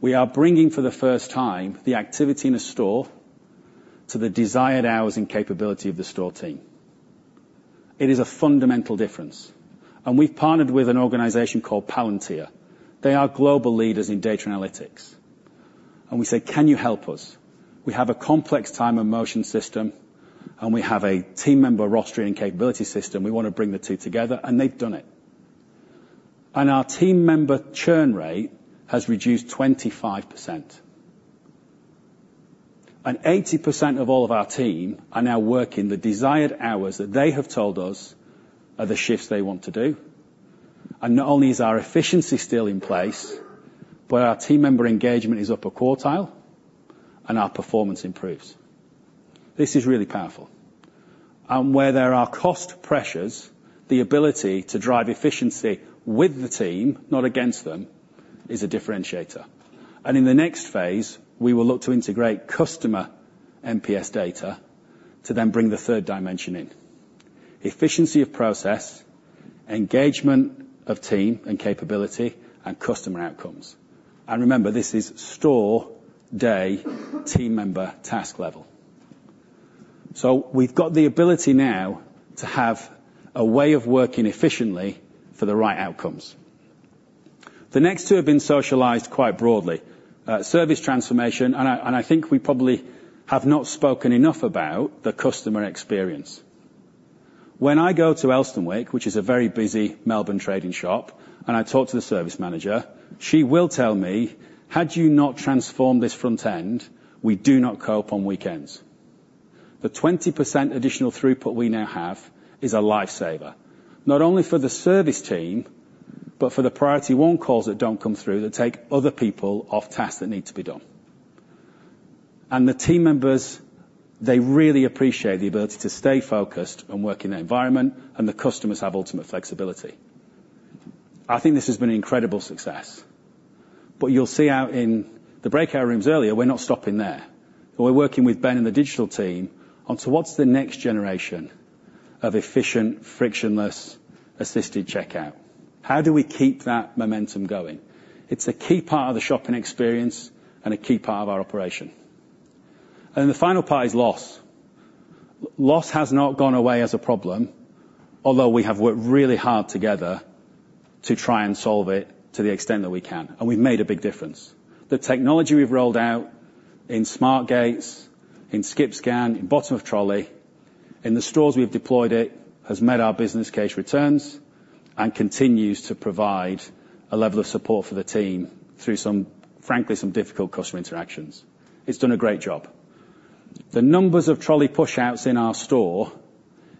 We are bringing for the first time the activity in a store to the desired hours and capability of the store team. It is a fundamental difference. And we've partnered with an organization called Palantir. They are global leaders in data analytics. And we said, "Can you help us? We have a complex time and motion system, and we have a team member rostering and capability system. We want to bring the two together." And they've done it. And our team member churn rate has reduced 25%. 80% of all of our team are now working the desired hours that they have told us are the shifts they want to do. Not only is our efficiency still in place, but our team member engagement is up a quartile, and our performance improves. This is really powerful. Where there are cost pressures, the ability to drive efficiency with the team, not against them, is a differentiator. In the next phase, we will look to integrate customer NPS data to then bring the third dimension in: efficiency of process, engagement of team and capability, and customer outcomes. Remember, this is store-day-team-member task level. So we've got the ability now to have a way of working efficiently for the right outcomes. The next two have been socialized quite broadly: service transformation. I think we probably have not spoken enough about the customer experience. When I go to Elsternwick, which is a very busy Melbourne trading shop, and I talk to the service manager, she will tell me, "Had you not transformed this front end, we do not cope on weekends." The 20% additional throughput we now have is a lifesaver, not only for the service team, but for the priority one calls that don't come through that take other people off tasks that need to be done, and the team members, they really appreciate the ability to stay focused and work in the environment, and the customers have ultimate flexibility. I think this has been an incredible success, but you'll see out in the breakout rooms earlier, we're not stopping there. We're working with Ben and the digital team onto what's the next generation of efficient, frictionless, assisted checkout. How do we keep that momentum going? It's a key part of the shopping experience and a key part of our operation. And the final part is loss. Loss has not gone away as a problem, although we have worked really hard together to try and solve it to the extent that we can. And we've made a big difference. The technology we've rolled out in Smart Gates, in Skip Scan, in Bottom of Trolley, in the stores we've deployed, it has met our business case returns and continues to provide a level of support for the team through, frankly, some difficult customer interactions. It's done a great job. The numbers of trolley push-outs in our store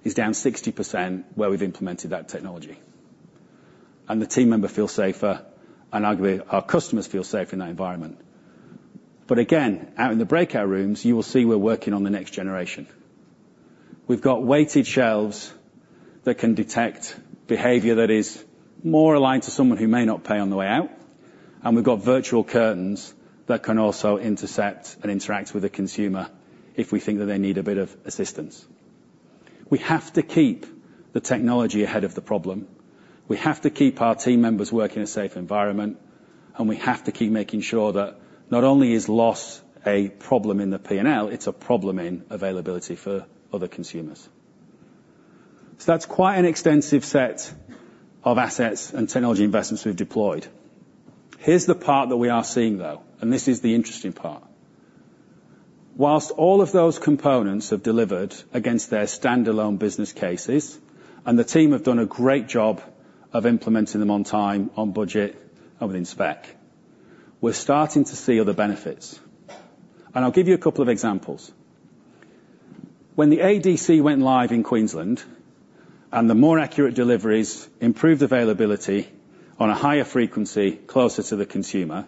are down 60% where we've implemented that technology. And the team member feels safer, and arguably our customers feel safe in that environment. But again, out in the breakout rooms, you will see we're working on the next generation. We've got weighted shelves that can detect behavior that is more aligned to someone who may not pay on the way out, and we've got virtual curtains that can also intercept and interact with the consumer if we think that they need a bit of assistance. We have to keep the technology ahead of the problem. We have to keep our team members working in a safe environment, and we have to keep making sure that not only is loss a problem in the P&L, it's a problem in availability for other consumers, so that's quite an extensive set of assets and technology investments we've deployed. Here's the part that we are seeing, though, and this is the interesting part. While all of those components have delivered against their standalone business cases and the team have done a great job of implementing them on time, on budget, and within spec, we're starting to see other benefits. And I'll give you a couple of examples. When the ADC went live in Queensland and the more accurate deliveries improved availability on a higher frequency closer to the consumer,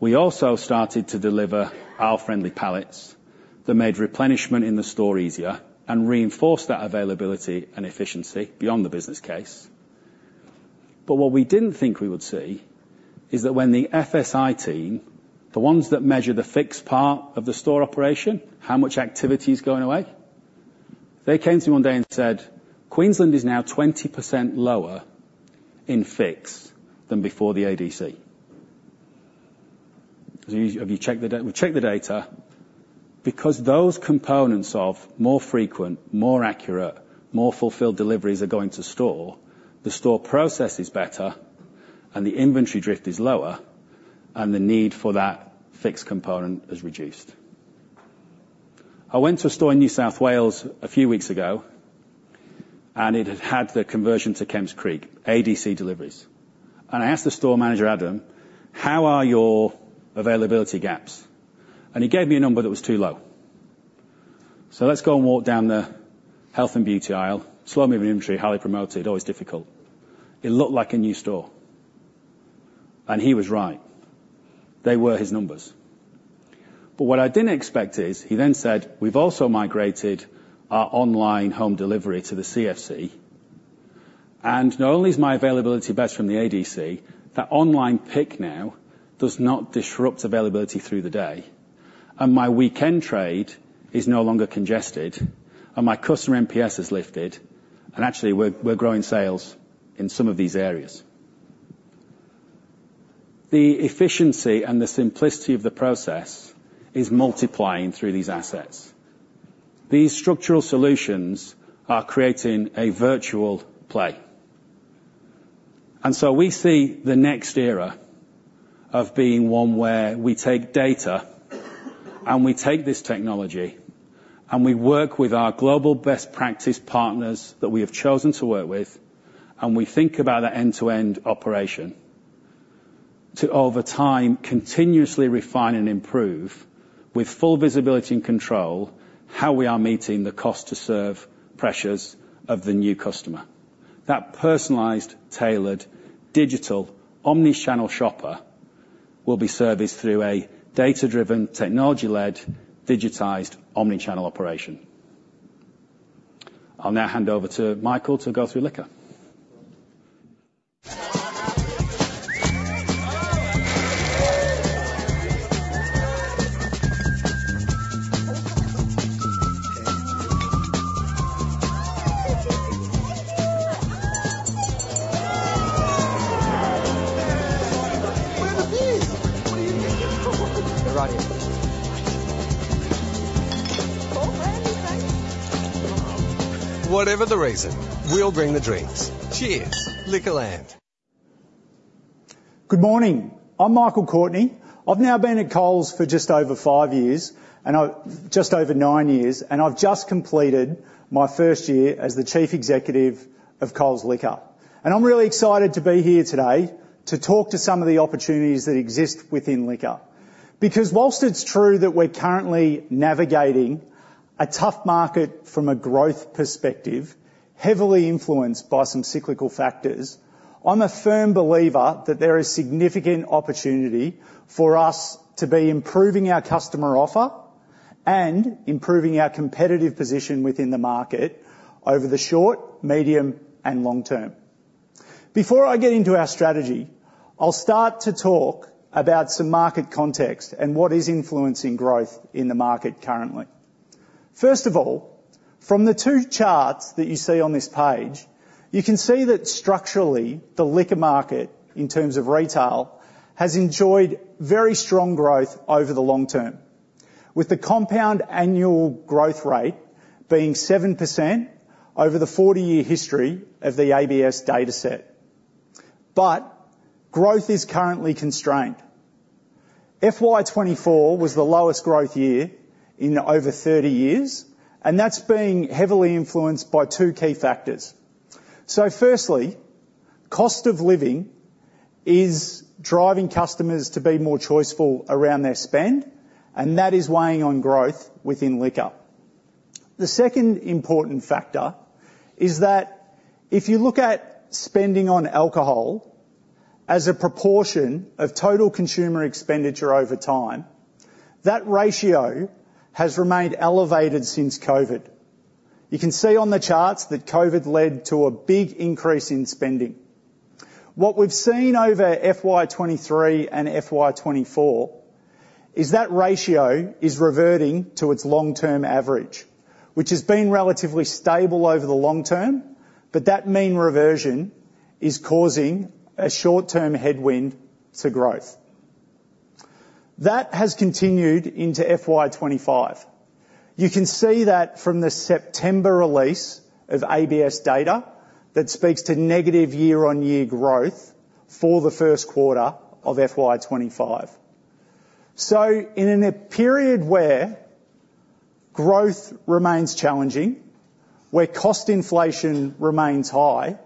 we also started to deliver our friendly pallets that made replenishment in the store easier and reinforced that availability and efficiency beyond the business case. But what we didn't think we would see is that when the FSI team, the ones that measure the fixed part of the store operation, how much activity is going away, they came to me one day and said, "Queensland is now 20% lower in fix than before the ADC." Have you checked the data? We've checked the data. Because those components of more frequent, more accurate, more fulfilled deliveries are going to store, the store process is better, and the inventory drift is lower, and the need for that fixed component is reduced. I went to a store in New South Wales a few weeks ago, and it had had the conversion to Kemps Creek, ADC deliveries. And I asked the store manager, "Adam, how are your availability gaps?" And he gave me a number that was too low. So let's go and walk down the health and beauty aisle, slow-moving inventory, highly promoted, always difficult. It looked like a new store. And he was right. They were his numbers. But what I didn't expect is he then said, "We've also migrated our online home delivery to the CFC. And not only is my availability best from the ADC, that online pick now does not disrupt availability through the day. And my weekend trade is no longer congested, and my customer NPS is lifted. And actually, we're growing sales in some of these areas." The efficiency and the simplicity of the process is multiplying through these assets. These structural solutions are creating a virtual play. And so we see the next era of being one where we take data, and we take this technology, and we work with our global best practice partners that we have chosen to work with, and we think about the end-to-end operation to, over time, continuously refine and improve with full visibility and control how we are meeting the cost-to-serve pressures of the new customer. That personalized, tailored, digital omnichannel shopper will be serviced through a data-driven, technology-led, digitized omnichannel operation. I'll now hand over to Michael to go through Liquor. Whatever the reason, we'll bring the dreams. Cheers. Liquorland. Good morning. I'm Michael Courtney. I've now been at Coles for just over five years, just over nine years, and I've just completed my first year as the Chief Executive of Coles Liquor, and I'm really excited to be here today to talk to some of the opportunities that exist within Liquor. Because while it's true that we're currently navigating a tough market from a growth perspective, heavily influenced by some cyclical factors, I'm a firm believer that there is significant opportunity for us to be improving our customer offer and improving our competitive position within the market over the short, medium, and long term. Before I get into our strategy, I'll start to talk about some market context and what is influencing growth in the market currently. First of all, from the two charts that you see on this page, you can see that structurally, the Liquor market, in terms of retail, has enjoyed very strong growth over the long term, with the compound annual growth rate being 7% over the 40-year history of the ABS dataset. But growth is currently constrained. FY 2024 was the lowest growth year in over 30 years, and that's being heavily influenced by two key factors. So firstly, cost of living is driving customers to be more choiceful around their spend, and that is weighing on growth within Liquor. The second important factor is that if you look at spending on alcohol as a proportion of total consumer expenditure over time, that ratio has remained elevated since COVID. You can see on the charts that COVID led to a big increase in spending. What we've seen over FY 2023 and FY 2024 is that ratio is reverting to its long-term average, which has been relatively stable over the long term, but that mean reversion is causing a short-term headwind to growth. That has continued into FY 2025. You can see that from the September release of ABS data that speaks to negative year-over-year growth for the first quarter of FY 2025. So in a period where growth remains challenging, where cost inflation remains high,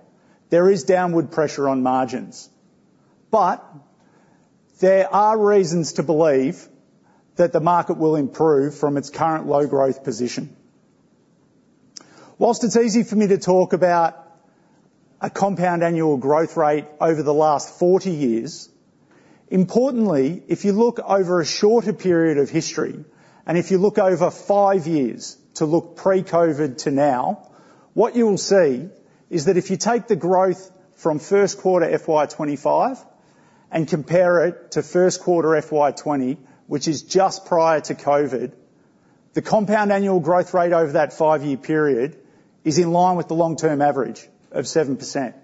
there is downward pressure on margins. But there are reasons to believe that the market will improve from its current low-growth position. While it's easy for me to talk about a compound annual growth rate over the last 40 years, importantly, if you look over a shorter period of history and if you look over five years pre-COVID to now, what you will see is that if you take the growth from first quarter FY 2025 and compare it to first quarter FY 2020, which is just prior to COVID, the compound annual growth rate over that five-year period is in line with the long-term average of 7%.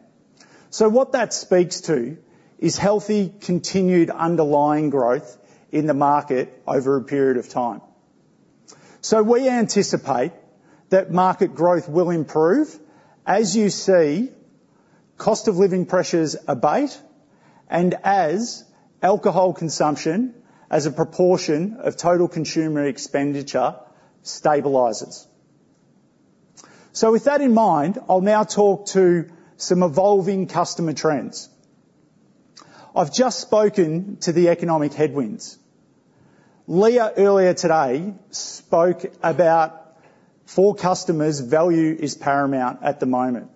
So what that speaks to is healthy continued underlying growth in the market over a period of time. So we anticipate that market growth will improve as you see cost-of-living pressures abate and as alcohol consumption as a proportion of total consumer expenditure stabilizes. So with that in mind, I'll now talk to some evolving customer trends. I've just spoken to the economic headwinds. Leah earlier today spoke about, for customers, value is paramount at the moment,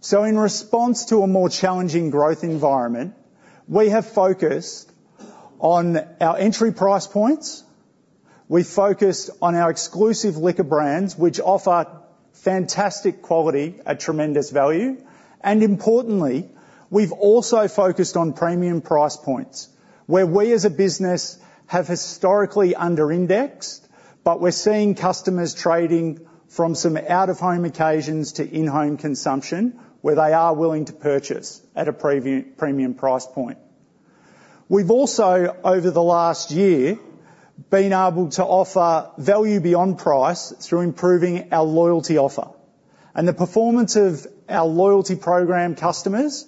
so in response to a more challenging growth environment, we have focused on our entry price points. We focused on our exclusive liquor brands, which offer fantastic quality at tremendous value, and importantly, we've also focused on premium price points where we as a business have historically under-indexed, but we're seeing customers trading from some out-of-home occasions to in-home consumption where they are willing to purchase at a premium price point. We've also, over the last year, been able to offer value beyond price through improving our loyalty offer, and the performance of our loyalty program customers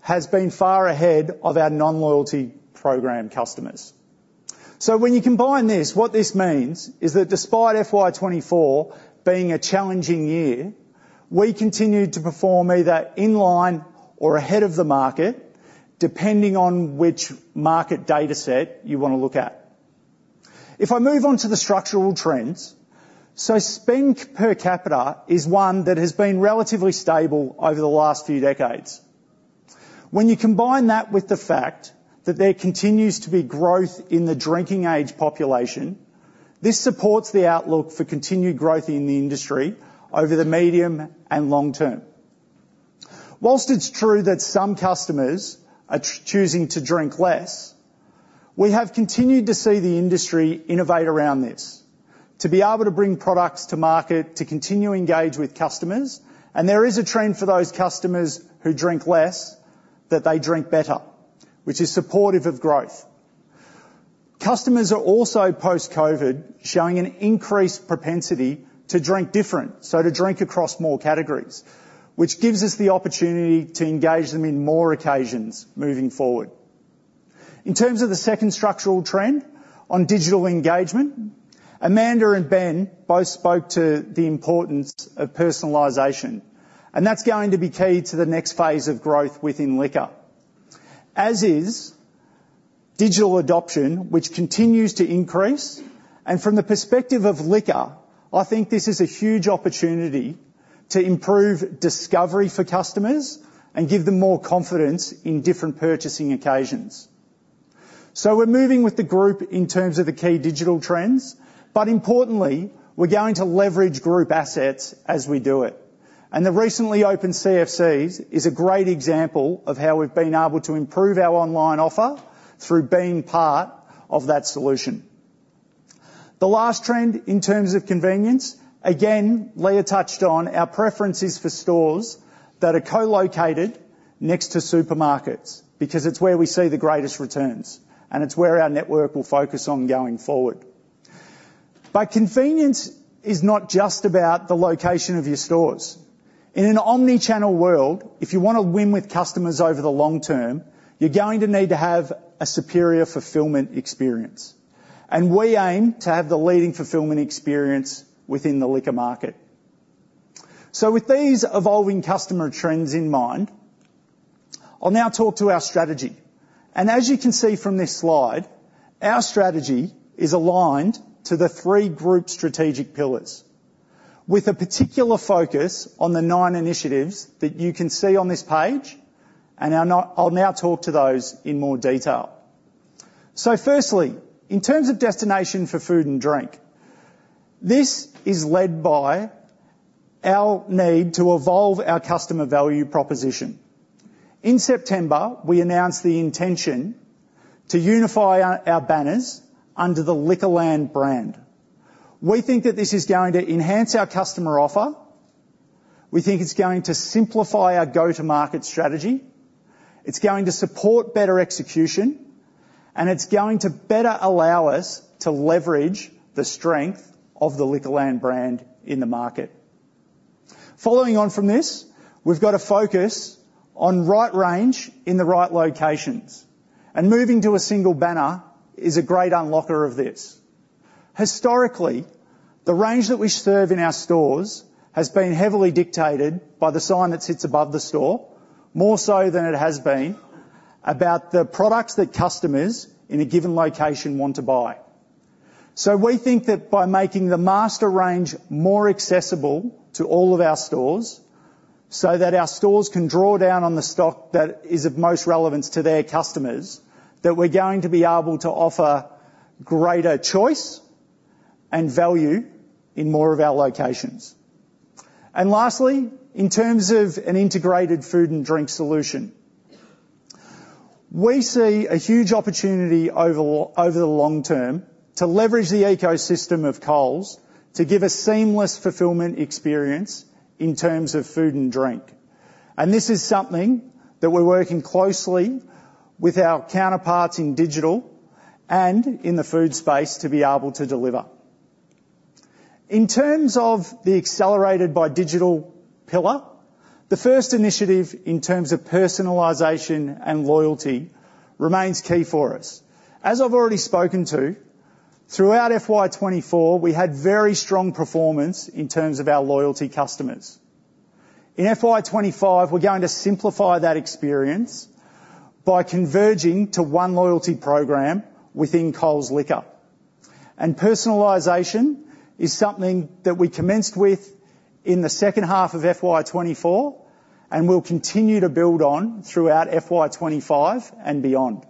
has been far ahead of our non-loyalty program customers. So when you combine this, what this means is that despite FY 2024 being a challenging year, we continued to perform either in line or ahead of the market, depending on which market dataset you want to look at. If I move on to the structural trends, so spend per capita is one that has been relatively stable over the last few decades. When you combine that with the fact that there continues to be growth in the drinking-age population, this supports the outlook for continued growth in the industry over the medium and long term. Whilst it's true that some customers are choosing to drink less, we have continued to see the industry innovate around this to be able to bring products to market, to continue to engage with customers. And there is a trend for those customers who drink less that they drink better, which is supportive of growth. Customers are also, post-COVID, showing an increased propensity to drink different, so to drink across more categories, which gives us the opportunity to engage them in more occasions moving forward. In terms of the second structural trend on digital engagement, Amanda and Ben both spoke to the importance of personalization, and that's going to be key to the next phase of growth within Liquor, as is digital adoption, which continues to increase, and from the perspective of Liquor, I think this is a huge opportunity to improve discovery for customers and give them more confidence in different purchasing occasions, so we're moving with the group in terms of the key digital trends, but importantly, we're going to leverage group assets as we do it, and the recently opened CFCs is a great example of how we've been able to improve our online offer through being part of that solution. The last trend in terms of convenience, again, Leah touched on our preferences for stores that are co-located next to supermarkets because it's where we see the greatest returns, and it's where our network will focus on going forward, but convenience is not just about the location of your stores. In an omnichannel world, if you want to win with customers over the long term, you're going to need to have a superior fulfillment experience, and we aim to have the leading fulfillment experience within the liquor market. So with these evolving customer trends in mind, I'll now talk to our strategy, and as you can see from this slide, our strategy is aligned to the three group strategic pillars, with a particular focus on the nine initiatives that you can see on this page, and I'll now talk to those in more detail. So firstly, in terms of Destination for Food and Drink, this is led by our need to evolve our customer value proposition. In September, we announced the intention to unify our banners under the Liquorland brand. We think that this is going to enhance our customer offer. We think it's going to simplify our go-to-market strategy. It's going to support better execution, and it's going to better allow us to leverage the strength of the Liquorland brand in the market. Following on from this, we've got a focus on right range in the right locations. And moving to a single banner is a great unlocker of this. Historically, the range that we serve in our stores has been heavily dictated by the sign that sits above the store, more so than it has been about the products that customers in a given location want to buy. So we think that by making the master range more accessible to all of our stores so that our stores can draw down on the stock that is of most relevance to their customers, that we're going to be able to offer greater choice and value in more of our locations. And lastly, in terms of an integrated food and drink solution, we see a huge opportunity over the long term to leverage the ecosystem of Coles to give a seamless fulfillment experience in terms of food and drink. And this is something that we're working closely with our counterparts in digital and in the food space to be able to deliver. In terms of the Accelerated by Digital pillar, the first initiative in terms of personalization and loyalty remains key for us. As I've already spoken to, throughout FY 2024, we had very strong performance in terms of our loyalty customers. In FY 2025, we're going to simplify that experience by converging to one loyalty program within Coles Liquor, and personalization is something that we commenced with in the second half of FY 2024 and will continue to build on throughout FY 2025 and beyond.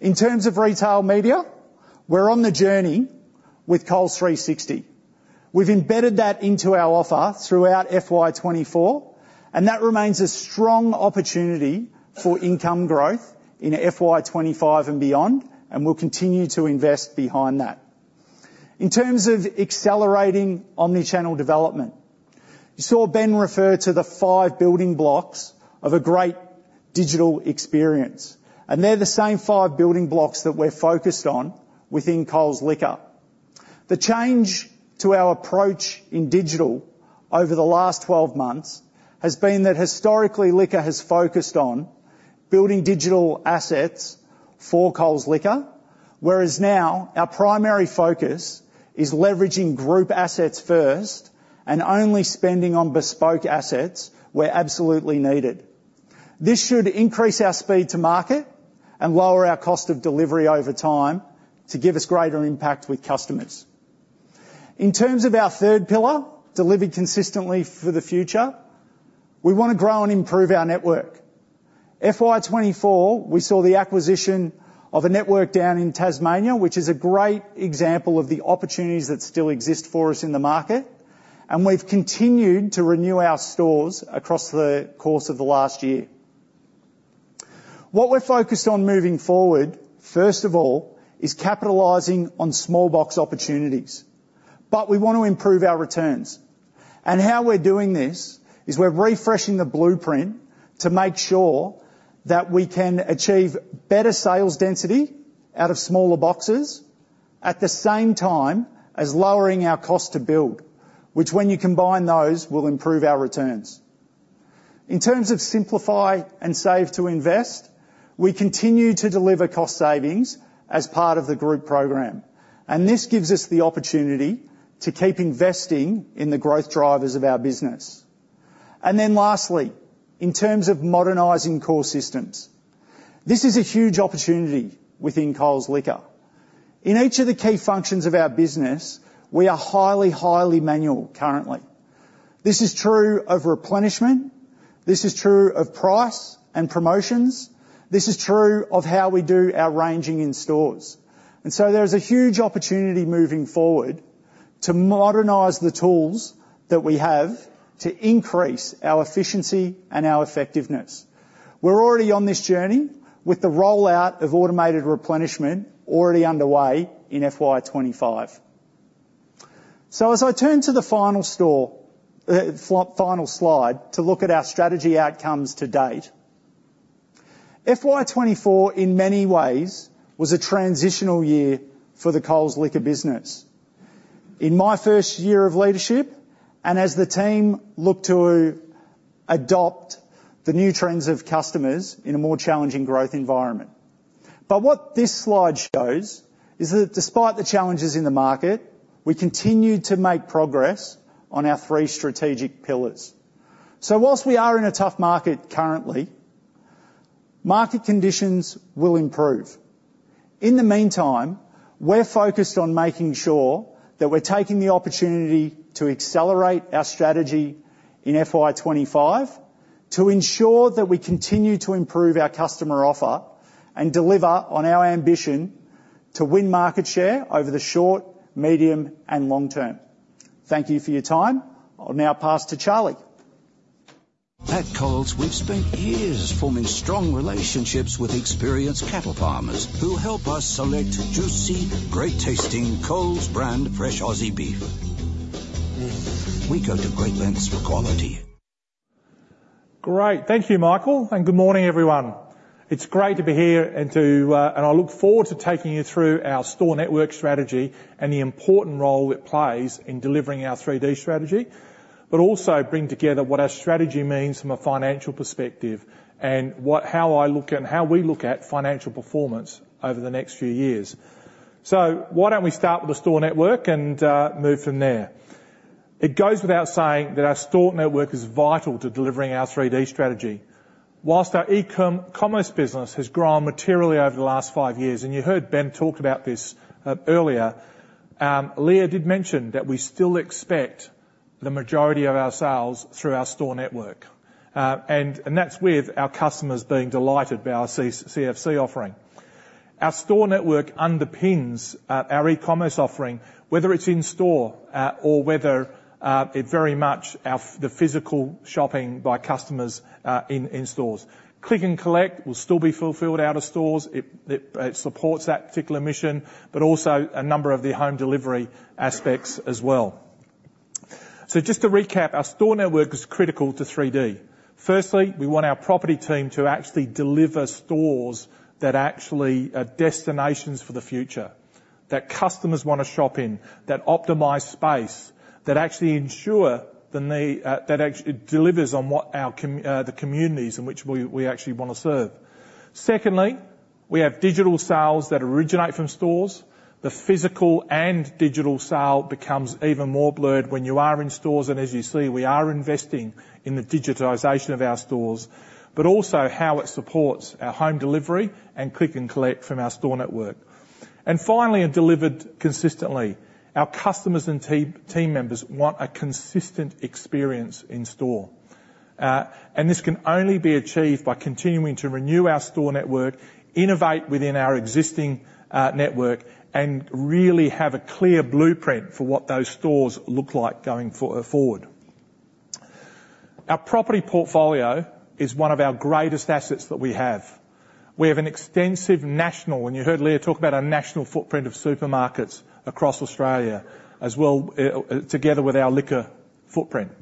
In terms of retail media, we're on the journey with Coles 360. We've embedded that into our offer throughout FY 2024, and that remains a strong opportunity for income growth in FY 2025 and beyond, and we'll continue to invest behind that. In terms of accelerating omnichannel development, you saw Ben refer to the five building blocks of a great digital experience, and they're the same five building blocks that we're focused on within Coles Liquor. The change to our approach in digital over the last 12 months has been that historically, Liquor has focused on building digital assets for Coles Liquor, whereas now our primary focus is leveraging group assets first and only spending on bespoke assets where absolutely needed. This should increase our speed to market and lower our cost of delivery over time to give us greater impact with customers. In terms of our third pillar, deliver consistently for the future, we want to grow and improve our network. FY 2024, we saw the acquisition of a network down in Tasmania, which is a great example of the opportunities that still exist for us in the market, and we've continued to renew our stores across the course of the last year. What we're focused on moving forward, first of all, is capitalizing on small box opportunities, but we want to improve our returns. And how we're doing this is we're refreshing the blueprint to make sure that we can achieve better sales density out of smaller boxes at the same time as lowering our cost to build, which when you combine those will improve our returns. In terms of Simplify and Save to Invest, we continue to deliver cost savings as part of the group program, and this gives us the opportunity to keep investing in the growth drivers of our business. And then lastly, in terms of modernizing core systems, this is a huge opportunity within Coles Liquor. In each of the key functions of our business, we are highly, highly manual currently. This is true of replenishment. This is true of price and promotions. This is true of how we do our ranging in stores. There is a huge opportunity moving forward to modernize the tools that we have to increase our efficiency and our effectiveness. We're already on this journey with the rollout of automated replenishment already underway in FY 2025. As I turn to the final slide to look at our strategy outcomes to date, FY 2024 in many ways was a transitional year for the Coles Liquor business in my first year of leadership and as the team looked to adopt the new trends of customers in a more challenging growth environment. What this slide shows is that despite the challenges in the market, we continued to make progress on our three strategic pillars. While we are in a tough market currently, market conditions will improve. In the meantime, we're focused on making sure that we're taking the opportunity to accelerate our strategy in FY 2025 to ensure that we continue to improve our customer offer and deliver on our ambition to win market share over the short, medium, and long term. Thank you for your time. I'll now pass to Charlie. At Coles, we've spent years forming strong relationships with experienced cattle farmers who help us select juicy, great-tasting Coles brand fresh Aussie beef. We go to great lengths for quality. Great. Thank you, Michael. And good morning, everyone. It's great to be here, and I look forward to taking you through our store network strategy and the important role it plays in delivering our 3D Strategy, but also bring together what our strategy means from a financial perspective and how I look and how we look at financial performance over the next few years. So why don't we start with the store network and move from there? It goes without saying that our store network is vital to delivering our 3D Strategy. While our e-commerce business has grown materially over the last five years, and you heard Ben talk about this earlier, Leah did mention that we still expect the majority of our sales through our store network. And that's with our customers being delighted by our CFC offering. Our store network underpins our e-commerce offering, whether it's in store or whether it's very much the physical shopping by customers in stores. Click & Collect will still be fulfilled out of stores. It supports that particular mission, but also a number of the home delivery aspects as well. So just to recap, our store network is critical to 3D. Firstly, we want our property team to actually deliver stores that actually are destinations for the future, that customers want to shop in, that optimize space, that actually ensure that it delivers on the communities in which we actually want to serve. Secondly, we have digital sales that originate from stores. The physical and digital sale becomes even more blurred when you are in stores. As you see, we are investing in the digitization of our stores, but also how it supports our home delivery and Click & Collect from our store network. Finally, and delivered consistently, our customers and team members want a consistent experience in store. This can only be achieved by continuing to renew our store network, innovate within our existing network, and really have a clear blueprint for what those stores look like going forward. Our property portfolio is one of our greatest assets that we have. We have an extensive national, and you heard Leah talk about our national footprint of supermarkets across Australia as well, together with our Liquor footprint.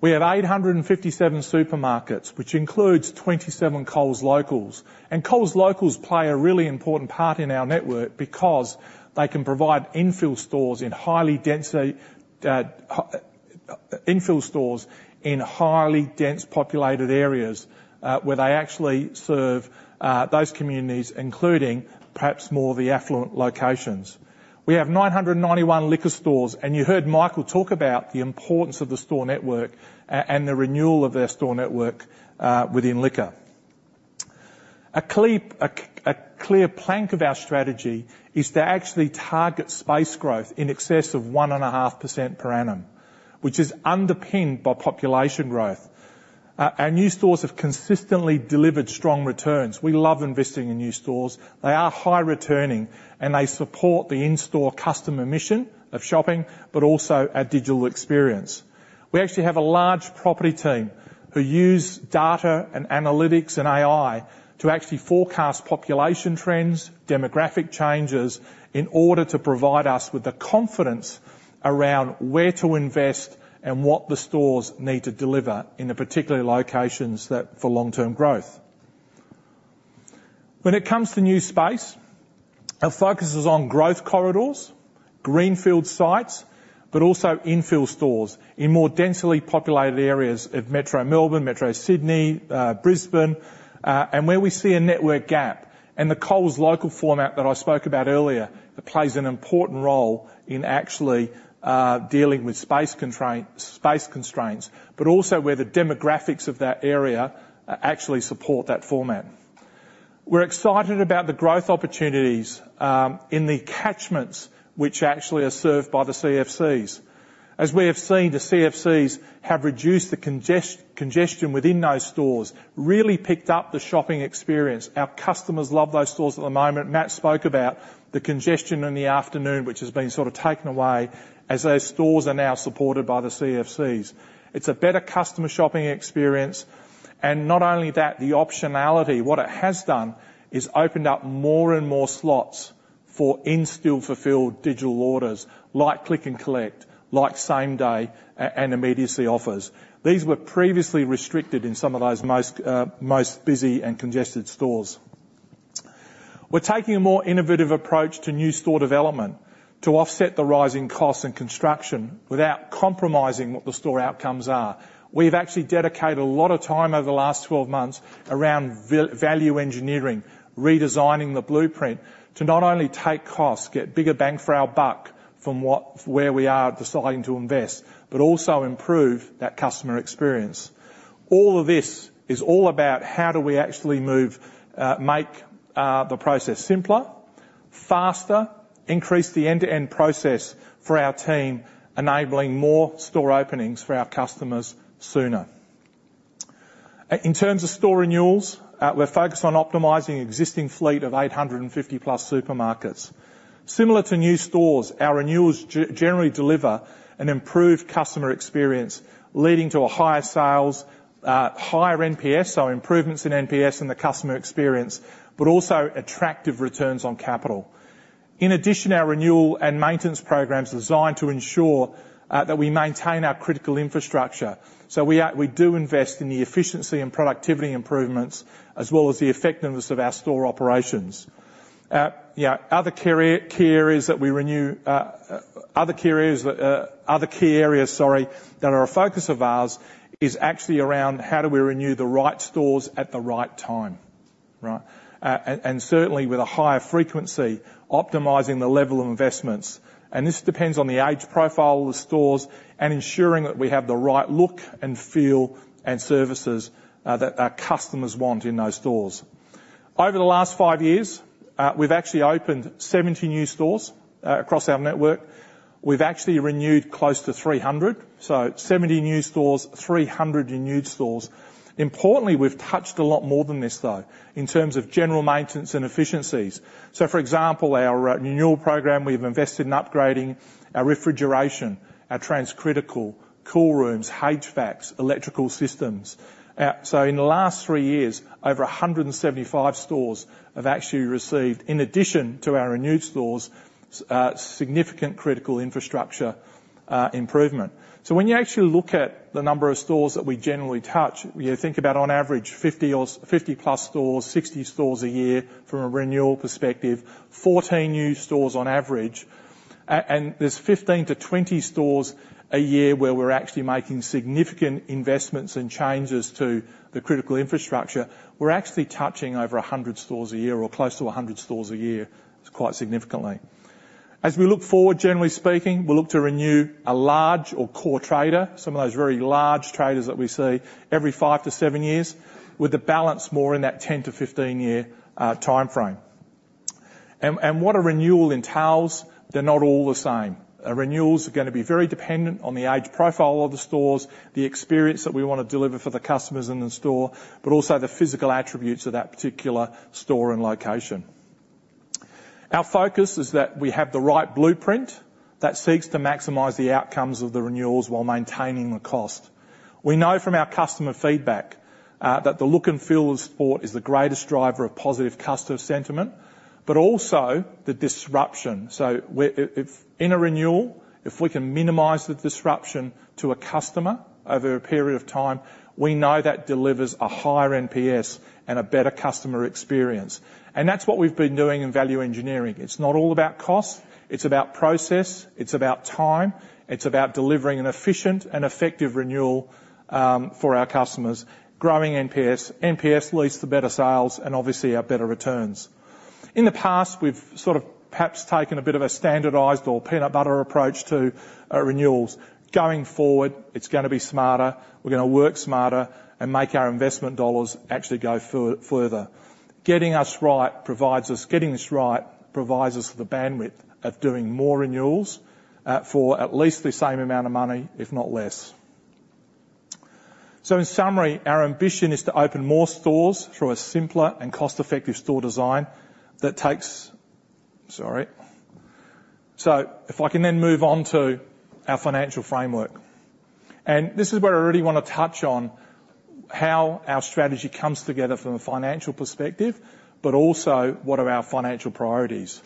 We have 857 supermarkets, which includes 27 Coles Locals. Coles Locals play a really important part in our network because they can provide infill stores in highly dense populated areas where they actually serve those communities, including perhaps more of the affluent locations. We have 991 Liquor stores, and you heard Michael talk about the importance of the store network and the renewal of their store network within Liquor. A clear plank of our strategy is to actually target space growth in excess of 1.5% per annum, which is underpinned by population growth. Our new stores have consistently delivered strong returns. We love investing in new stores. They are high returning, and they support the in-store customer mission of shopping, but also our digital experience. We actually have a large property team who use data and analytics and AI to actually forecast population trends, demographic changes in order to provide us with the confidence around where to invest and what the stores need to deliver in the particular locations for long-term growth. When it comes to new space, our focus is on growth corridors, greenfield sites, but also infill stores in more densely populated areas of Metro Melbourne, Metro Sydney, Brisbane, and where we see a network gap, and the Coles Local format that I spoke about earlier plays an important role in actually dealing with space constraints, but also where the demographics of that area actually support that format. We're excited about the growth opportunities in the catchments, which actually are served by the CFCs. As we have seen, the CFCs have reduced the congestion within those stores, really picked up the shopping experience. Our customers love those stores at the moment. Matt spoke about the congestion in the afternoon, which has been sort of taken away as those stores are now supported by the CFCs. It's a better customer shopping experience, and not only that, the optionality, what it has done is opened up more and more slots for in-store fulfilled digital orders, like Click & Collect, like same-day and immediate offers. These were previously restricted in some of those most busy and congested stores. We're taking a more innovative approach to new store development to offset the rising costs in construction without compromising what the store outcomes are. We've actually dedicated a lot of time over the last 12 months around value engineering, redesigning the blueprint to not only take costs, get bigger bang for our buck from where we are deciding to invest, but also improve that customer experience. All of this is all about how do we actually make the process simpler, faster, increase the end-to-end process for our team, enabling more store openings for our customers sooner. In terms of store renewals, we're focused on optimizing existing fleet of 850+ supermarkets. Similar to new stores, our renewals generally deliver an improved customer experience, leading to higher sales, higher NPS, so improvements in NPS and the customer experience, but also attractive returns on capital. In addition, our renewal and maintenance programs are designed to ensure that we maintain our critical infrastructure, so we do invest in the efficiency and productivity improvements as well as the effectiveness of our store operations. Other key areas, sorry, that are a focus of ours is actually around how do we renew the right stores at the right time, right? And certainly with a higher frequency, optimizing the level of investments. And this depends on the age profile of the stores and ensuring that we have the right look and feel and services that our customers want in those stores. Over the last five years, we've actually opened 70 new stores across our network. We've actually renewed close to 300. So 70 new stores, 300 renewed stores. Importantly, we've touched a lot more than this, though, in terms of general maintenance and efficiencies. So for example, our renewal program, we've invested in upgrading our refrigeration, our transcritical, cool rooms, HVACs, electrical systems. So in the last three years, over 175 stores have actually received, in addition to our renewed stores, significant critical infrastructure improvement. When you actually look at the number of stores that we generally touch, you think about on average 50-plus stores, 60 stores a year from a renewal perspective, 14 new stores on average. There's 15 to 20 stores a year where we're actually making significant investments and changes to the critical infrastructure. We're actually touching over 100 stores a year or close to 100 stores a year quite significantly. As we look forward, generally speaking, we'll look to renew a large or core trader, some of those very large traders that we see every five to seven years, with the balance more in that 10 to 15-year timeframe. What a renewal entails, they're not all the same. Renewals are going to be very dependent on the age profile of the stores, the experience that we want to deliver for the customers in the store, but also the physical attributes of that particular store and location. Our focus is that we have the right blueprint that seeks to maximize the outcomes of the renewals while maintaining the cost. We know from our customer feedback that the look and feel of the store is the greatest driver of positive customer sentiment, but also the disruption. So in a renewal, if we can minimize the disruption to a customer over a period of time, we know that delivers a higher NPS and a better customer experience. And that's what we've been doing in value engineering. It's not all about cost. It's about process. It's about time. It's about delivering an efficient and effective renewal for our customers. Growing NPS leads to better sales and obviously our better returns. In the past, we've sort of perhaps taken a bit of a standardized or peanut butter approach to renewals. Going forward, it's going to be smarter. We're going to work smarter and make our investment dollars actually go further. Getting us right provides us the bandwidth of doing more renewals for at least the same amount of money, if not less. So in summary, our ambition is to open more stores through a simpler and cost-effective store design that takes. So if I can then move on to our financial framework, and this is where I really want to touch on how our strategy comes together from a financial perspective, but also what are our financial priorities.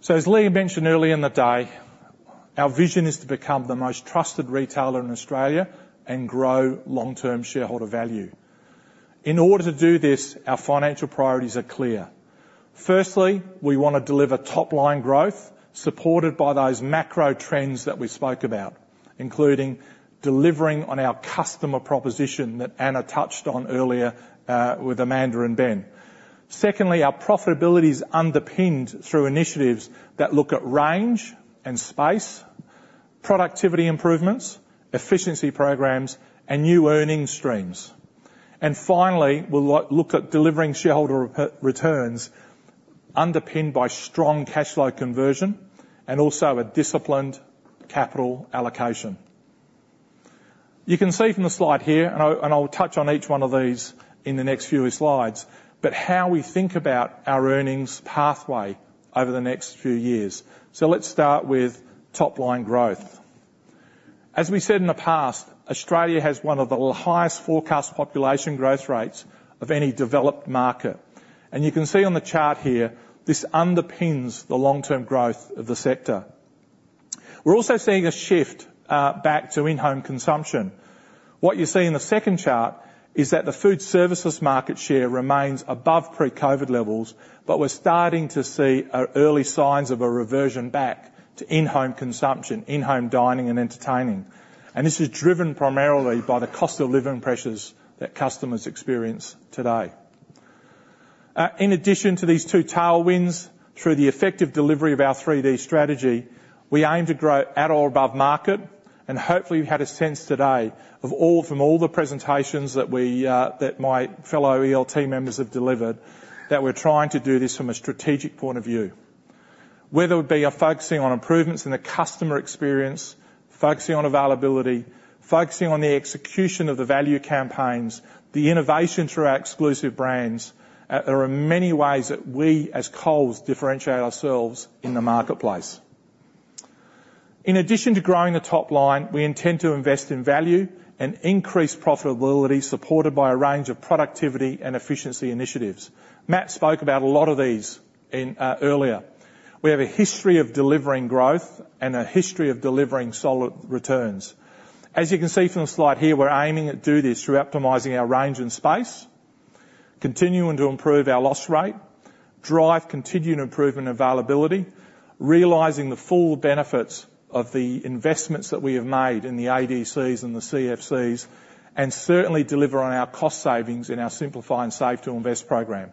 So as Leah mentioned earlier in the day, our vision is to become the most trusted retailer in Australia and grow long-term shareholder value. In order to do this, our financial priorities are clear. Firstly, we want to deliver top-line growth supported by those macro trends that we spoke about, including delivering on our customer proposition that Anna touched on earlier with Amanda and Ben. Secondly, our profitability is underpinned through initiatives that look at range and space, productivity improvements, efficiency programs, and new earnings streams. And finally, we'll look at delivering shareholder returns underpinned by strong cash flow conversion and also a disciplined capital allocation. You can see from the slide here, and I'll touch on each one of these in the next few slides, but how we think about our earnings pathway over the next few years. So let's start with top-line growth. As we said in the past, Australia has one of the highest forecast population growth rates of any developed market, and you can see on the chart here, this underpins the long-term growth of the sector. We're also seeing a shift back to in-home consumption. What you see in the second chart is that the food services market share remains above pre-COVID levels, but we're starting to see early signs of a reversion back to in-home consumption, in-home dining and entertaining, and this is driven primarily by the cost of living pressures that customers experience today. In addition to these two tailwinds, through the effective delivery of our 3D Strategy, we aim to grow at or above market. Hopefully, you had a sense today from all the presentations that my fellow ELT members have delivered that we're trying to do this from a strategic point of view, whether it be focusing on improvements in the customer experience, focusing on availability, focusing on the execution of the value campaigns, the innovation through our exclusive brands. There are many ways that we as Coles differentiate ourselves in the marketplace. In addition to growing the top line, we intend to invest in value and increase profitability supported by a range of productivity and efficiency initiatives. Matt spoke about a lot of these earlier. We have a history of delivering growth and a history of delivering solid returns. As you can see from the slide here, we're aiming to do this through optimizing our range and space, continuing to improve our loss rate, drive continued improvement availability, realizing the full benefits of the investments that we have made in the ADCs and the CFCs, and certainly deliver on our cost savings in our Simplify and Save to Invest program.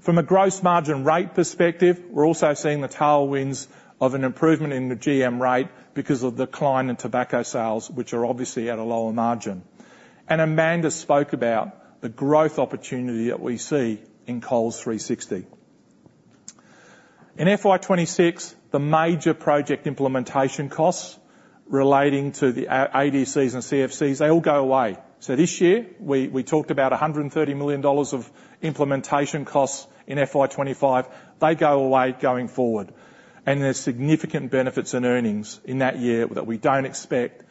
From a gross margin rate perspective, we're also seeing the tailwinds of an improvement in the GM rate because of the decline in tobacco sales, which are obviously at a lower margin. And Amanda spoke about the growth opportunity that we see in Coles 360. In FY 2026, the major project implementation costs relating to the ADCs and CFCs, they all go away. So this year, we talked about 130 million dollars of implementation costs in FY 2025. They go away going forward. There's significant benefits and earnings in that year that we don't expect.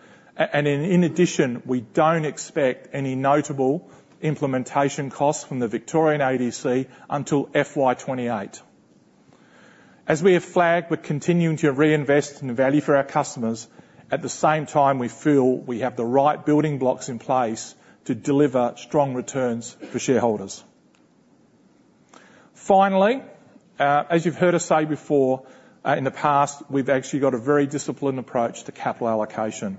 In addition, we don't expect any notable implementation costs from the Victorian ADC until FY 2028. As we have flagged, we're continuing to reinvest in value for our customers at the same time we feel we have the right building blocks in place to deliver strong returns for shareholders. Finally, as you've heard us say before, in the past, we've actually got a very disciplined approach to capital allocation.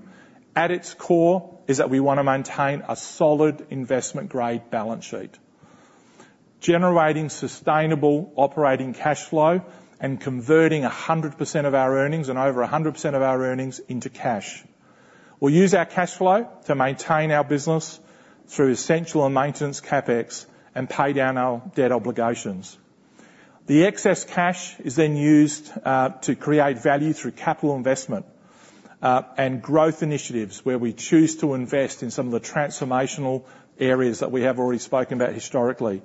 At its core is that we want to maintain a solid investment-grade balance sheet, generating sustainable operating cash flow and converting 100% of our earnings and over 100% of our earnings into cash. We'll use our cash flow to maintain our business through essential and maintenance CapEx and pay down our debt obligations. The excess cash is then used to create value through capital investment and growth initiatives where we choose to invest in some of the transformational areas that we have already spoken about historically.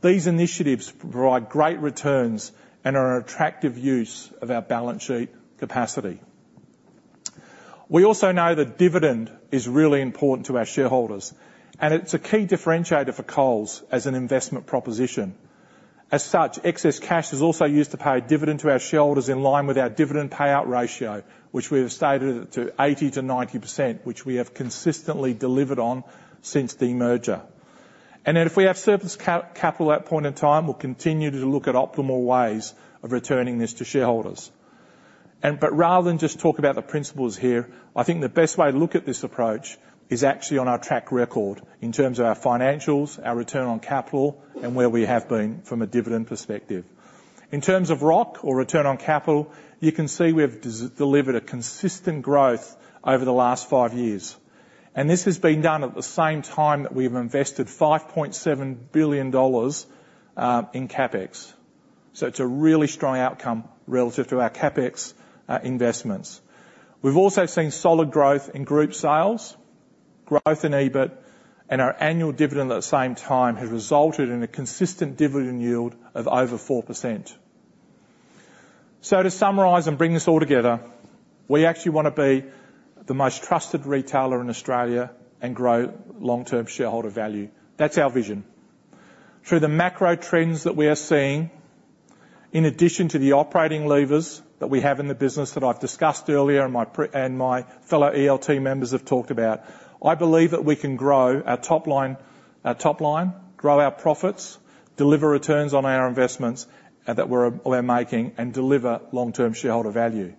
These initiatives provide great returns and are an attractive use of our balance sheet capacity. We also know that dividend is really important to our shareholders, and it's a key differentiator for Coles as an investment proposition. As such, excess cash is also used to pay dividend to our shareholders in line with our dividend payout ratio, which we have stated to 80%-90%, which we have consistently delivered on since the merger. And if we have surplus capital at that point in time, we'll continue to look at optimal ways of returning this to shareholders. But rather than just talk about the principles here, I think the best way to look at this approach is actually on our track record in terms of our financials, our return on capital, and where we have been from a dividend perspective. In terms of ROC or return on capital, you can see we have delivered a consistent growth over the last five years. And this has been done at the same time that we have invested 5.7 billion dollars in CapEx. So it's a really strong outcome relative to our CapEx investments. We've also seen solid growth in group sales, growth in EBIT, and our annual dividend at the same time has resulted in a consistent dividend yield of over 4%. So to summarize and bring this all together, we actually want to be the most trusted retailer in Australia and grow long-term shareholder value. That's our vision. Through the macro trends that we are seeing, in addition to the operating levers that we have in the business that I've discussed earlier and my fellow ELT members have talked about, I believe that we can grow our top line, grow our profits, deliver returns on our investments that we're making, and deliver long-term shareholder value.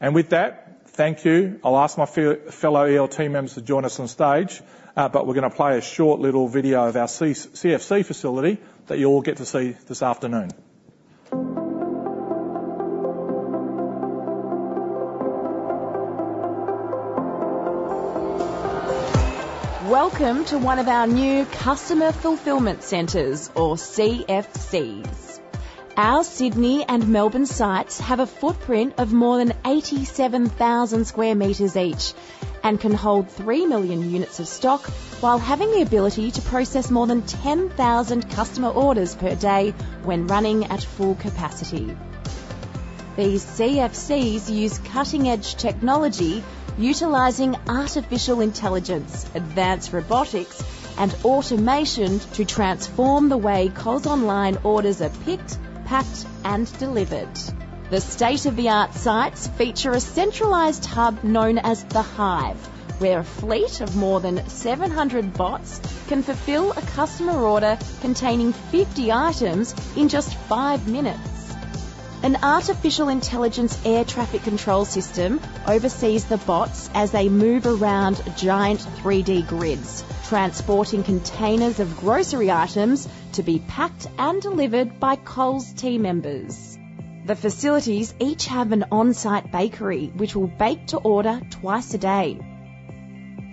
And with that, thank you. I'll ask my fellow ELT members to join us on stage. But we're going to play a short little video of our CFC facility that you'll get to see this afternoon. Welcome to one of our new Customer Fulfilment Centres, or CFCs. Our Sydney and Melbourne sites have a footprint of more than 87,000 square meters each and can hold 3 million units of stock while having the ability to process more than 10,000 customer orders per day when running at full capacity. These CFCs use cutting-edge technology, utilizing artificial intelligence, advanced robotics, and automation to transform the way Coles online orders are picked, packed, and delivered. The state-of-the-art sites feature a centralized hub known as the Hive, where a fleet of more than 700 bots can fulfill a customer order containing 50 items in just five minutes. An artificial intelligence air traffic control system oversees the bots as they move around giant 3D grids, transporting containers of grocery items to be packed and delivered by Coles team members. The facilities each have an on-site bakery, which will bake to order twice a day,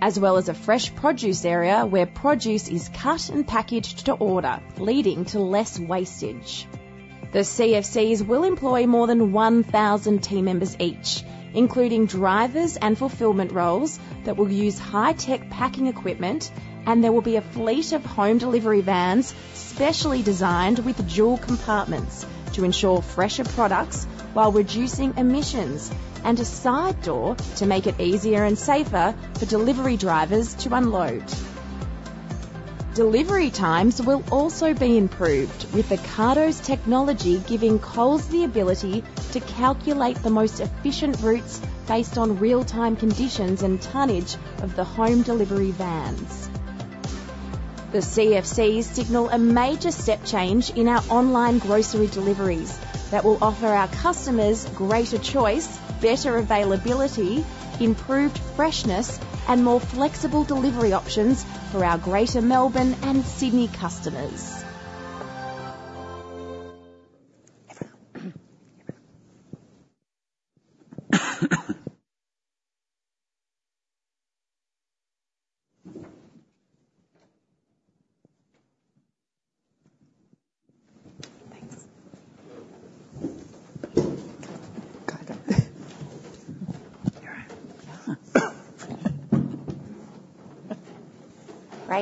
as well as a fresh produce area where produce is cut and packaged to order, leading to less wastage. The CFCs will employ more than 1,000 team members each, including drivers and fulfillment roles that will use high-tech packing equipment, and there will be a fleet of home delivery vans specially designed with dual compartments to ensure fresher products while reducing emissions and a side door to make it easier and safer for delivery drivers to unload. Delivery times will also be improved, with the Ocado's technology giving Coles the ability to calculate the most efficient routes based on real-time conditions and tonnage of the home delivery vans. The CFCs signal a major step change in our online grocery deliveries that will offer our customers greater choice, better availability, improved freshness, and more flexible delivery options for our Greater Melbourne and Sydney customers.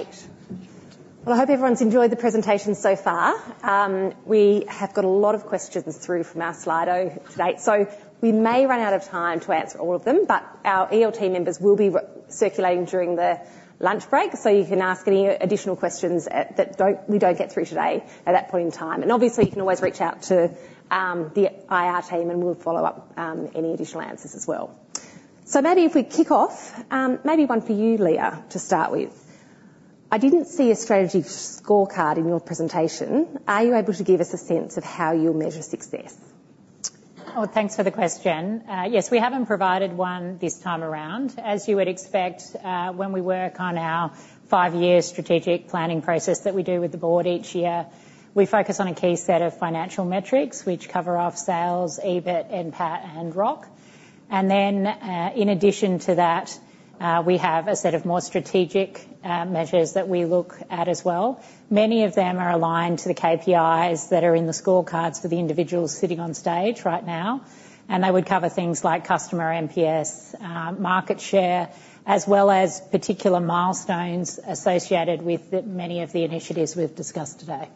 Great. Well, I hope everyone's enjoyed the presentation so far. We have got a lot of questions through from our Slido today. So we may run out of time to answer all of them, but our ELT members will be circulating during the lunch break, so you can ask any additional questions that we don't get through today at that point in time. And obviously, you can always reach out to the IR team, and we'll follow up any additional answers as well. So maybe if we kick off, maybe one for you, Leah, to start with. I didn't see a strategy scorecard in your presentation. Are you able to give us a sense of how you'll measure success? Oh, thanks for the question. Yes, we haven't provided one this time around. As you would expect, when we work on our five-year strategic planning process that we do with the board each year, we focus on a key set of financial metrics, which cover off sales, EBIT, and ROC. Then, in addition to that, we have a set of more strategic measures that we look at as well. Many of them are aligned to the KPIs that are in the scorecards for the individuals sitting on stage right now. They would cover things like customer NPS, market share, as well as particular milestones associated with many of the initiatives we've discussed today.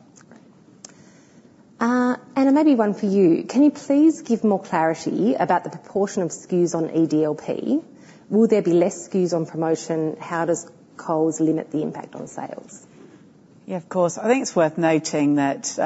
Anna maybe one for you. Can you please give more clarity about the proportion of SKUs on EDLP? Will there be less SKUs on promotion? How does Coles limit the impact on sales? Yeah, of course. I think it's worth noting that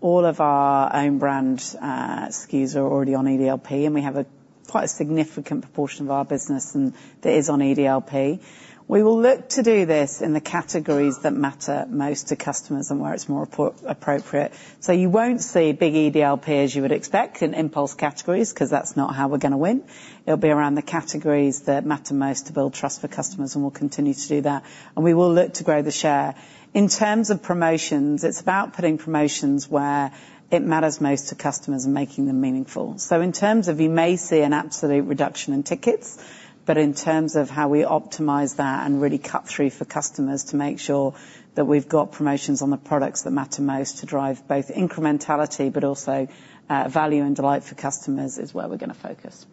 all of our Own Brand SKUs are already on EDLP, and we have quite a significant proportion of our business that is on EDLP. We will look to do this in the categories that matter most to customers and where it's more appropriate. So you won't see big EDLP, as you would expect, in impulse categories because that's not how we're going to win. It'll be around the categories that matter most to build trust for customers, and we'll continue to do that. And we will look to grow the share. In terms of promotions, it's about putting promotions where it matters most to customers and making them meaningful. So in terms of, you may see an absolute reduction in tickets, but in terms of how we optimize that and really cut through for customers to make sure that we've got promotions on the products that matter most to drive both incrementality but also value and delight for customers is where we're going to focus.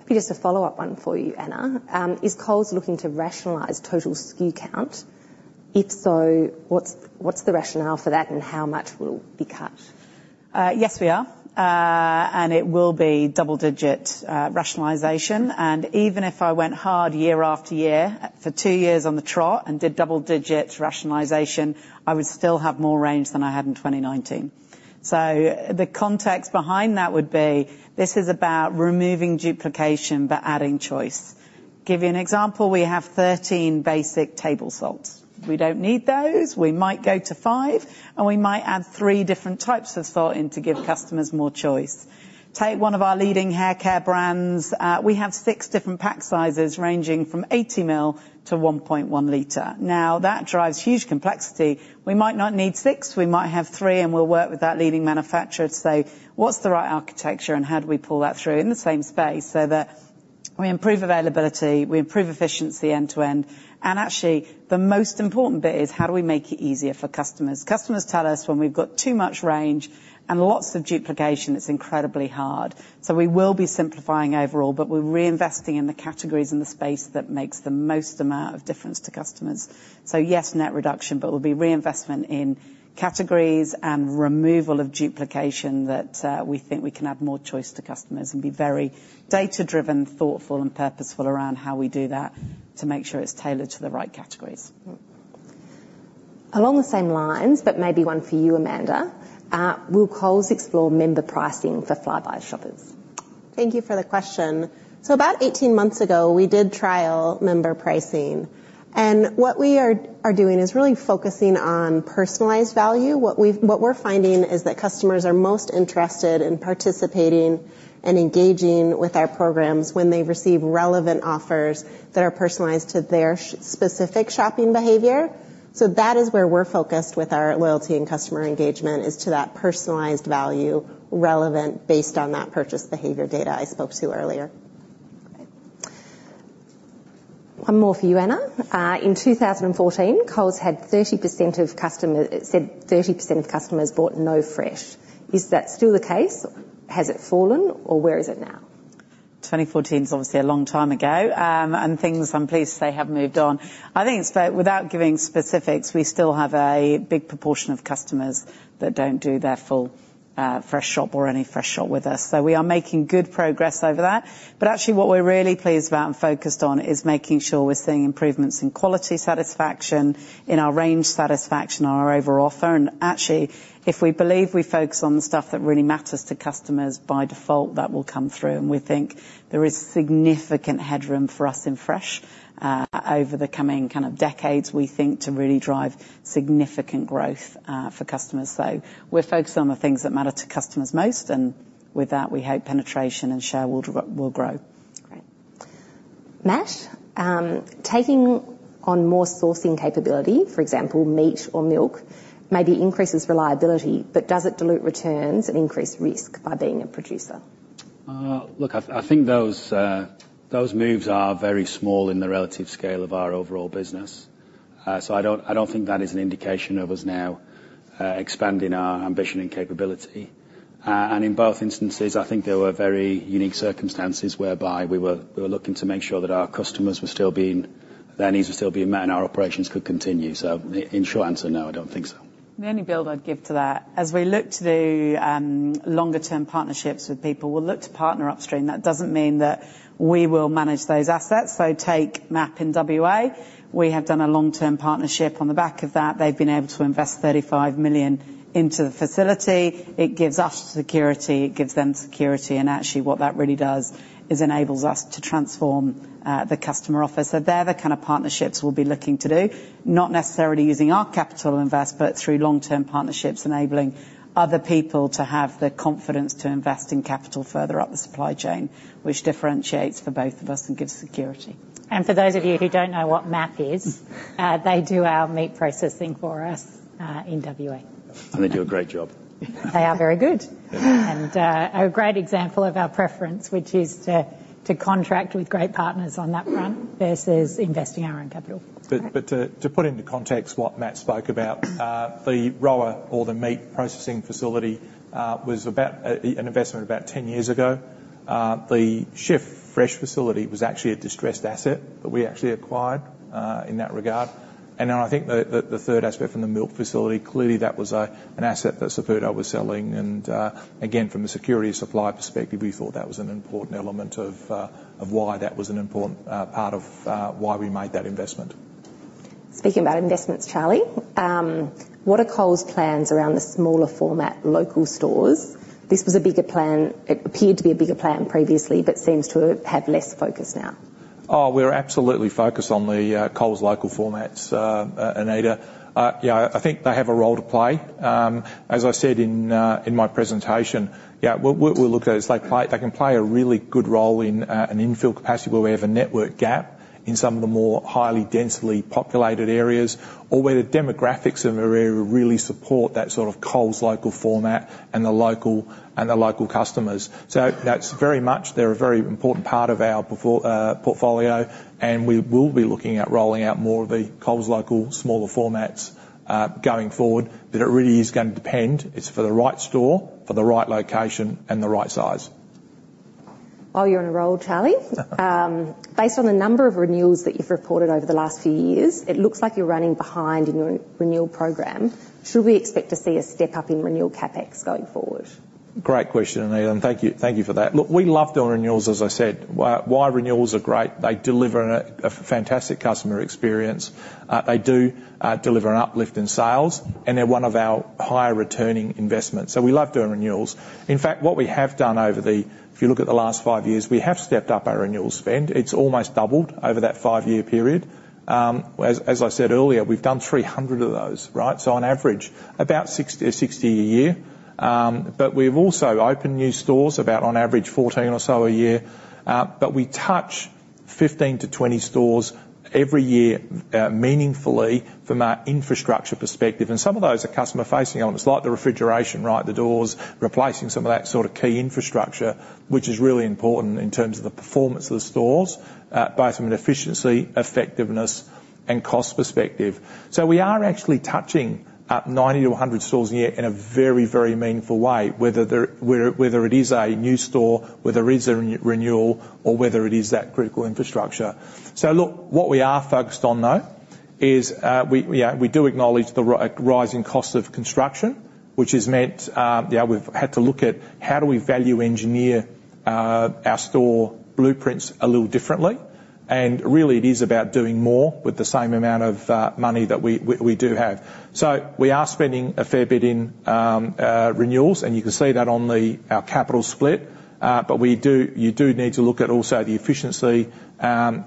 Maybe just a follow-up one for you, Anna. Is Coles looking to rationalize total SKU count? If so, what's the rationale for that, and how much will be cut? Yes, we are. And it will be double-digit rationalization. And even if I went hard year after year for two years on the trot and did double-digit rationalization, I would still have more range than I had in 2019. So the context behind that would be this is about removing duplication but adding choice. To give you an example, we have 13 basic table salts. We don't need those. We might go to five, and we might add three different types of salt in to give customers more choice. Take one of our leading hair care brands. We have six different pack sizes ranging from 80 ml to 1.1 litre. Now, that drives huge complexity. We might not need six. We might have three, and we'll work with that leading manufacturer to say, "What's the right architecture, and how do we pull that through in the same space so that we improve availability, we improve efficiency end-to-end?" And actually, the most important bit is, how do we make it easier for customers? Customers tell us when we've got too much range and lots of duplication, it's incredibly hard. So we will be simplifying overall, but we're reinvesting in the categories and the space that makes the most amount of difference to customers. So yes, net reduction, but there'll be reinvestment in categories and removal of duplication that we think we can add more choice to customers and be very data-driven, thoughtful, and purposeful around how we do that to make sure it's tailored to the right categories. Along the same lines, but maybe one for you, Amanda, will Coles explore member pricing for Flybuys shoppers? Thank you for the question. So about 18 months ago, we did trial member pricing. And what we are doing is really focusing on personalized value. What we're finding is that customers are most interested in participating and engaging with our programs when they receive relevant offers that are personalized to their specific shopping behavior. So that is where we're focused with our loyalty and customer engagement is to that personalized value relevant based on that purchase behavior data I spoke to earlier. One more for you, Anna. In 2014, Coles had 30% of customers said 30% of customers bought no fresh. Is that still the case? Has it fallen, or where is it now? 2014 is obviously a long time ago, and things I'm pleased to say have moved on. I think it's, without giving specifics, we still have a big proportion of customers that don't do their full fresh shop or any fresh shop with us. So we are making good progress over that. But actually, what we're really pleased about and focused on is making sure we're seeing improvements in quality satisfaction, in our range satisfaction, our overall offer. And actually, if we believe we focus on the stuff that really matters to customers by default, that will come through. And we think there is significant headroom for us in fresh over the coming kind of decades, we think, to really drive significant growth for customers. So we're focused on the things that matter to customers most. And with that, we hope penetration and share will grow. Great. Matt, taking on more sourcing capability, for example, meat or milk, maybe increases reliability, but does it dilute returns and increase risk by being a producer? Look, I think those moves are very small in the relative scale of our overall business. So I don't think that is an indication of us now expanding our ambition and capability. And in both instances, I think there were very unique circumstances whereby we were looking to make sure that our customers' needs were still being met and our operations could continue. So in short answer, no, I don't think so. The only build I'd give to that, as we look to do longer-term partnerships with people, we'll look to partner upstream. That doesn't mean that we will manage those assets. So take MAP in WA. We have done a long-term partnership on the back of that. They've been able to invest 35 million into the facility. It gives us security. It gives them security. And actually, what that really does is enables us to transform the customer office. So they're the kind of partnerships we'll be looking to do, not necessarily using our capital invest, but through long-term partnerships, enabling other people to have the confidence to invest in capital further up the supply chain, which differentiates for both of us and gives security. And for those of you who don't know what MAP is, they do our meat processing for us in WA. And they do a great job. They are very good. And a great example of our preference, which is to contract with great partners on that front versus investing our own capital. But to put into context what Matt spoke about, the RROA or the meat processing facility was an investment about 10 years ago. The Chef Fresh facility was actually a distressed asset that we actually acquired in that regard. And then I think the third aspect from the milk facility, clearly, that was an asset that Saputo was selling. And again, from a security supply perspective, we thought that was an important element of why that was an important part of why we made that investment. Speaking about investments, Charlie, what are Coles' plans around the smaller format local stores? This was a bigger plan. It appeared to be a bigger plan previously, but seems to have less focus now. Oh, we're absolutely focused on the Coles Local formats, Anita. Yeah, I think they have a role to play. As I said in my presentation, yeah, we'll look at it as they can play a really good role in an infill capacity where we have a network gap in some of the more highly densely populated areas, or where the demographics of an area really support that sort of Coles Local format and the local customers. So that's very much they're a very important part of our portfolio, and we will be looking at rolling out more of the Coles Local smaller formats going forward. But it really is going to depend. It's for the right store, for the right location, and the right size. While you're on a roll, Charlie, based on the number of renewals that you've reported over the last few years, it looks like you're running behind in your renewal program. Should we expect to see a step up in renewal CapEx going forward? Great question, Anita. And thank you for that. Look, we love doing renewals, as I said. Why renewals are great? They deliver a fantastic customer experience. They do deliver an uplift in sales, and they're one of our higher returning investments. So we love doing renewals. In fact, what we have done over the, if you look at the last five years, we have stepped up our renewal spend. It's almost doubled over that five-year period. As I said earlier, we've done 300 of those, right? So on average, about 60 a year. But we've also opened new stores, about on average, 14 or so a year. But we touch 15-20 stores every year meaningfully from our infrastructure perspective. And some of those are customer-facing elements, like the refrigeration, right? The doors, replacing some of that sort of key infrastructure, which is really important in terms of the performance of the stores, both from an efficiency, effectiveness, and cost perspective. So we are actually touching 90-100 stores a year in a very, very meaningful way, whether it is a new store, whether it is a renewal, or whether it is that critical infrastructure. So look, what we are focused on, though, is we do acknowledge the rising cost of construction, which has meant we've had to look at how do we value engineer our store blueprints a little differently. And really, it is about doing more with the same amount of money that we do have. So we are spending a fair bit in renewals, and you can see that on our capital split. But you do need to look at also the efficiency and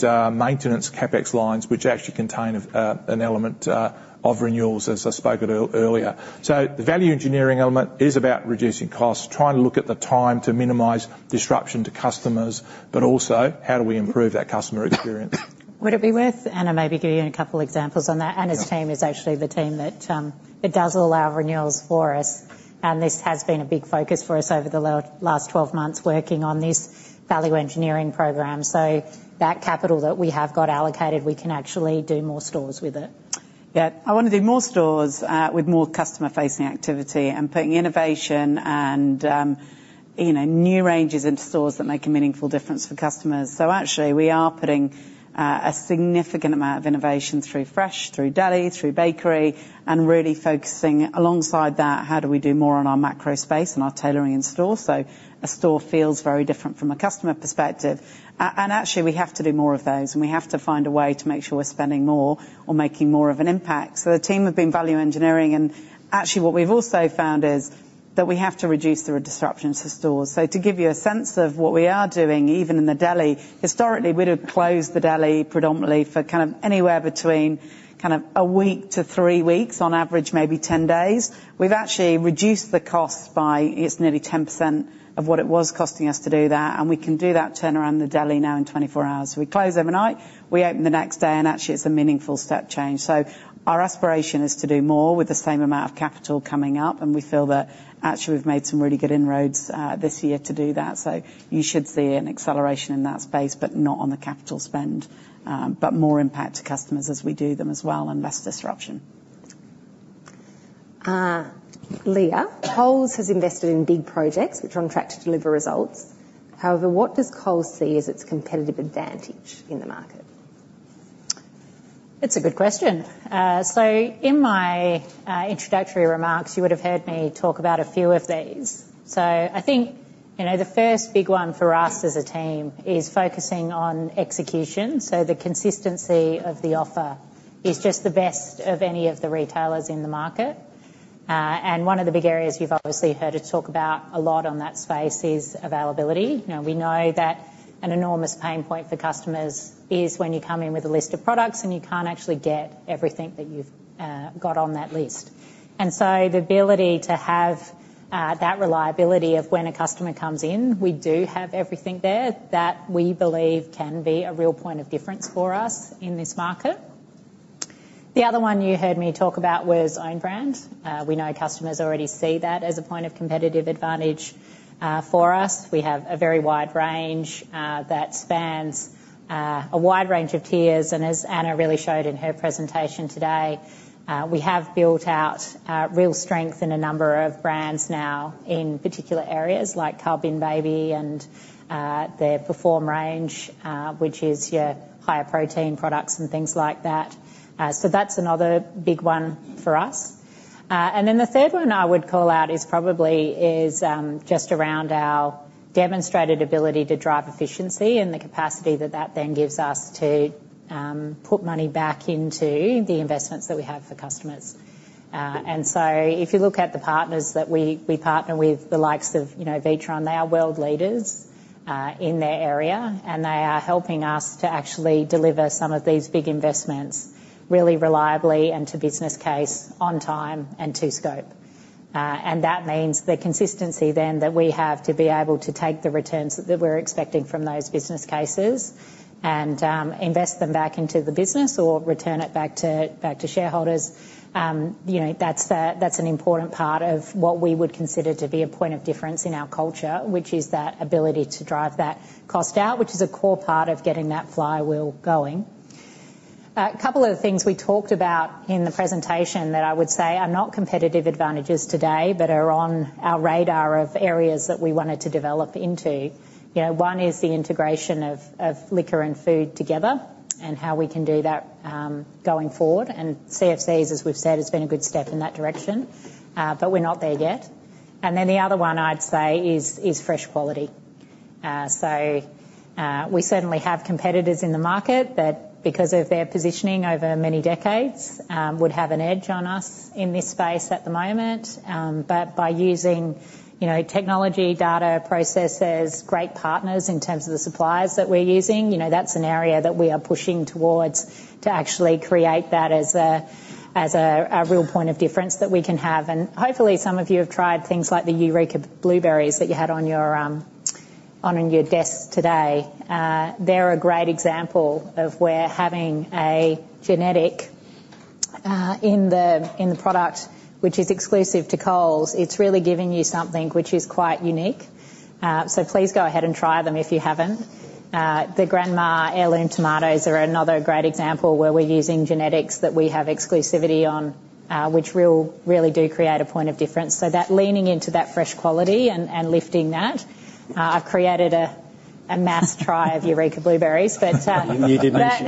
maintenance CapEx lines, which actually contain an element of renewals, as I spoke of earlier. So the value engineering element is about reducing costs, trying to look at the time to minimize disruption to customers, but also how do we improve that customer experience. Would it be worth, Anna, maybe giving you a couple of examples on that? Anna's team is actually the team that does all our renewals for us. And this has been a big focus for us over the last 12 months working on this value engineering program. So that capital that we have got allocated, we can actually do more stores with it. Yeah, I want to do more stores with more customer-facing activity and putting innovation and new ranges into stores that make a meaningful difference for customers. So actually, we are putting a significant amount of innovation through fresh, through deli, through bakery, and really focusing alongside that, how do we do more on our macro space and our tailoring in store so a store feels very different from a customer perspective. And actually, we have to do more of those, and we have to find a way to make sure we're spending more or making more of an impact. So the team have been value engineering. And actually, what we've also found is that we have to reduce the disruptions to stores. So to give you a sense of what we are doing, even in the deli, historically, we'd have closed the deli predominantly for kind of anywhere between kind of a week to three weeks, on average, maybe 10 days. We've actually reduced the cost by nearly 10% of what it was costing us to do that, and we can do that turnaround in the deli now in 24 hours, so we close overnight. We open the next day, and actually, it's a meaningful step change, so our aspiration is to do more with the same amount of capital coming up, and we feel that actually we've made some really good inroads this year to do that, so you should see an acceleration in that space, but not on the capital spend, but more impact to customers as we do them as well and less disruption. Leah, Coles has invested in big projects which are on track to deliver results. However, what does Coles see as its competitive advantage in the market? It's a good question. So, in my introductory remarks, you would have heard me talk about a few of these. So, I think the first big one for us as a team is focusing on execution. So, the consistency of the offer is just the best of any of the retailers in the market. And one of the big areas you've obviously heard us talk about a lot on that space is availability. We know that an enormous pain point for customers is when you come in with a list of products and you can't actually get everything that you've got on that list. And so, the ability to have that reliability of when a customer comes in, we do have everything there that we believe can be a real point of difference for us in this market. The other one you heard me talk about was Own Brand. We know customers already see that as a point of competitive advantage for us. We have a very wide range that spans a wide range of tiers, and as Anna really showed in her presentation today, we have built out real strength in a number of brands now in particular areas like Cub baby, and their PerForm range, which is higher protein products and things like that. So that's another big one for us, and then the third one I would call out is probably just around our demonstrated ability to drive efficiency and the capacity that that then gives us to put money back into the investments that we have for customers. If you look at the partners that we partner with, the likes of Witron, they are world leaders in their area, and they are helping us to actually deliver some of these big investments really reliably and to business case on time and to scope. That means the consistency then that we have to be able to take the returns that we're expecting from those business cases and invest them back into the business or return it back to shareholders. That's an important part of what we would consider to be a point of difference in our culture, which is that ability to drive that cost out, which is a core part of getting that Flywheel going. A couple of things we talked about in the presentation that I would say are not competitive advantages today but are on our radar of areas that we wanted to develop into. One is the integration of liquor and food together and how we can do that going forward. And CFCs, as we've said, has been a good step in that direction, but we're not there yet. And then the other one I'd say is fresh quality. So we certainly have competitors in the market that, because of their positioning over many decades, would have an edge on us in this space at the moment. But by using technology, data, processes, great partners in terms of the suppliers that we're using, that's an area that we are pushing towards to actually create that as a real point of difference that we can have. And hopefully, some of you have tried things like the Eureka Blueberries that you had on your desk today. They're a great example of where having genetics in the product, which is exclusive to Coles, it's really giving you something which is quite unique. So please go ahead and try them if you haven't. The Grandma's Heirlooms tomatoes are another great example where we're using genetics that we have exclusivity on, which really do create a point of difference. So that leaning into that fresh quality and lifting that, I've created a massive tray of Eureka Blueberries, but.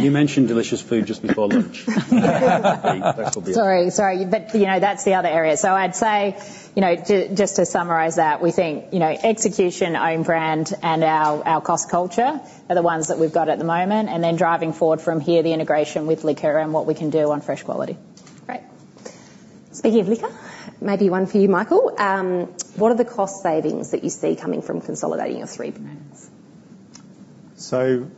You mentioned delicious food just before lunch. Sorry, sorry. But that's the other area. So I'd say, just to summarize that, we think execution, Own Brand, and our cost culture are the ones that we've got at the moment. And then driving forward from here, the integration with liquor and what we can do on fresh quality. Great. Speaking of liquor, maybe one for you, Michael. What are the cost savings that you see coming from consolidating your three brands? So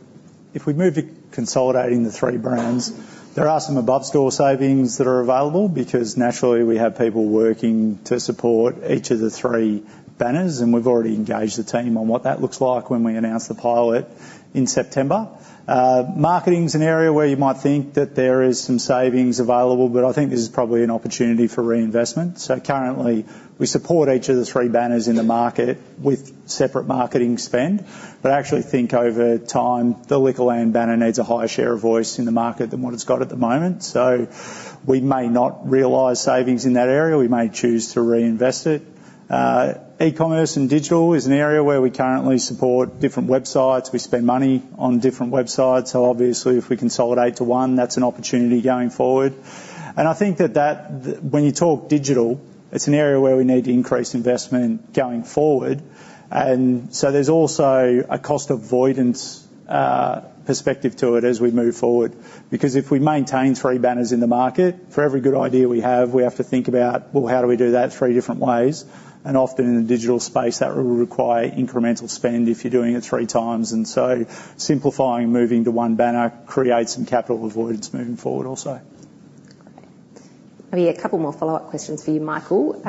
if we move to consolidating the three brands, there are some above-store savings that are available because naturally, we have people working to support each of the three banners, and we've already engaged the team on what that looks like when we announce the pilot in September. Marketing is an area where you might think that there is some savings available, but I think this is probably an opportunity for reinvestment. Currently, we support each of the three banners in the market with separate marketing spend, but I actually think over time, the Liquorland banner needs a higher share of voice in the market than what it's got at the moment. So we may not realize savings in that area. We may choose to reinvest it. E-commerce and digital is an area where we currently support different websites. We spend money on different websites. So obviously, if we consolidate to one, that's an opportunity going forward. And I think that when you talk digital, it's an area where we need to increase investment going forward. And so there's also a cost avoidance perspective to it as we move forward because if we maintain three banners in the market, for every good idea we have, we have to think about, well, how do we do that three different ways? Often in the digital space, that will require incremental spend if you're doing it 3x. So simplifying and moving to one banner creates some capital avoidance moving forward also. Great. Maybe a couple more follow-up questions for you, Michael.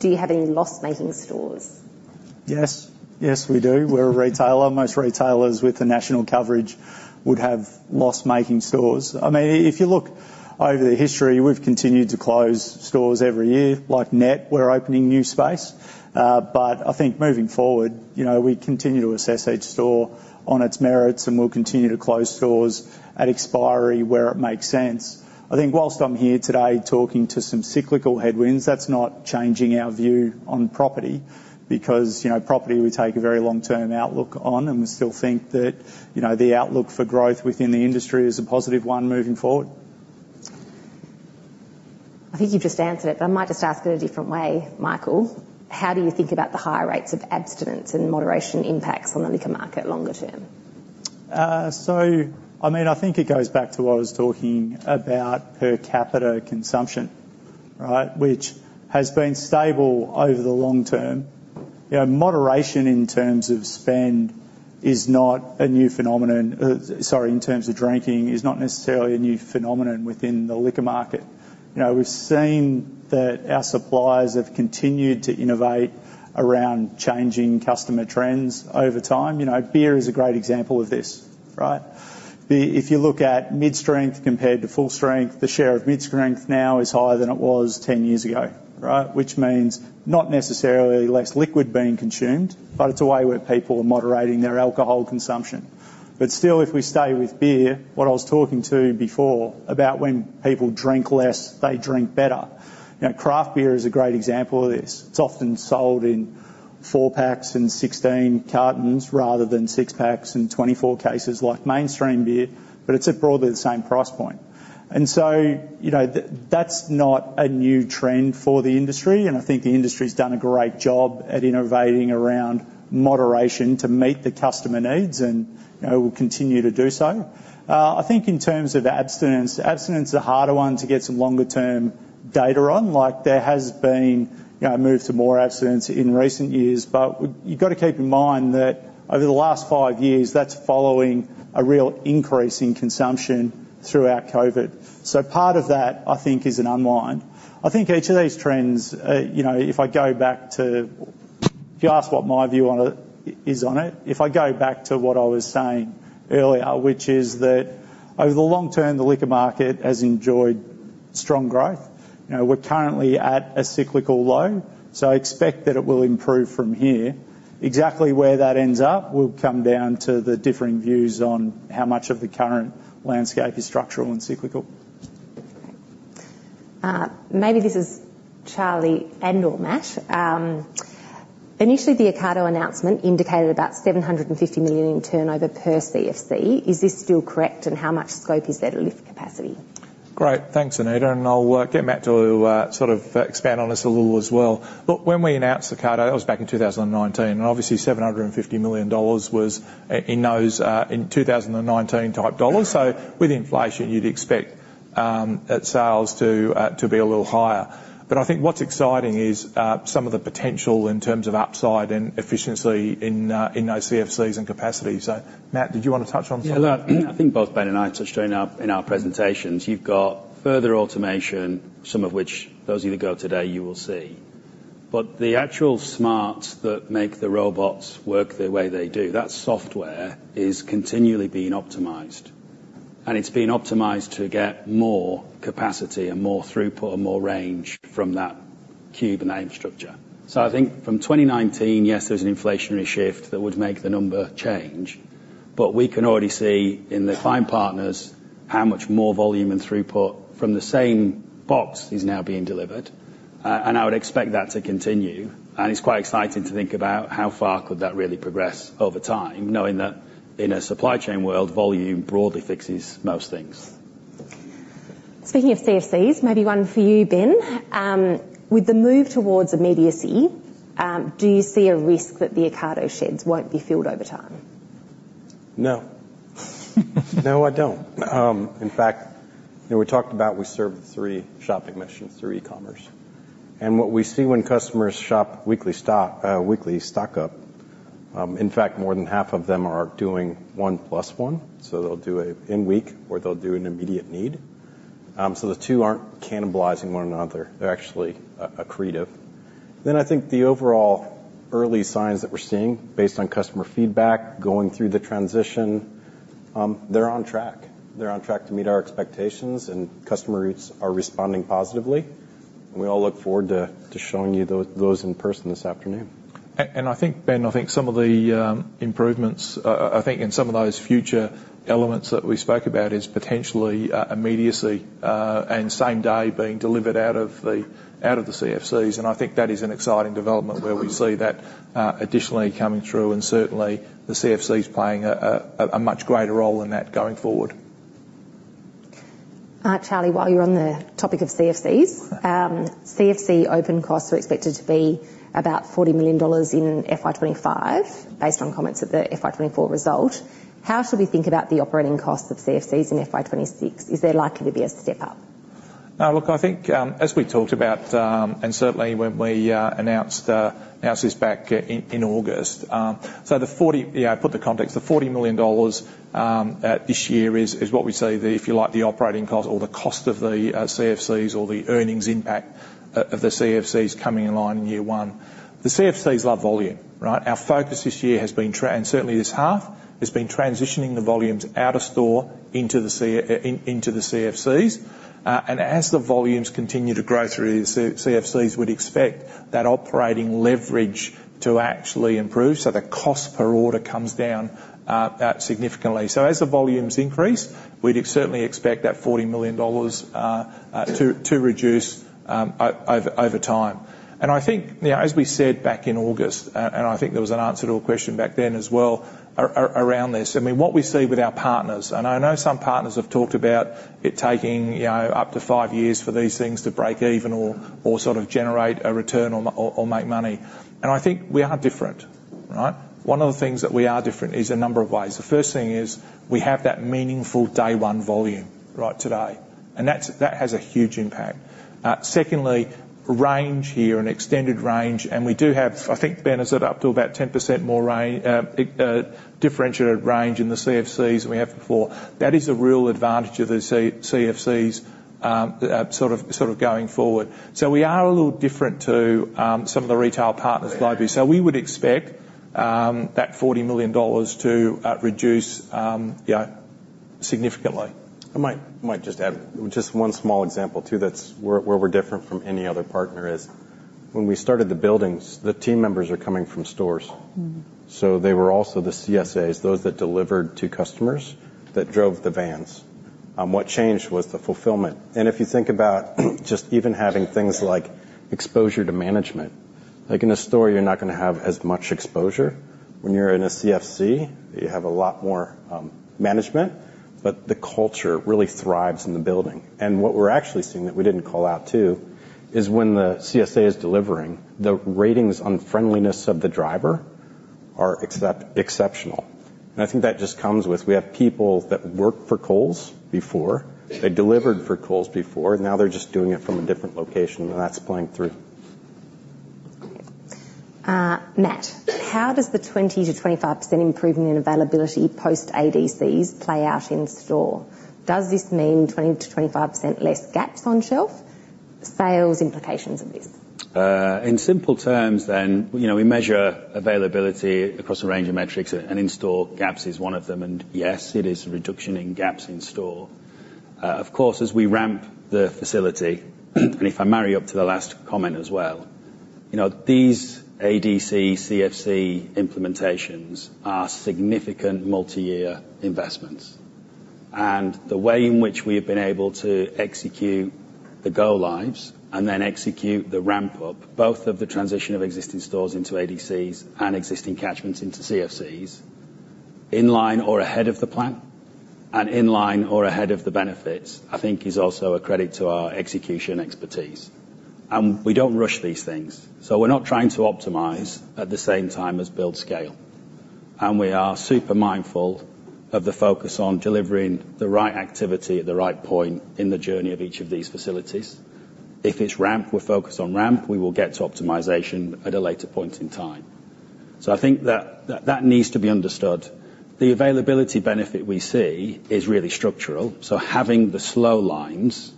Do you have any loss-making stores? Yes. Yes, we do. We're a retailer. Most retailers with the national coverage would have loss-making stores. I mean, if you look over the history, we've continued to close stores every year. Like, net, we're opening new space. I think moving forward, we continue to assess each store on its merits, and we'll continue to close stores at expiry where it makes sense. I think while I'm here today talking to some cyclical headwinds, that's not changing our view on property because property we take a very long-term outlook on, and we still think that the outlook for growth within the industry is a positive one moving forward. I think you've just answered it, but I might just ask it a different way, Michael. How do you think about the high rates of abstinence and moderation impacts on the liquor market longer term? So I mean, I think it goes back to what I was talking about per capita consumption, right, which has been stable over the long term. Moderation in terms of spend is not a new phenomenon. Sorry, in terms of drinking is not necessarily a new phenomenon within the liquor market. We've seen that our suppliers have continued to innovate around changing customer trends over time. Beer is a great example of this, right? If you look at mid-strength compared to full strength, the share of mid-strength now is higher than it was 10 years ago, right, which means not necessarily less liquid being consumed, but it's a way where people are moderating their alcohol consumption. But still, if we stay with beer, what I was talking to before about when people drink less, they drink better. Craft beer is a great example of this. It's often sold in four packs and 16 cartons rather than six packs and 24 cases like mainstream beer, but it's at broadly the same price point. And so that's not a new trend for the industry. And I think the industry has done a great job at innovating around moderation to meet the customer needs and will continue to do so. I think in terms of abstinence, abstinence is a harder one to get some longer-term data on. There has been a move to more abstinence in recent years, but you've got to keep in mind that over the last five years, that's following a real increase in consumption throughout COVID. So part of that, I think, is an unwind. I think each of these trends, if I go back to if you ask what my view is on it, if I go back to what I was saying earlier, which is that over the long term, the liquor market has enjoyed strong growth. We're currently at a cyclical low, so expect that it will improve from here. Exactly where that ends up will come down to the differing views on how much of the current landscape is structural and cyclical. Maybe this is Charlie and/or Matt. Initially, the Ocado announcement indicated about 750 million in turnover per CFC. Is this still correct, and how much scope is there to lift capacity? Great. Thanks, Anita. And I'll get Matt to sort of expand on this a little as well. Look, when we announced Ocado, that was back in 2019. And obviously, 750 million dollars was in those 2019-type dollars. So with inflation, you'd expect sales to be a little higher. But I think what's exciting is some of the potential in terms of upside and efficiency in those CFCs and capacity. So Matt, did you want to touch on something? Yeah. Look, I think both Ben and I touched on in our presentations. You've got further automation, some of which those of you that go today, you will see. But the actual smarts that make the robots work the way they do, that software is continually being optimized. And it's being optimized to get more capacity and more throughput and more range from that cube and that infrastructure. So I think from 2019, yes, there's an inflationary shift that would make the number change. But we can already see in the client partners how much more volume and throughput from the same box is now being delivered. And I would expect that to continue. And it's quite exciting to think about how far could that really progress over time, knowing that in a supply chain world, volume broadly fixes most things. Speaking of CFCs, maybe one for you, Ben. With the move towards immediacy, do you see a risk that the Ocado sheds won't be filled over time? No. No, I don't. In fact, we talked about we serve three shopping missions, three e-commerce. And what we see when customers shop weekly stock up, in fact, more than half of them are doing one plus one. So they'll do an in-week or they'll do an immediate need. So the two aren't cannibalizing one another. They're actually accretive. Then I think the overall early signs that we're seeing based on customer feedback going through the transition, they're on track. They're on track to meet our expectations, and customer stores are responding positively. And we all look forward to showing you those in person this afternoon. And I think, Ben, I think some of the improvements, I think in some of those future elements that we spoke about is potentially immediacy and same-day being delivered out of the CFCs. And I think that is an exciting development where we see that additionally coming through. Certainly, the CFCs playing a much greater role in that going forward. Charlie, while you're on the topic of CFCs, CFC opening costs were expected to be about 40 million dollars in FY 2025 based on comments at the FY 2024 result. How should we think about the operating costs of CFCs in FY 2026? Is there likely to be a step up? No, look, I think as we talked about, and certainly when we announced this back in August, so the 40 million, yeah, I put the context, the 40 million dollars this year is what we say, if you like, the operating cost or the cost of the CFCs or the earnings impact of the CFCs coming in line in year one. The CFCs love volume, right? Our focus this year has been, and certainly this half, has been transitioning the volumes out of store into the CFCs. As the volumes continue to grow through, the CFCs would expect that operating leverage to actually improve. So the cost per order comes down significantly. So as the volumes increase, we'd certainly expect that 40 million dollars to reduce over time. And I think, as we said back in August, and I think there was an answer to a question back then as well around this. I mean, what we see with our partners, and I know some partners have talked about it taking up to five years for these things to break even or sort of generate a return or make money. And I think we are different, right? One of the things that we are different is a number of ways. The first thing is we have that meaningful day one volume, right, today. And that has a huge impact. Secondly, range here and extended range. We do have, I think, Ben has said up to about 10% more differentiated range in the CFCs than we have before. That is a real advantage of the CFCs sort of going forward. So we are a little different to some of the retail partners globally. So we would expect that 40 million dollars to reduce significantly. I might just add just one small example too where we're different from any other partner is when we started the buildings, the team members are coming from stores. So they were also the CSAs, those that delivered to customers that drove the vans. What changed was the fulfillment. If you think about just even having things like exposure to management, like in a store, you're not going to have as much exposure. When you're in a CFC, you have a lot more management, but the culture really thrives in the building, and what we're actually seeing that we didn't call out too is when the CSA is delivering, the ratings on friendliness of the driver are exceptional. And I think that just comes with we have people that worked for Coles before. They delivered for Coles before, and now they're just doing it from a different location, and that's playing through. Matt, how does the 20%-25% improvement in availability post-ADCs play out in store? Does this mean 20%-25% less gaps on shelf? Sales implications of this. In simple terms, then we measure availability across a range of metrics, and in-store gaps is one of them, and yes, it is a reduction in gaps in store. Of course, as we ramp the facility, and if I marry up to the last comment as well, these ADC CFC implementations are significant multi-year investments. And the way in which we have been able to execute the go-lives and then execute the ramp-up, both of the transition of existing stores into ADCs and existing catchments into CFCs, in line or ahead of the plan, and in line or ahead of the benefits, I think is also a credit to our execution expertise. And we don't rush these things. So we're not trying to optimize at the same time as build scale. And we are super mindful of the focus on delivering the right activity at the right point in the journey of each of these facilities. If it's ramp, we're focused on ramp. We will get to optimization at a later point in time. So I think that that needs to be understood. The availability benefit we see is really structural. So having the slow lines,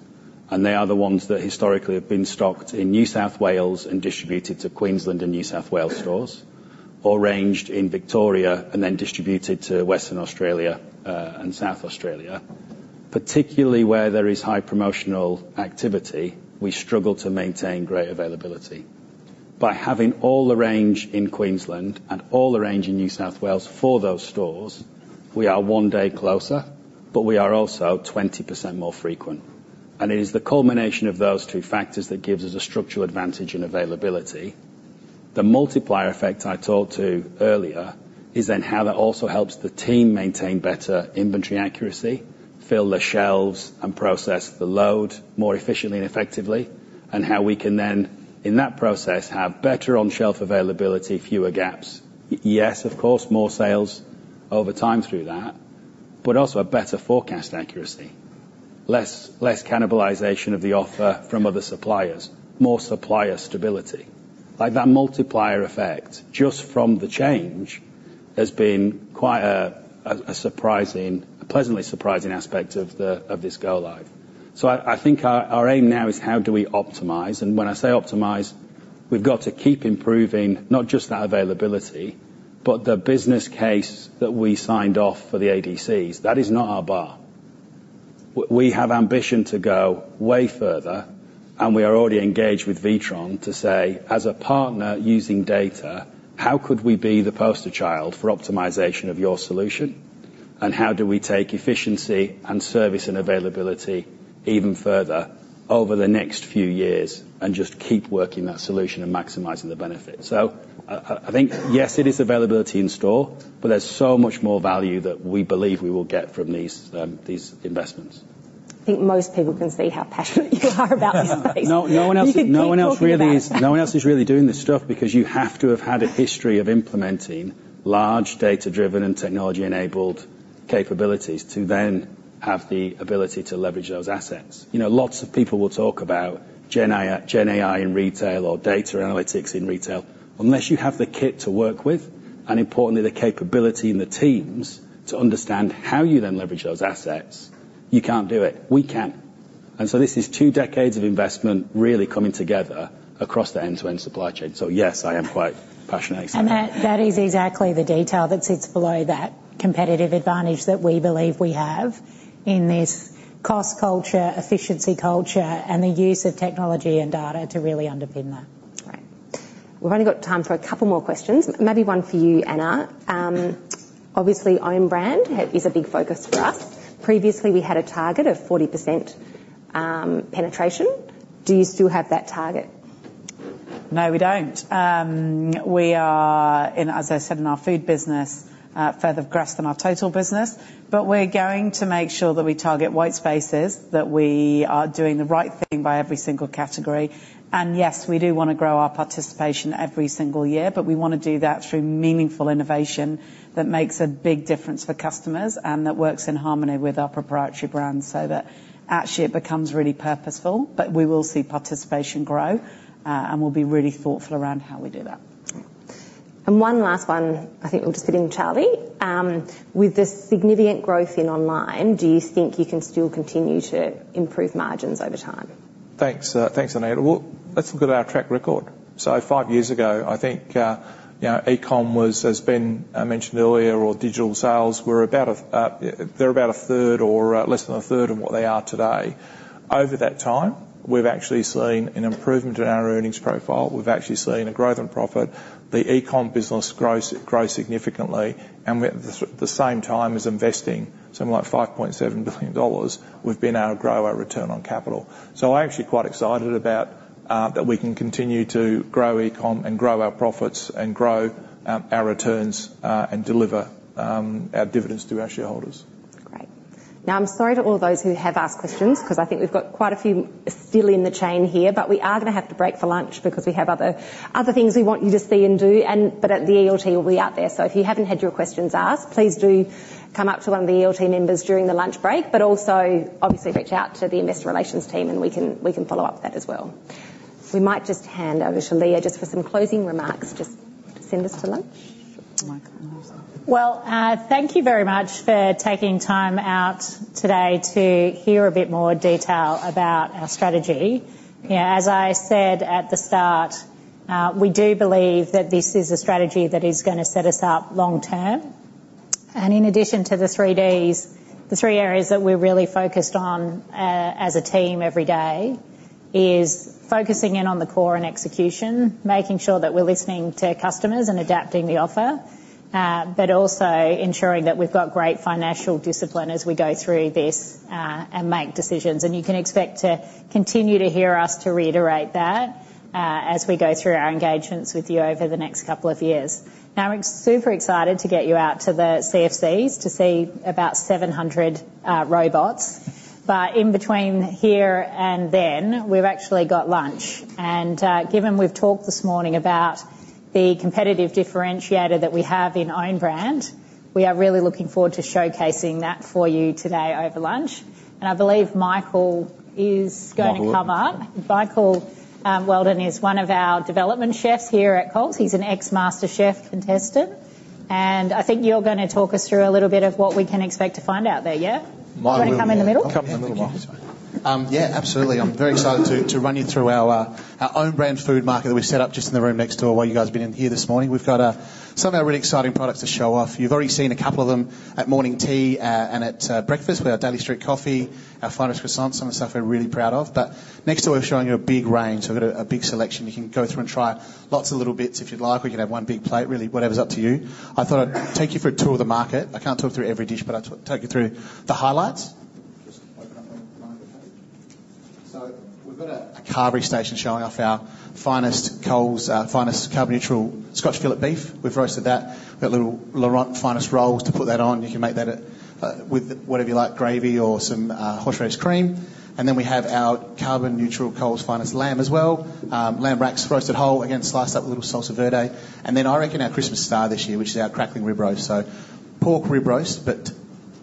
and they are the ones that historically have been stocked in New South Wales and distributed to Queensland and New South Wales stores, or ranged in Victoria and then distributed to Western Australia and South Australia, particularly where there is high promotional activity, we struggle to maintain great availability. By having all the range in Queensland and all the range in New South Wales for those stores, we are one day closer, but we are also 20% more frequent. And it is the culmination of those two factors that gives us a structural advantage in availability. The multiplier effect I talked to earlier is then how that also helps the team maintain better inventory accuracy, fill the shelves, and process the load more efficiently and effectively, and how we can then, in that process, have better on-shelf availability, fewer gaps. Yes, of course, more sales over time through that, but also a better forecast accuracy, less cannibalization of the offer from other suppliers, more supplier stability. That multiplier effect just from the change has been quite a pleasantly surprising aspect of this go-live. So I think our aim now is how do we optimize. And when I say optimize, we've got to keep improving not just that availability, but the business case that we signed off for the ADCs. That is not our bar. We have ambition to go way further, and we are already engaged with Witron to say, as a partner using data, how could we be the poster child for optimization of your solution, and how do we take efficiency and service and availability even further over the next few years and just keep working that solution and maximizing the benefit? So I think, yes, it is availability in store, but there's so much more value that we believe we will get from these investments. I think most people can see how passionate you are about this space. No one else really is doing this stuff because you have to have had a history of implementing large data-driven and technology-enabled capabilities to then have the ability to leverage those assets. Lots of people will talk about GenAI in retail or data analytics in retail. Unless you have the kit to work with, and importantly, the capability in the teams to understand how you then leverage those assets, you can't do it. We can. And so this is two decades of investment really coming together across the end-to-end supply chain. So yes, I am quite passionate. And that is exactly the detail that sits below that competitive advantage that we believe we have in this cost culture, efficiency culture, and the use of technology and data to really underpin that. Right. We've only got time for a couple more questions. Maybe one for you, Anna. Obviously, Own Brand is a big focus for us. Previously, we had a target of 40% penetration. Do you still have that target? No, we don't. We are, as I said, in our food business, further along than our total business. But we're going to make sure that we target white spaces, that we are doing the right thing by every single category. And yes, we do want to grow our participation every single year, but we want to do that through meaningful innovation that makes a big difference for customers and that works in harmony with our proprietary brand so that actually it becomes really purposeful. But we will see participation grow, and we'll be really thoughtful around how we do that. And one last one, I think we'll just get in, Charlie. With the significant growth in online, do you think you can still continue to improve margins over time? Thanks, Anita. Well, let's look at our track record. So five years ago, I think e-com has been, I mentioned earlier, or digital sales, they're about a third or less than a third of what they are today. Over that time, we've actually seen an improvement in our earnings profile. We've actually seen a growth in profit. The e-com business grows significantly and at the same time as investing something like 5.7 billion dollars, we've been able to grow our return on capital, so I'm actually quite excited about that we can continue to grow e-com and grow our profits and grow our returns and deliver our dividends to our shareholders. Great. Now, I'm sorry to all those who have asked questions because I think we've got quite a few still in the chain here, but we are going to have to break for lunch because we have other things we want you to see and do, but the ELT will be out there. If you haven't had your questions asked, please do come up to one of the ELT members during the lunch break, but also obviously reach out to the investor relations team, and we can follow up with that as well. We might just hand over to Leah just for some closing remarks, just to send us to lunch. Thank you very much for taking time out today to hear a bit more detail about our strategy. As I said at the start, we do believe that this is a strategy that is going to set us up long term. And in addition to the three areas that we're really focused on as a team every day is focusing in on the core and execution, making sure that we're listening to customers and adapting the offer, but also ensuring that we've got great financial discipline as we go through this and make decisions. And you can expect to continue to hear us to reiterate that as we go through our engagements with you over the next couple of years. Now, we're super excited to get you out to the CFCs to see about 700 robots. But in between here and then, we've actually got lunch. And given we've talked this morning about the competitive differentiator that we have in Own Brand, we are really looking forward to showcasing that for you today over lunch. And I believe Michael is going to come up. Michael Weldon is one of our development chefs here at Coles. He's an ex-master chef contestant. And I think you're going to talk us through a little bit of what we can expect to find out there. Yeah? You want to come in the middle? Come in the middle one. Yeah, absolutely. I'm very excited to run you through our Own Brand food market that we set up just in the room next door while you guys have been in here this morning. We've got some of our really exciting products to show off. You've already seen a couple of them at morning tea and at breakfast with our Daley St Coffee, our Finest Croissants, some of the stuff we're really proud of. But next door, we're showing you a big range. We've got a big selection. You can go through and try lots of little bits if you'd like. We can have one big plate, really, whatever's up to you. I thought I'd take you for a tour of the market. I can't talk through every dish, but I'll take you through the highlights. Just open up the line, okay? So we've got a carvery station showing off our Coles Finest carbon neutral Scotch Fillet beef. We've roasted that. We've got little Laurent Finest rolls to put that on. You can make that with whatever you like, gravy or some horseradish cream. And then we have our carbon neutral Coles Finest lamb as well. Lamb racks roasted whole, again, sliced up with a little salsa verde. And then I reckon our Christmas star this year, which is our crackling rib roast. So pork rib roast but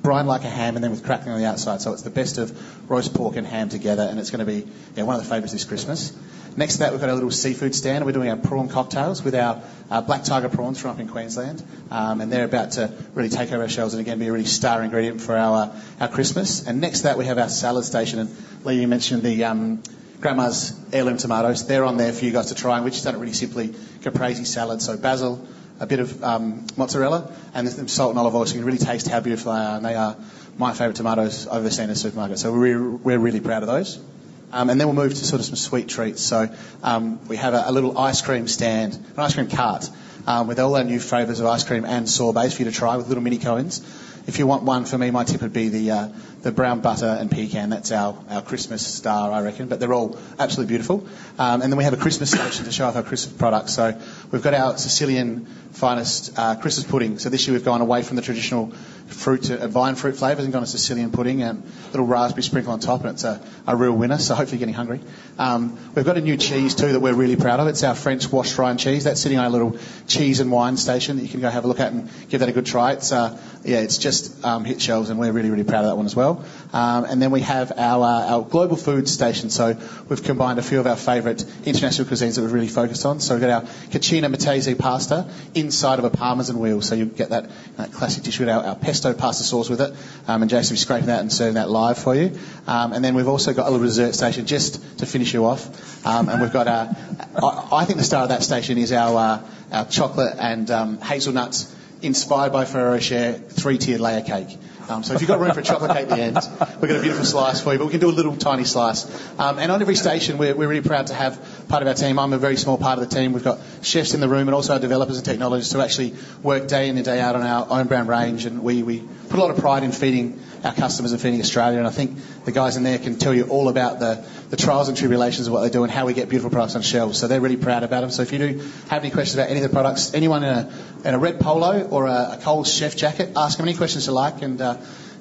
brined like a ham and then with crackling on the outside. It's the best of roast pork and ham together, and it's going to be one of the favorites this Christmas. Next to that, we've got a little seafood stand. We're doing our prawn cocktails with our Black Tiger prawns from up in Queensland. They're about to really take over our shelves and again be a really star ingredient for our Christmas. Next to that, we have our salad station. Leah, you mentioned the Grandma's Heirlooms tomatoes. They're on there for you guys to try and we've just done a really simple caprese salad. Basil, a bit of mozzarella, and some salt and olive oil so you can really taste how beautiful they are. They are my favorite tomatoes over the standard supermarket. We're really proud of those. Then we'll move to sort of some sweet treats. We have a little ice cream stand, an ice cream cart with all our new flavors of ice cream and sorbet for you to try with little mini coins. If you want one, for me, my tip would be the brown butter and pecan. That's our Christmas star, I reckon, but they're all absolutely beautiful. Then we have a Christmas selection to show off our Christmas products. We've got our Sicilian Finest Christmas pudding. This year we've gone away from the traditional fruit to vine fruit flavors and gone to Sicilian pudding and a little raspberry sprinkle on top, and it's a real winner. Hopefully you're getting hungry. We've got a new cheese too that we're really proud of. It's our French washed rind cheese. That's sitting on our little cheese and wine station that you can go have a look at and give that a good try. Yeah, it's just hit shelves, and we're really, really proud of that one as well. And then we have our global food station. So we've combined a few of our favorite international cuisines that we've really focused on. So we've got our Cucina Matese pasta inside of a Parmesan wheel. So you get that classic dish with our pesto pasta sauce with it. And Jason will be scraping that and serving that live for you. And then we've also got a little dessert station just to finish you off. And we've got our, I think, the star of that station is our chocolate and hazelnut inspired by Ferrero Rocher three-tiered layer cake. So if you've got room for chocolate cake at the end, we've got a beautiful slice for you, but we can do a little tiny slice. And on every station, we're really proud to have part of our team. I'm a very small part of the team. We've got chefs in the room and also our developers and technologists who actually work day in and day out on our Own Brand range. And we put a lot of pride in feeding our customers and feeding Australia. And I think the guys in there can tell you all about the trials and tribulations of what they do and how we get beautiful products on shelves. So they're really proud about them. So if you do have any questions about any of the products, anyone in a red polo or a Coles chef jacket, ask them any questions you like.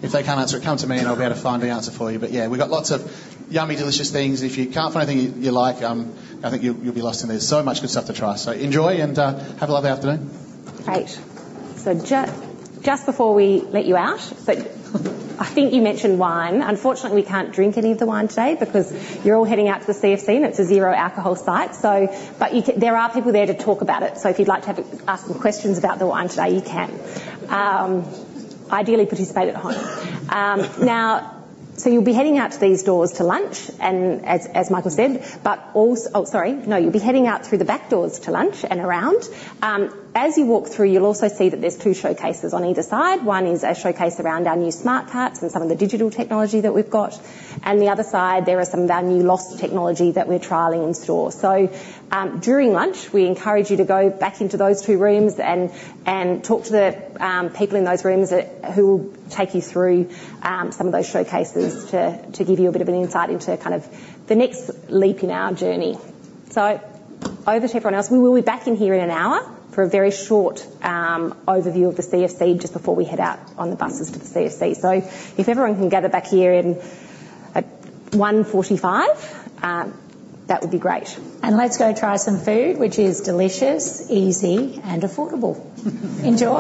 If they can't answer it, come to me and I'll be able to find the answer for you. Yeah, we've got lots of yummy, delicious things. If you can't find anything you like, I think you'll be lost in there. So much good stuff to try. Enjoy and have a lovely afternoon. Great. Just before we let you out, I think you mentioned wine. Unfortunately, we can't drink any of the wine today because you're all heading out to the CFC and it's a zero alcohol site. There are people there to talk about it. If you'd like to ask some questions about the wine today, you can. Ideally, participate at home. You'll be heading out to these doors to lunch, and as Michael said, but also sorry, no, you'll be heading out through the back doors to lunch and around. As you walk through, you'll also see that there's two showcases on either side. One is a showcase around our new smart carts and some of the digital technology that we've got. And the other side, there is some of our new latest technology that we're trialing in store. So during lunch, we encourage you to go back into those two rooms and talk to the people in those rooms who will take you through some of those showcases to give you a bit of an insight into kind of the next leap in our journey. So over to everyone else. We will be back in here in an hour for a very short overview of the CFC just before we head out on the buses to the CFC. So if everyone can gather back here in 1:45 P.M., that would be great. Let's go try some food, which is delicious, easy, and affordable. Enjoy.